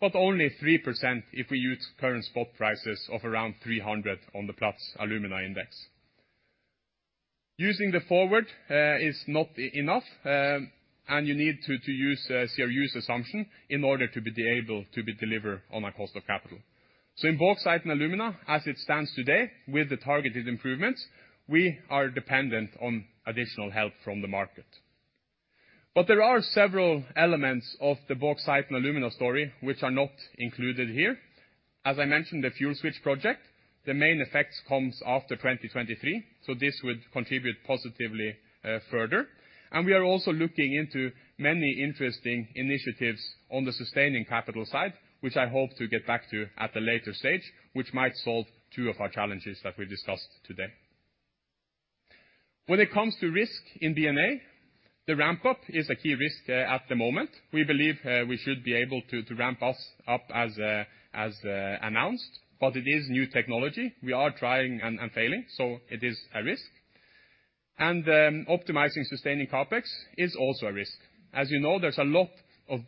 but only 3% if we use current spot prices of around 300 on the Platts Alumina Index. Using the forward is not enough, and you need to use a CRU's assumption in order to be able to deliver on our cost of capital. In Bauxite & Alumina, as it stands today with the targeted improvements, we are dependent on additional help from the market. There are several elements of the Bauxite & Alumina story which are not included here. As I mentioned, the fuel switch project, the main effects comes after 2023, so this would contribute positively, further. We are also looking into many interesting initiatives on the sustaining capital side, which I hope to get back to at a later stage, which might solve two of our challenges that we discussed today. When it comes to risk in B&A, the ramp up is a key risk, at the moment. We believe we should be able to ramp it up as announced, but it is new technology. We are trying and failing, so it is a risk. Optimizing sustaining CapEx is also a risk. As you know, there's a lot of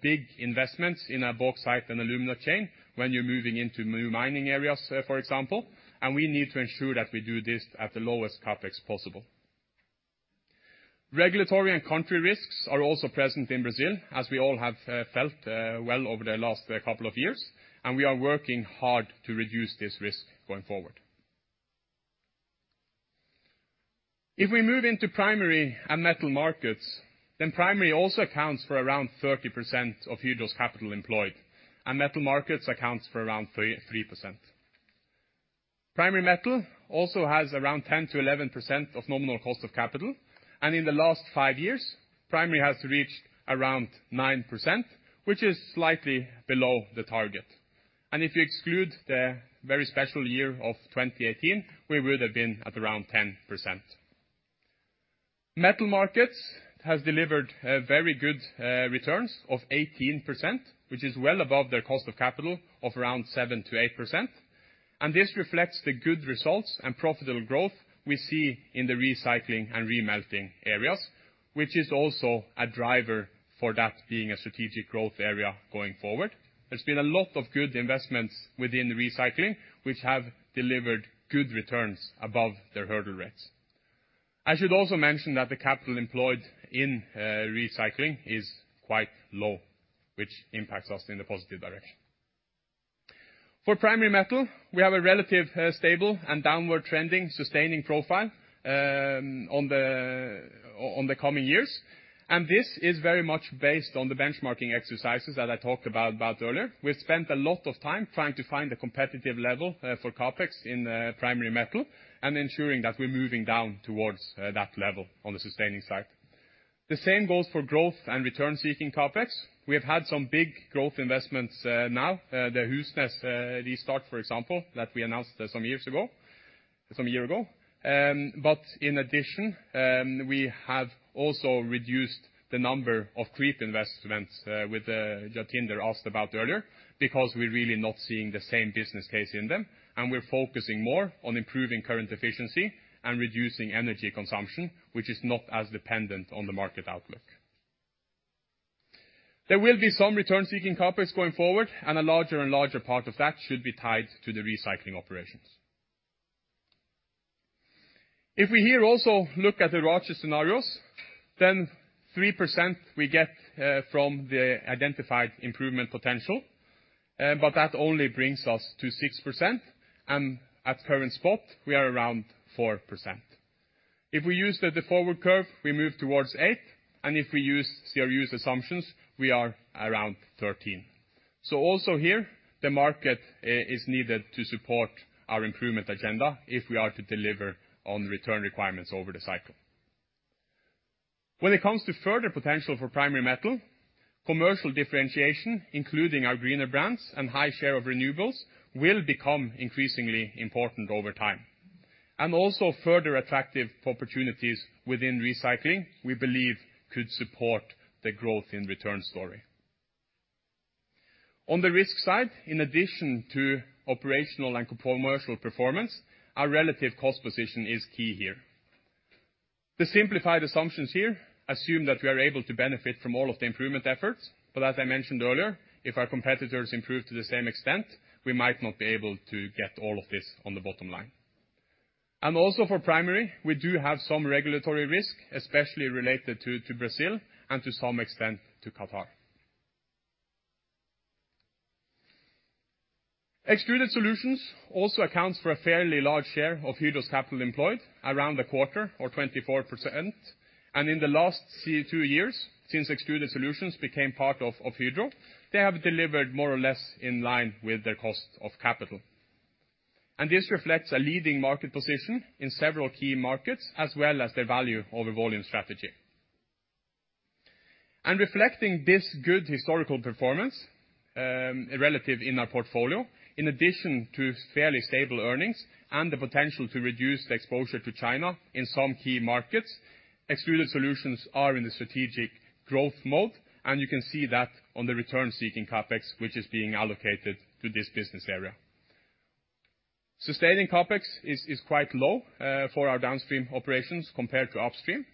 big investments in our bauxite and alumina chain when you're moving into new mining areas, for example, and we need to ensure that we do this at the lowest CapEx possible. Regulatory and country risks are also present in Brazil, as we all have felt well over the last couple of years, and we are working hard to reduce this risk going forward. If we move into Primary and Metal Markets, then Primary also accounts for around 30% of Hydro's capital employed, and Metal Markets accounts for around three percent. Primary Metal also has around 10%-11% of nominal cost of capital, and in the last five years, Primary has reached around 9%, which is slightly below the target. If you exclude the very special year of 2018, we would have been at around 10%. Metal Markets has delivered very good returns of 18%, which is well above their cost of capital of around 7%-8%. This reflects the good results and profitable growth we see in the recycling and remelting areas, which is also a driver for that being a strategic growth area going forward. There's been a lot of good investments within the recycling, which have delivered good returns above their hurdle rates. I should also mention that the capital employed in recycling is quite low, which impacts us in a positive direction. For Primary Metal, we have a relative stable and downward trending sustaining profile on the coming years. This is very much based on the benchmarking exercises that I talked about earlier. We spent a lot of time trying to find a competitive level for CapEx in Primary Metal and ensuring that we're moving down towards that level on the sustaining side. The same goes for growth and return-seeking CapEx. We have had some big growth investments, the Husnes restart, for example, that we announced some years ago. In addition, we have also reduced the number of creep investments with that Tønder asked about earlier because we're really not seeing the same business case in them, and we're focusing more on improving current efficiency and reducing energy consumption, which is not as dependent on the market outlook. There will be some return-seeking CapEx going forward, and a larger and larger part of that should be tied to the recycling operations. If we here also look at the ROACE scenarios, then 3% we get from the identified improvement potential, but that only brings us to 6%. At current spot, we are around 4%. If we use the forward curve, we move towards 8%, and if we use CRU's assumptions, we are around 13%. Also here, the market is needed to support our improvement agenda if we are to deliver on return requirements over the cycle. When it comes to further potential for Primary Metal, commercial differentiation, including our Greener brands and high share of renewables, will become increasingly important over time. Also further attractive opportunities within recycling, we believe could support the growth in return story. On the risk side, in addition to operational and commercial performance, our relative cost position is key here. The simplified assumptions here assume that we are able to benefit from all of the improvement efforts, but as I mentioned earlier, if our competitors improve to the same extent, we might not be able to get all of this on the bottom line. Also for Primary, we do have some regulatory risk, especially related to Brazil and to some extent to Qatar. Extruded Solutions also accounts for a fairly large share of Hydro's capital employed, around a quarter or 24%. In the last two years since Extruded Solutions became part of Hydro, they have delivered more or less in line with their cost of capital. This reflects a leading market position in several key markets as well as their value over volume strategy. Reflecting this good historical performance, relative in our portfolio, in addition to fairly stable earnings and the potential to reduce the exposure to China in some key markets, Extruded Solutions are in the strategic growth mode, and you can see that on the return-seeking CapEx, which is being allocated to this business area. Sustaining CapEx is quite low for our downstream operations compared to upstream,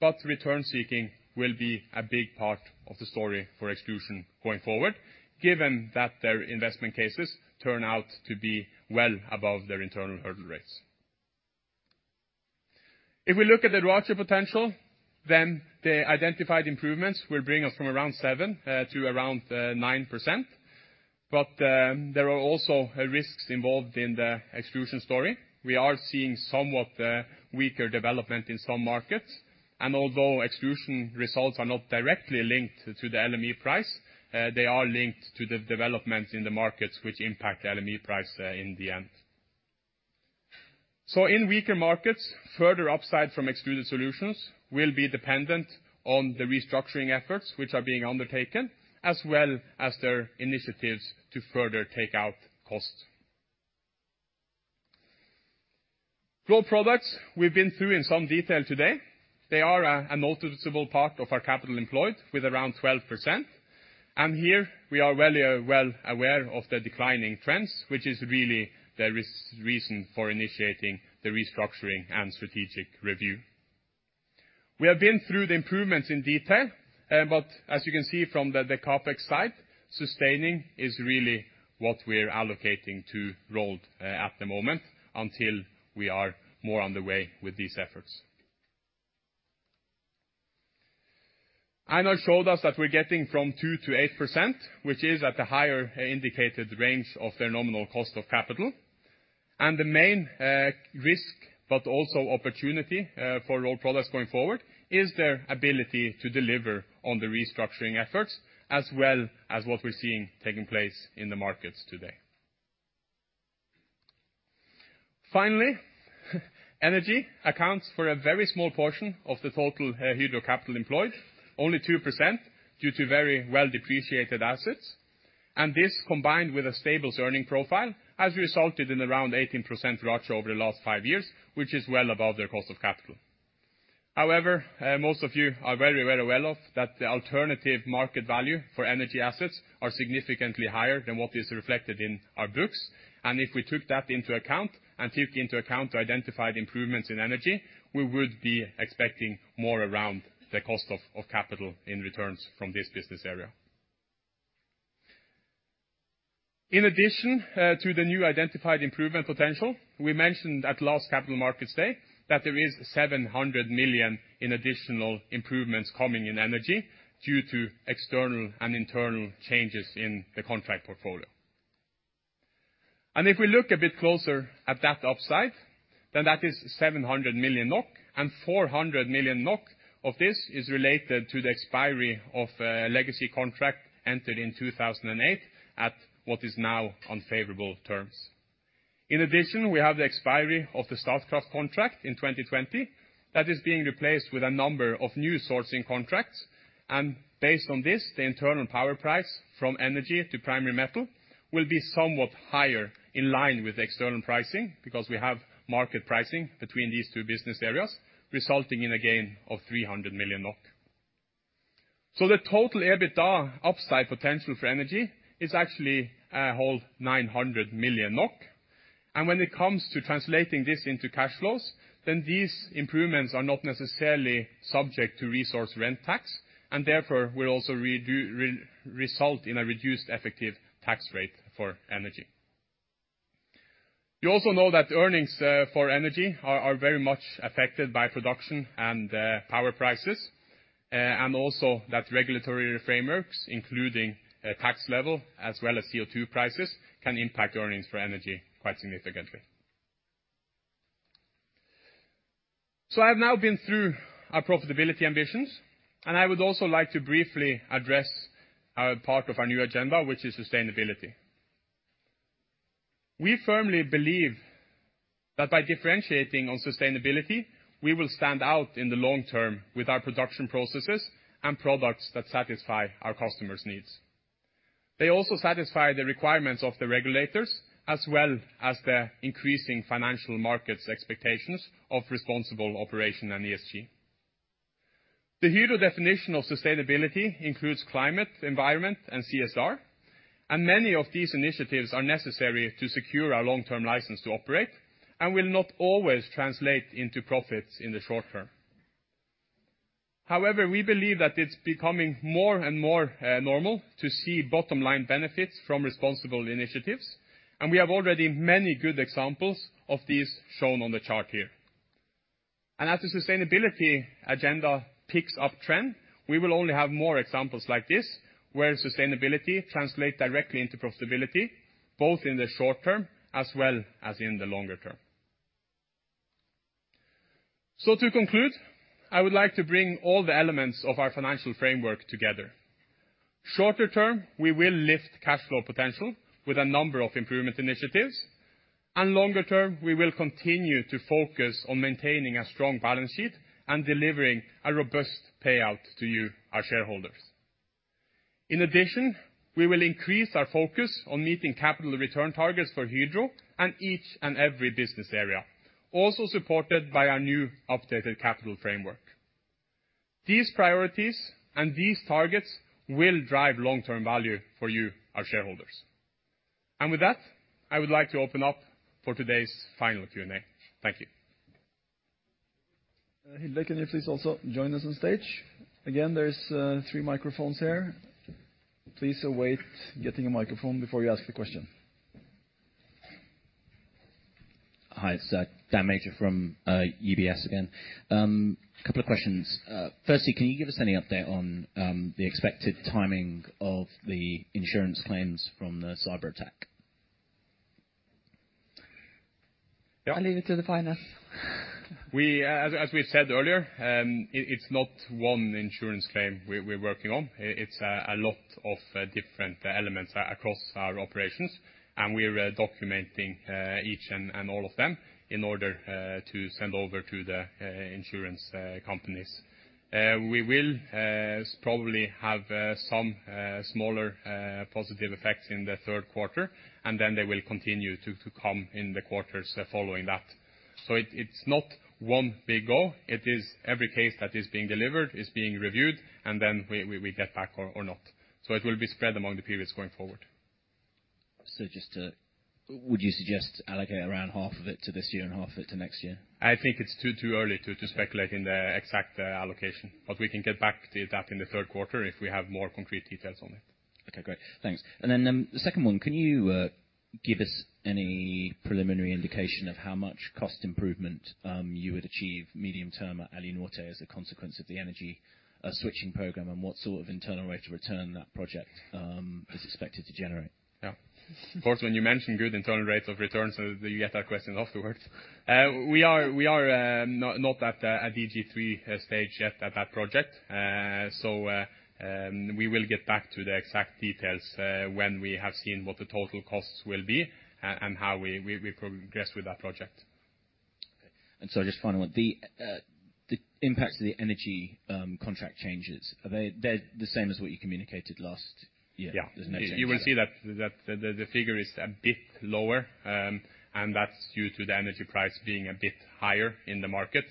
but return-seeking will be a big part of the story for Extrusion going forward, given that their investment cases turn out to be well above their internal hurdle rates. If we look at the ROACE potential, then the identified improvements will bring us from around 7% to around 9%. There are also risks involved in the Extrusion story. We are seeing somewhat weaker development in some markets, and although Extrusion results are not directly linked to the LME price, they are linked to the developments in the markets which impact the LME price in the end. In weaker markets, further upside from Extruded Solutions will be dependent on the restructuring efforts which are being undertaken, as well as their initiatives to further take out costs. Rolled Products we've been through in some detail today. They are a noticeable part of our capital employed with around 12%. Here we are very well aware of the declining trends, which is really the reason for initiating the restructuring and strategic review. We have been through the improvements in detail, but as you can see from the CapEx side, sustaining is really what we're allocating to Rolled at the moment until we are more on the way with these efforts. Einar showed us that we're getting from 2% to 8%, which is at the higher indicated range of their nominal cost of capital. The main risk, but also opportunity, for Rolled Products going forward, is their ability to deliver on the restructuring efforts, as well as what we're seeing taking place in the markets today. Finally, Energy accounts for a very small portion of the total Hydro capital employed, only 2% due to very well-depreciated assets. This, combined with a stable earning profile, has resulted in around 18% ROACE over the last five years, which is well above their cost of capital. However, most of you are very, very well aware that the alternative market value for Energy assets are significantly higher than what is reflected in our books. If we took that into account and took into account the identified improvements in Energy, we would be expecting more around the cost of capital in returns from this business area. In addition, to the new identified improvement potential, we mentioned at last capital markets day that there is 700 million in additional improvements coming in Energy due to external and internal changes in the contract portfolio. If we look a bit closer at that upside, then that is 700 million NOK and 400 million NOK of this is related to the expiry of a legacy contract entered in 2008 at what is now unfavorable terms. In addition, we have the expiry of the Statkraft contract in 2020. That is being replaced with a number of new sourcing contracts. Based on this, the internal power price from Energy to Primary Metal will be somewhat higher in line with external pricing because we have market pricing between these two business areas, resulting in a gain of 300 million NOK. The total EBITDA upside potential for Energy is actually a whole 900 million NOK. When it comes to translating this into cash flows, then these improvements are not necessarily subject to resource rent tax and therefore will also result in a reduced effective tax rate for Energy. You also know that earnings for Energy are very much affected by production and power prices, and also that regulatory frameworks, including a tax level as well as CO2 prices, can impact earnings for Energy quite significantly. I have now been through our profitability ambitions, and I would also like to briefly address our part of our new agenda, which is sustainability. We firmly believe that by differentiating on sustainability, we will stand out in the long term with our production processes and products that satisfy our customers' needs. They also satisfy the requirements of the regulators, as well as the increasing financial markets' expectations of responsible operation and ESG. The Hydro definition of sustainability includes climate, environment, and CSR, and many of these initiatives are necessary to secure our long-term license to operate and will not always translate into profits in the short term. However, we believe that it's becoming more and more normal to see bottom-line benefits from responsible initiatives, and we have already many good examples of these shown on the chart here. As the sustainability agenda picks up trend, we will only have more examples like this, where sustainability translate directly into profitability, both in the short term as well as in the longer term. To conclude, I would like to bring all the elements of our financial framework together. Shorter term, we will lift cash flow potential with a number of improvement initiatives. Longer term, we will continue to focus on maintaining a strong balance sheet and delivering a robust payout to you, our shareholders. In addition, we will increase our focus on meeting capital return targets for Hydro and each and every business area, also supported by our new updated capital framework. These priorities and these targets will drive long-term value for you, our shareholders. With that, I would like to open up for today's final Q&A. Thank you. Hilde, can you please also join us on stage? Again, there's three microphones here. Please await getting a microphone before you ask a question. Hi, it's Daniel Major from UBS again. A couple of questions. Firstly, can you give us any update on the expected timing of the insurance claims from the cyberattack? Yeah. I leave it to the finance. As we said earlier, it's not one insurance claim we're working on. It's a lot of different elements across our operations, and we're documenting each and all of them in order to send over to the insurance companies. We will probably have some smaller positive effects in the Q3, and then they will continue to come in the quarters following that. It's not one big go. It is every case that is being delivered, is being reviewed, and then we get back or not. It will be spread among the periods going forward. Would you suggest allocate around half of it to this year and half of it to next year? I think it's too early to speculate on the exact allocation. We can get back to you on that in the Q3 if we have more concrete details on it. Okay, great. Thanks. The second one, can you give us any preliminary indication of how much cost improvement you would achieve medium term at Alunorte as a consequence of the energy switching program? What sort of internal rate of return that project is expected to generate? Yeah. Of course, when you mention good internal rates of return, so you get that question afterwards. We are not at a DG3 stage yet at that project. We will get back to the exact details when we have seen what the total costs will be and how we progress with that project. Okay. Just final one. The impacts of the energy contract changes, are they the same as what you communicated last year? Yeah. There's no change there. You will see that the figure is a bit lower, and that's due to the energy price being a bit higher in the market.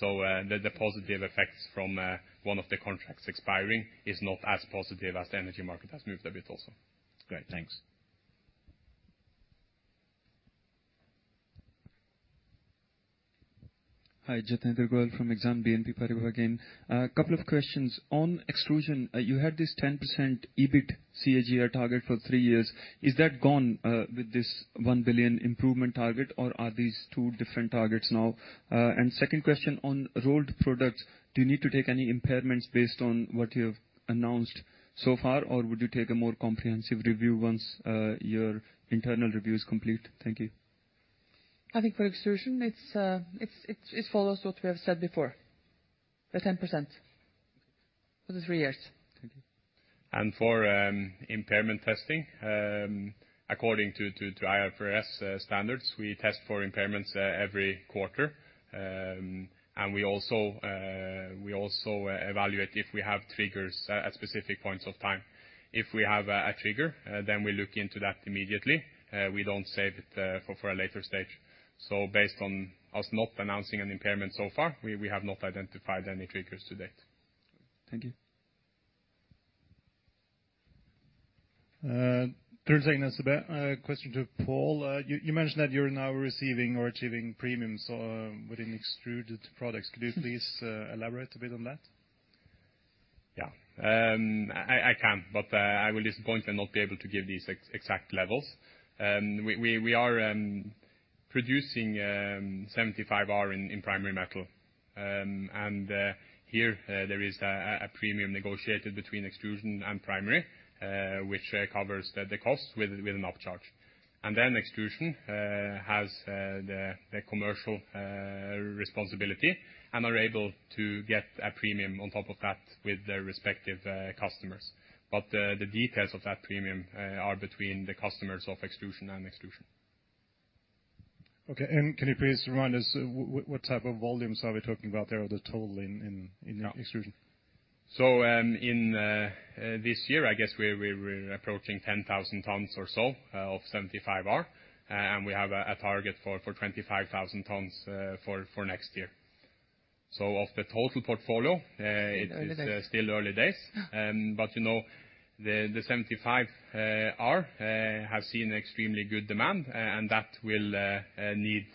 The positive effects from one of the contracts expiring is not as positive as the energy market has moved a bit also. Great. Thanks. Hi, Jatinder Goel from Exane BNP Paribas again. A couple of questions. On Extrusion, you had this 10% EBIT CAGR target for three years. Is that gone, with this 1 billion improvement target, or are these two different targets now? Second question on rolled products, do you need to take any impairments based on what you've announced so far, or would you take a more comprehensive review once your internal review is complete? Thank you. I think for Extrusion, it follows what we have said before, the 10% for the three years. Thank you. For impairment testing, according to IFRS standards, we test for impairments every quarter. We also evaluate if we have triggers at specific points of time. If we have a trigger, then we look into that immediately. We don't save it for a later stage. Based on us not announcing an impairment so far, we have not identified any triggers to date. Thank you. 30 seconds left. Question to Pål. You mentioned that you're now receiving or achieving premiums within Extruded Solutions. Could you please elaborate a bit on that? Yeah. I can, but I will just going to not be able to give these exact levels. We are producing 75R in Aluminium Metal. Here there is a premium negotiated between Extrusion and Primary, which covers the cost with an upcharge. Then Extrusion has the commercial responsibility and are able to get a premium on top of that with their respective customers. The details of that premium are between the customers of Extrusion and Extrusion. Okay. Can you please remind us what type of volumes are we talking about there or the total? Yeah. in Extrusion? In this year, I guess we're approaching 10,000 tons or so of 75R. We have a target for 25,000 tons for next year. Of the total portfolio, it is- Still early days. Still early days. Yeah. You know, the 75R has seen extremely good demand, and that will need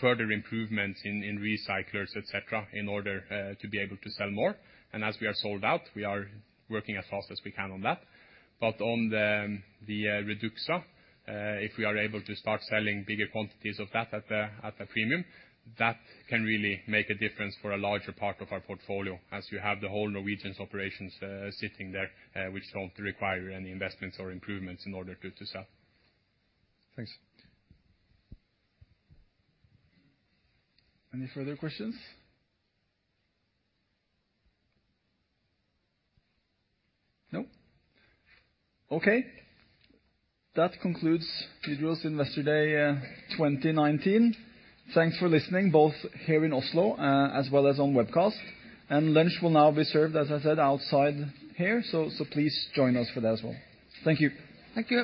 further improvements in recyclers, et cetera, in order to be able to sell more. As we are sold out, we are working as fast as we can on that. On the REDUXA, if we are able to start selling bigger quantities of that at a premium, that can really make a difference for a larger part of our portfolio, as you have the whole Norwegian operations sitting there, which don't require any investments or improvements in order to sell. Thanks. Any further questions? No? Okay. That concludes Hydro's Investor Day, 2019. Thanks for listening both here in Oslo, as well as on webcast. Lunch will now be served, as I said, outside here, so please join us for that as well. Thank you. Thank you.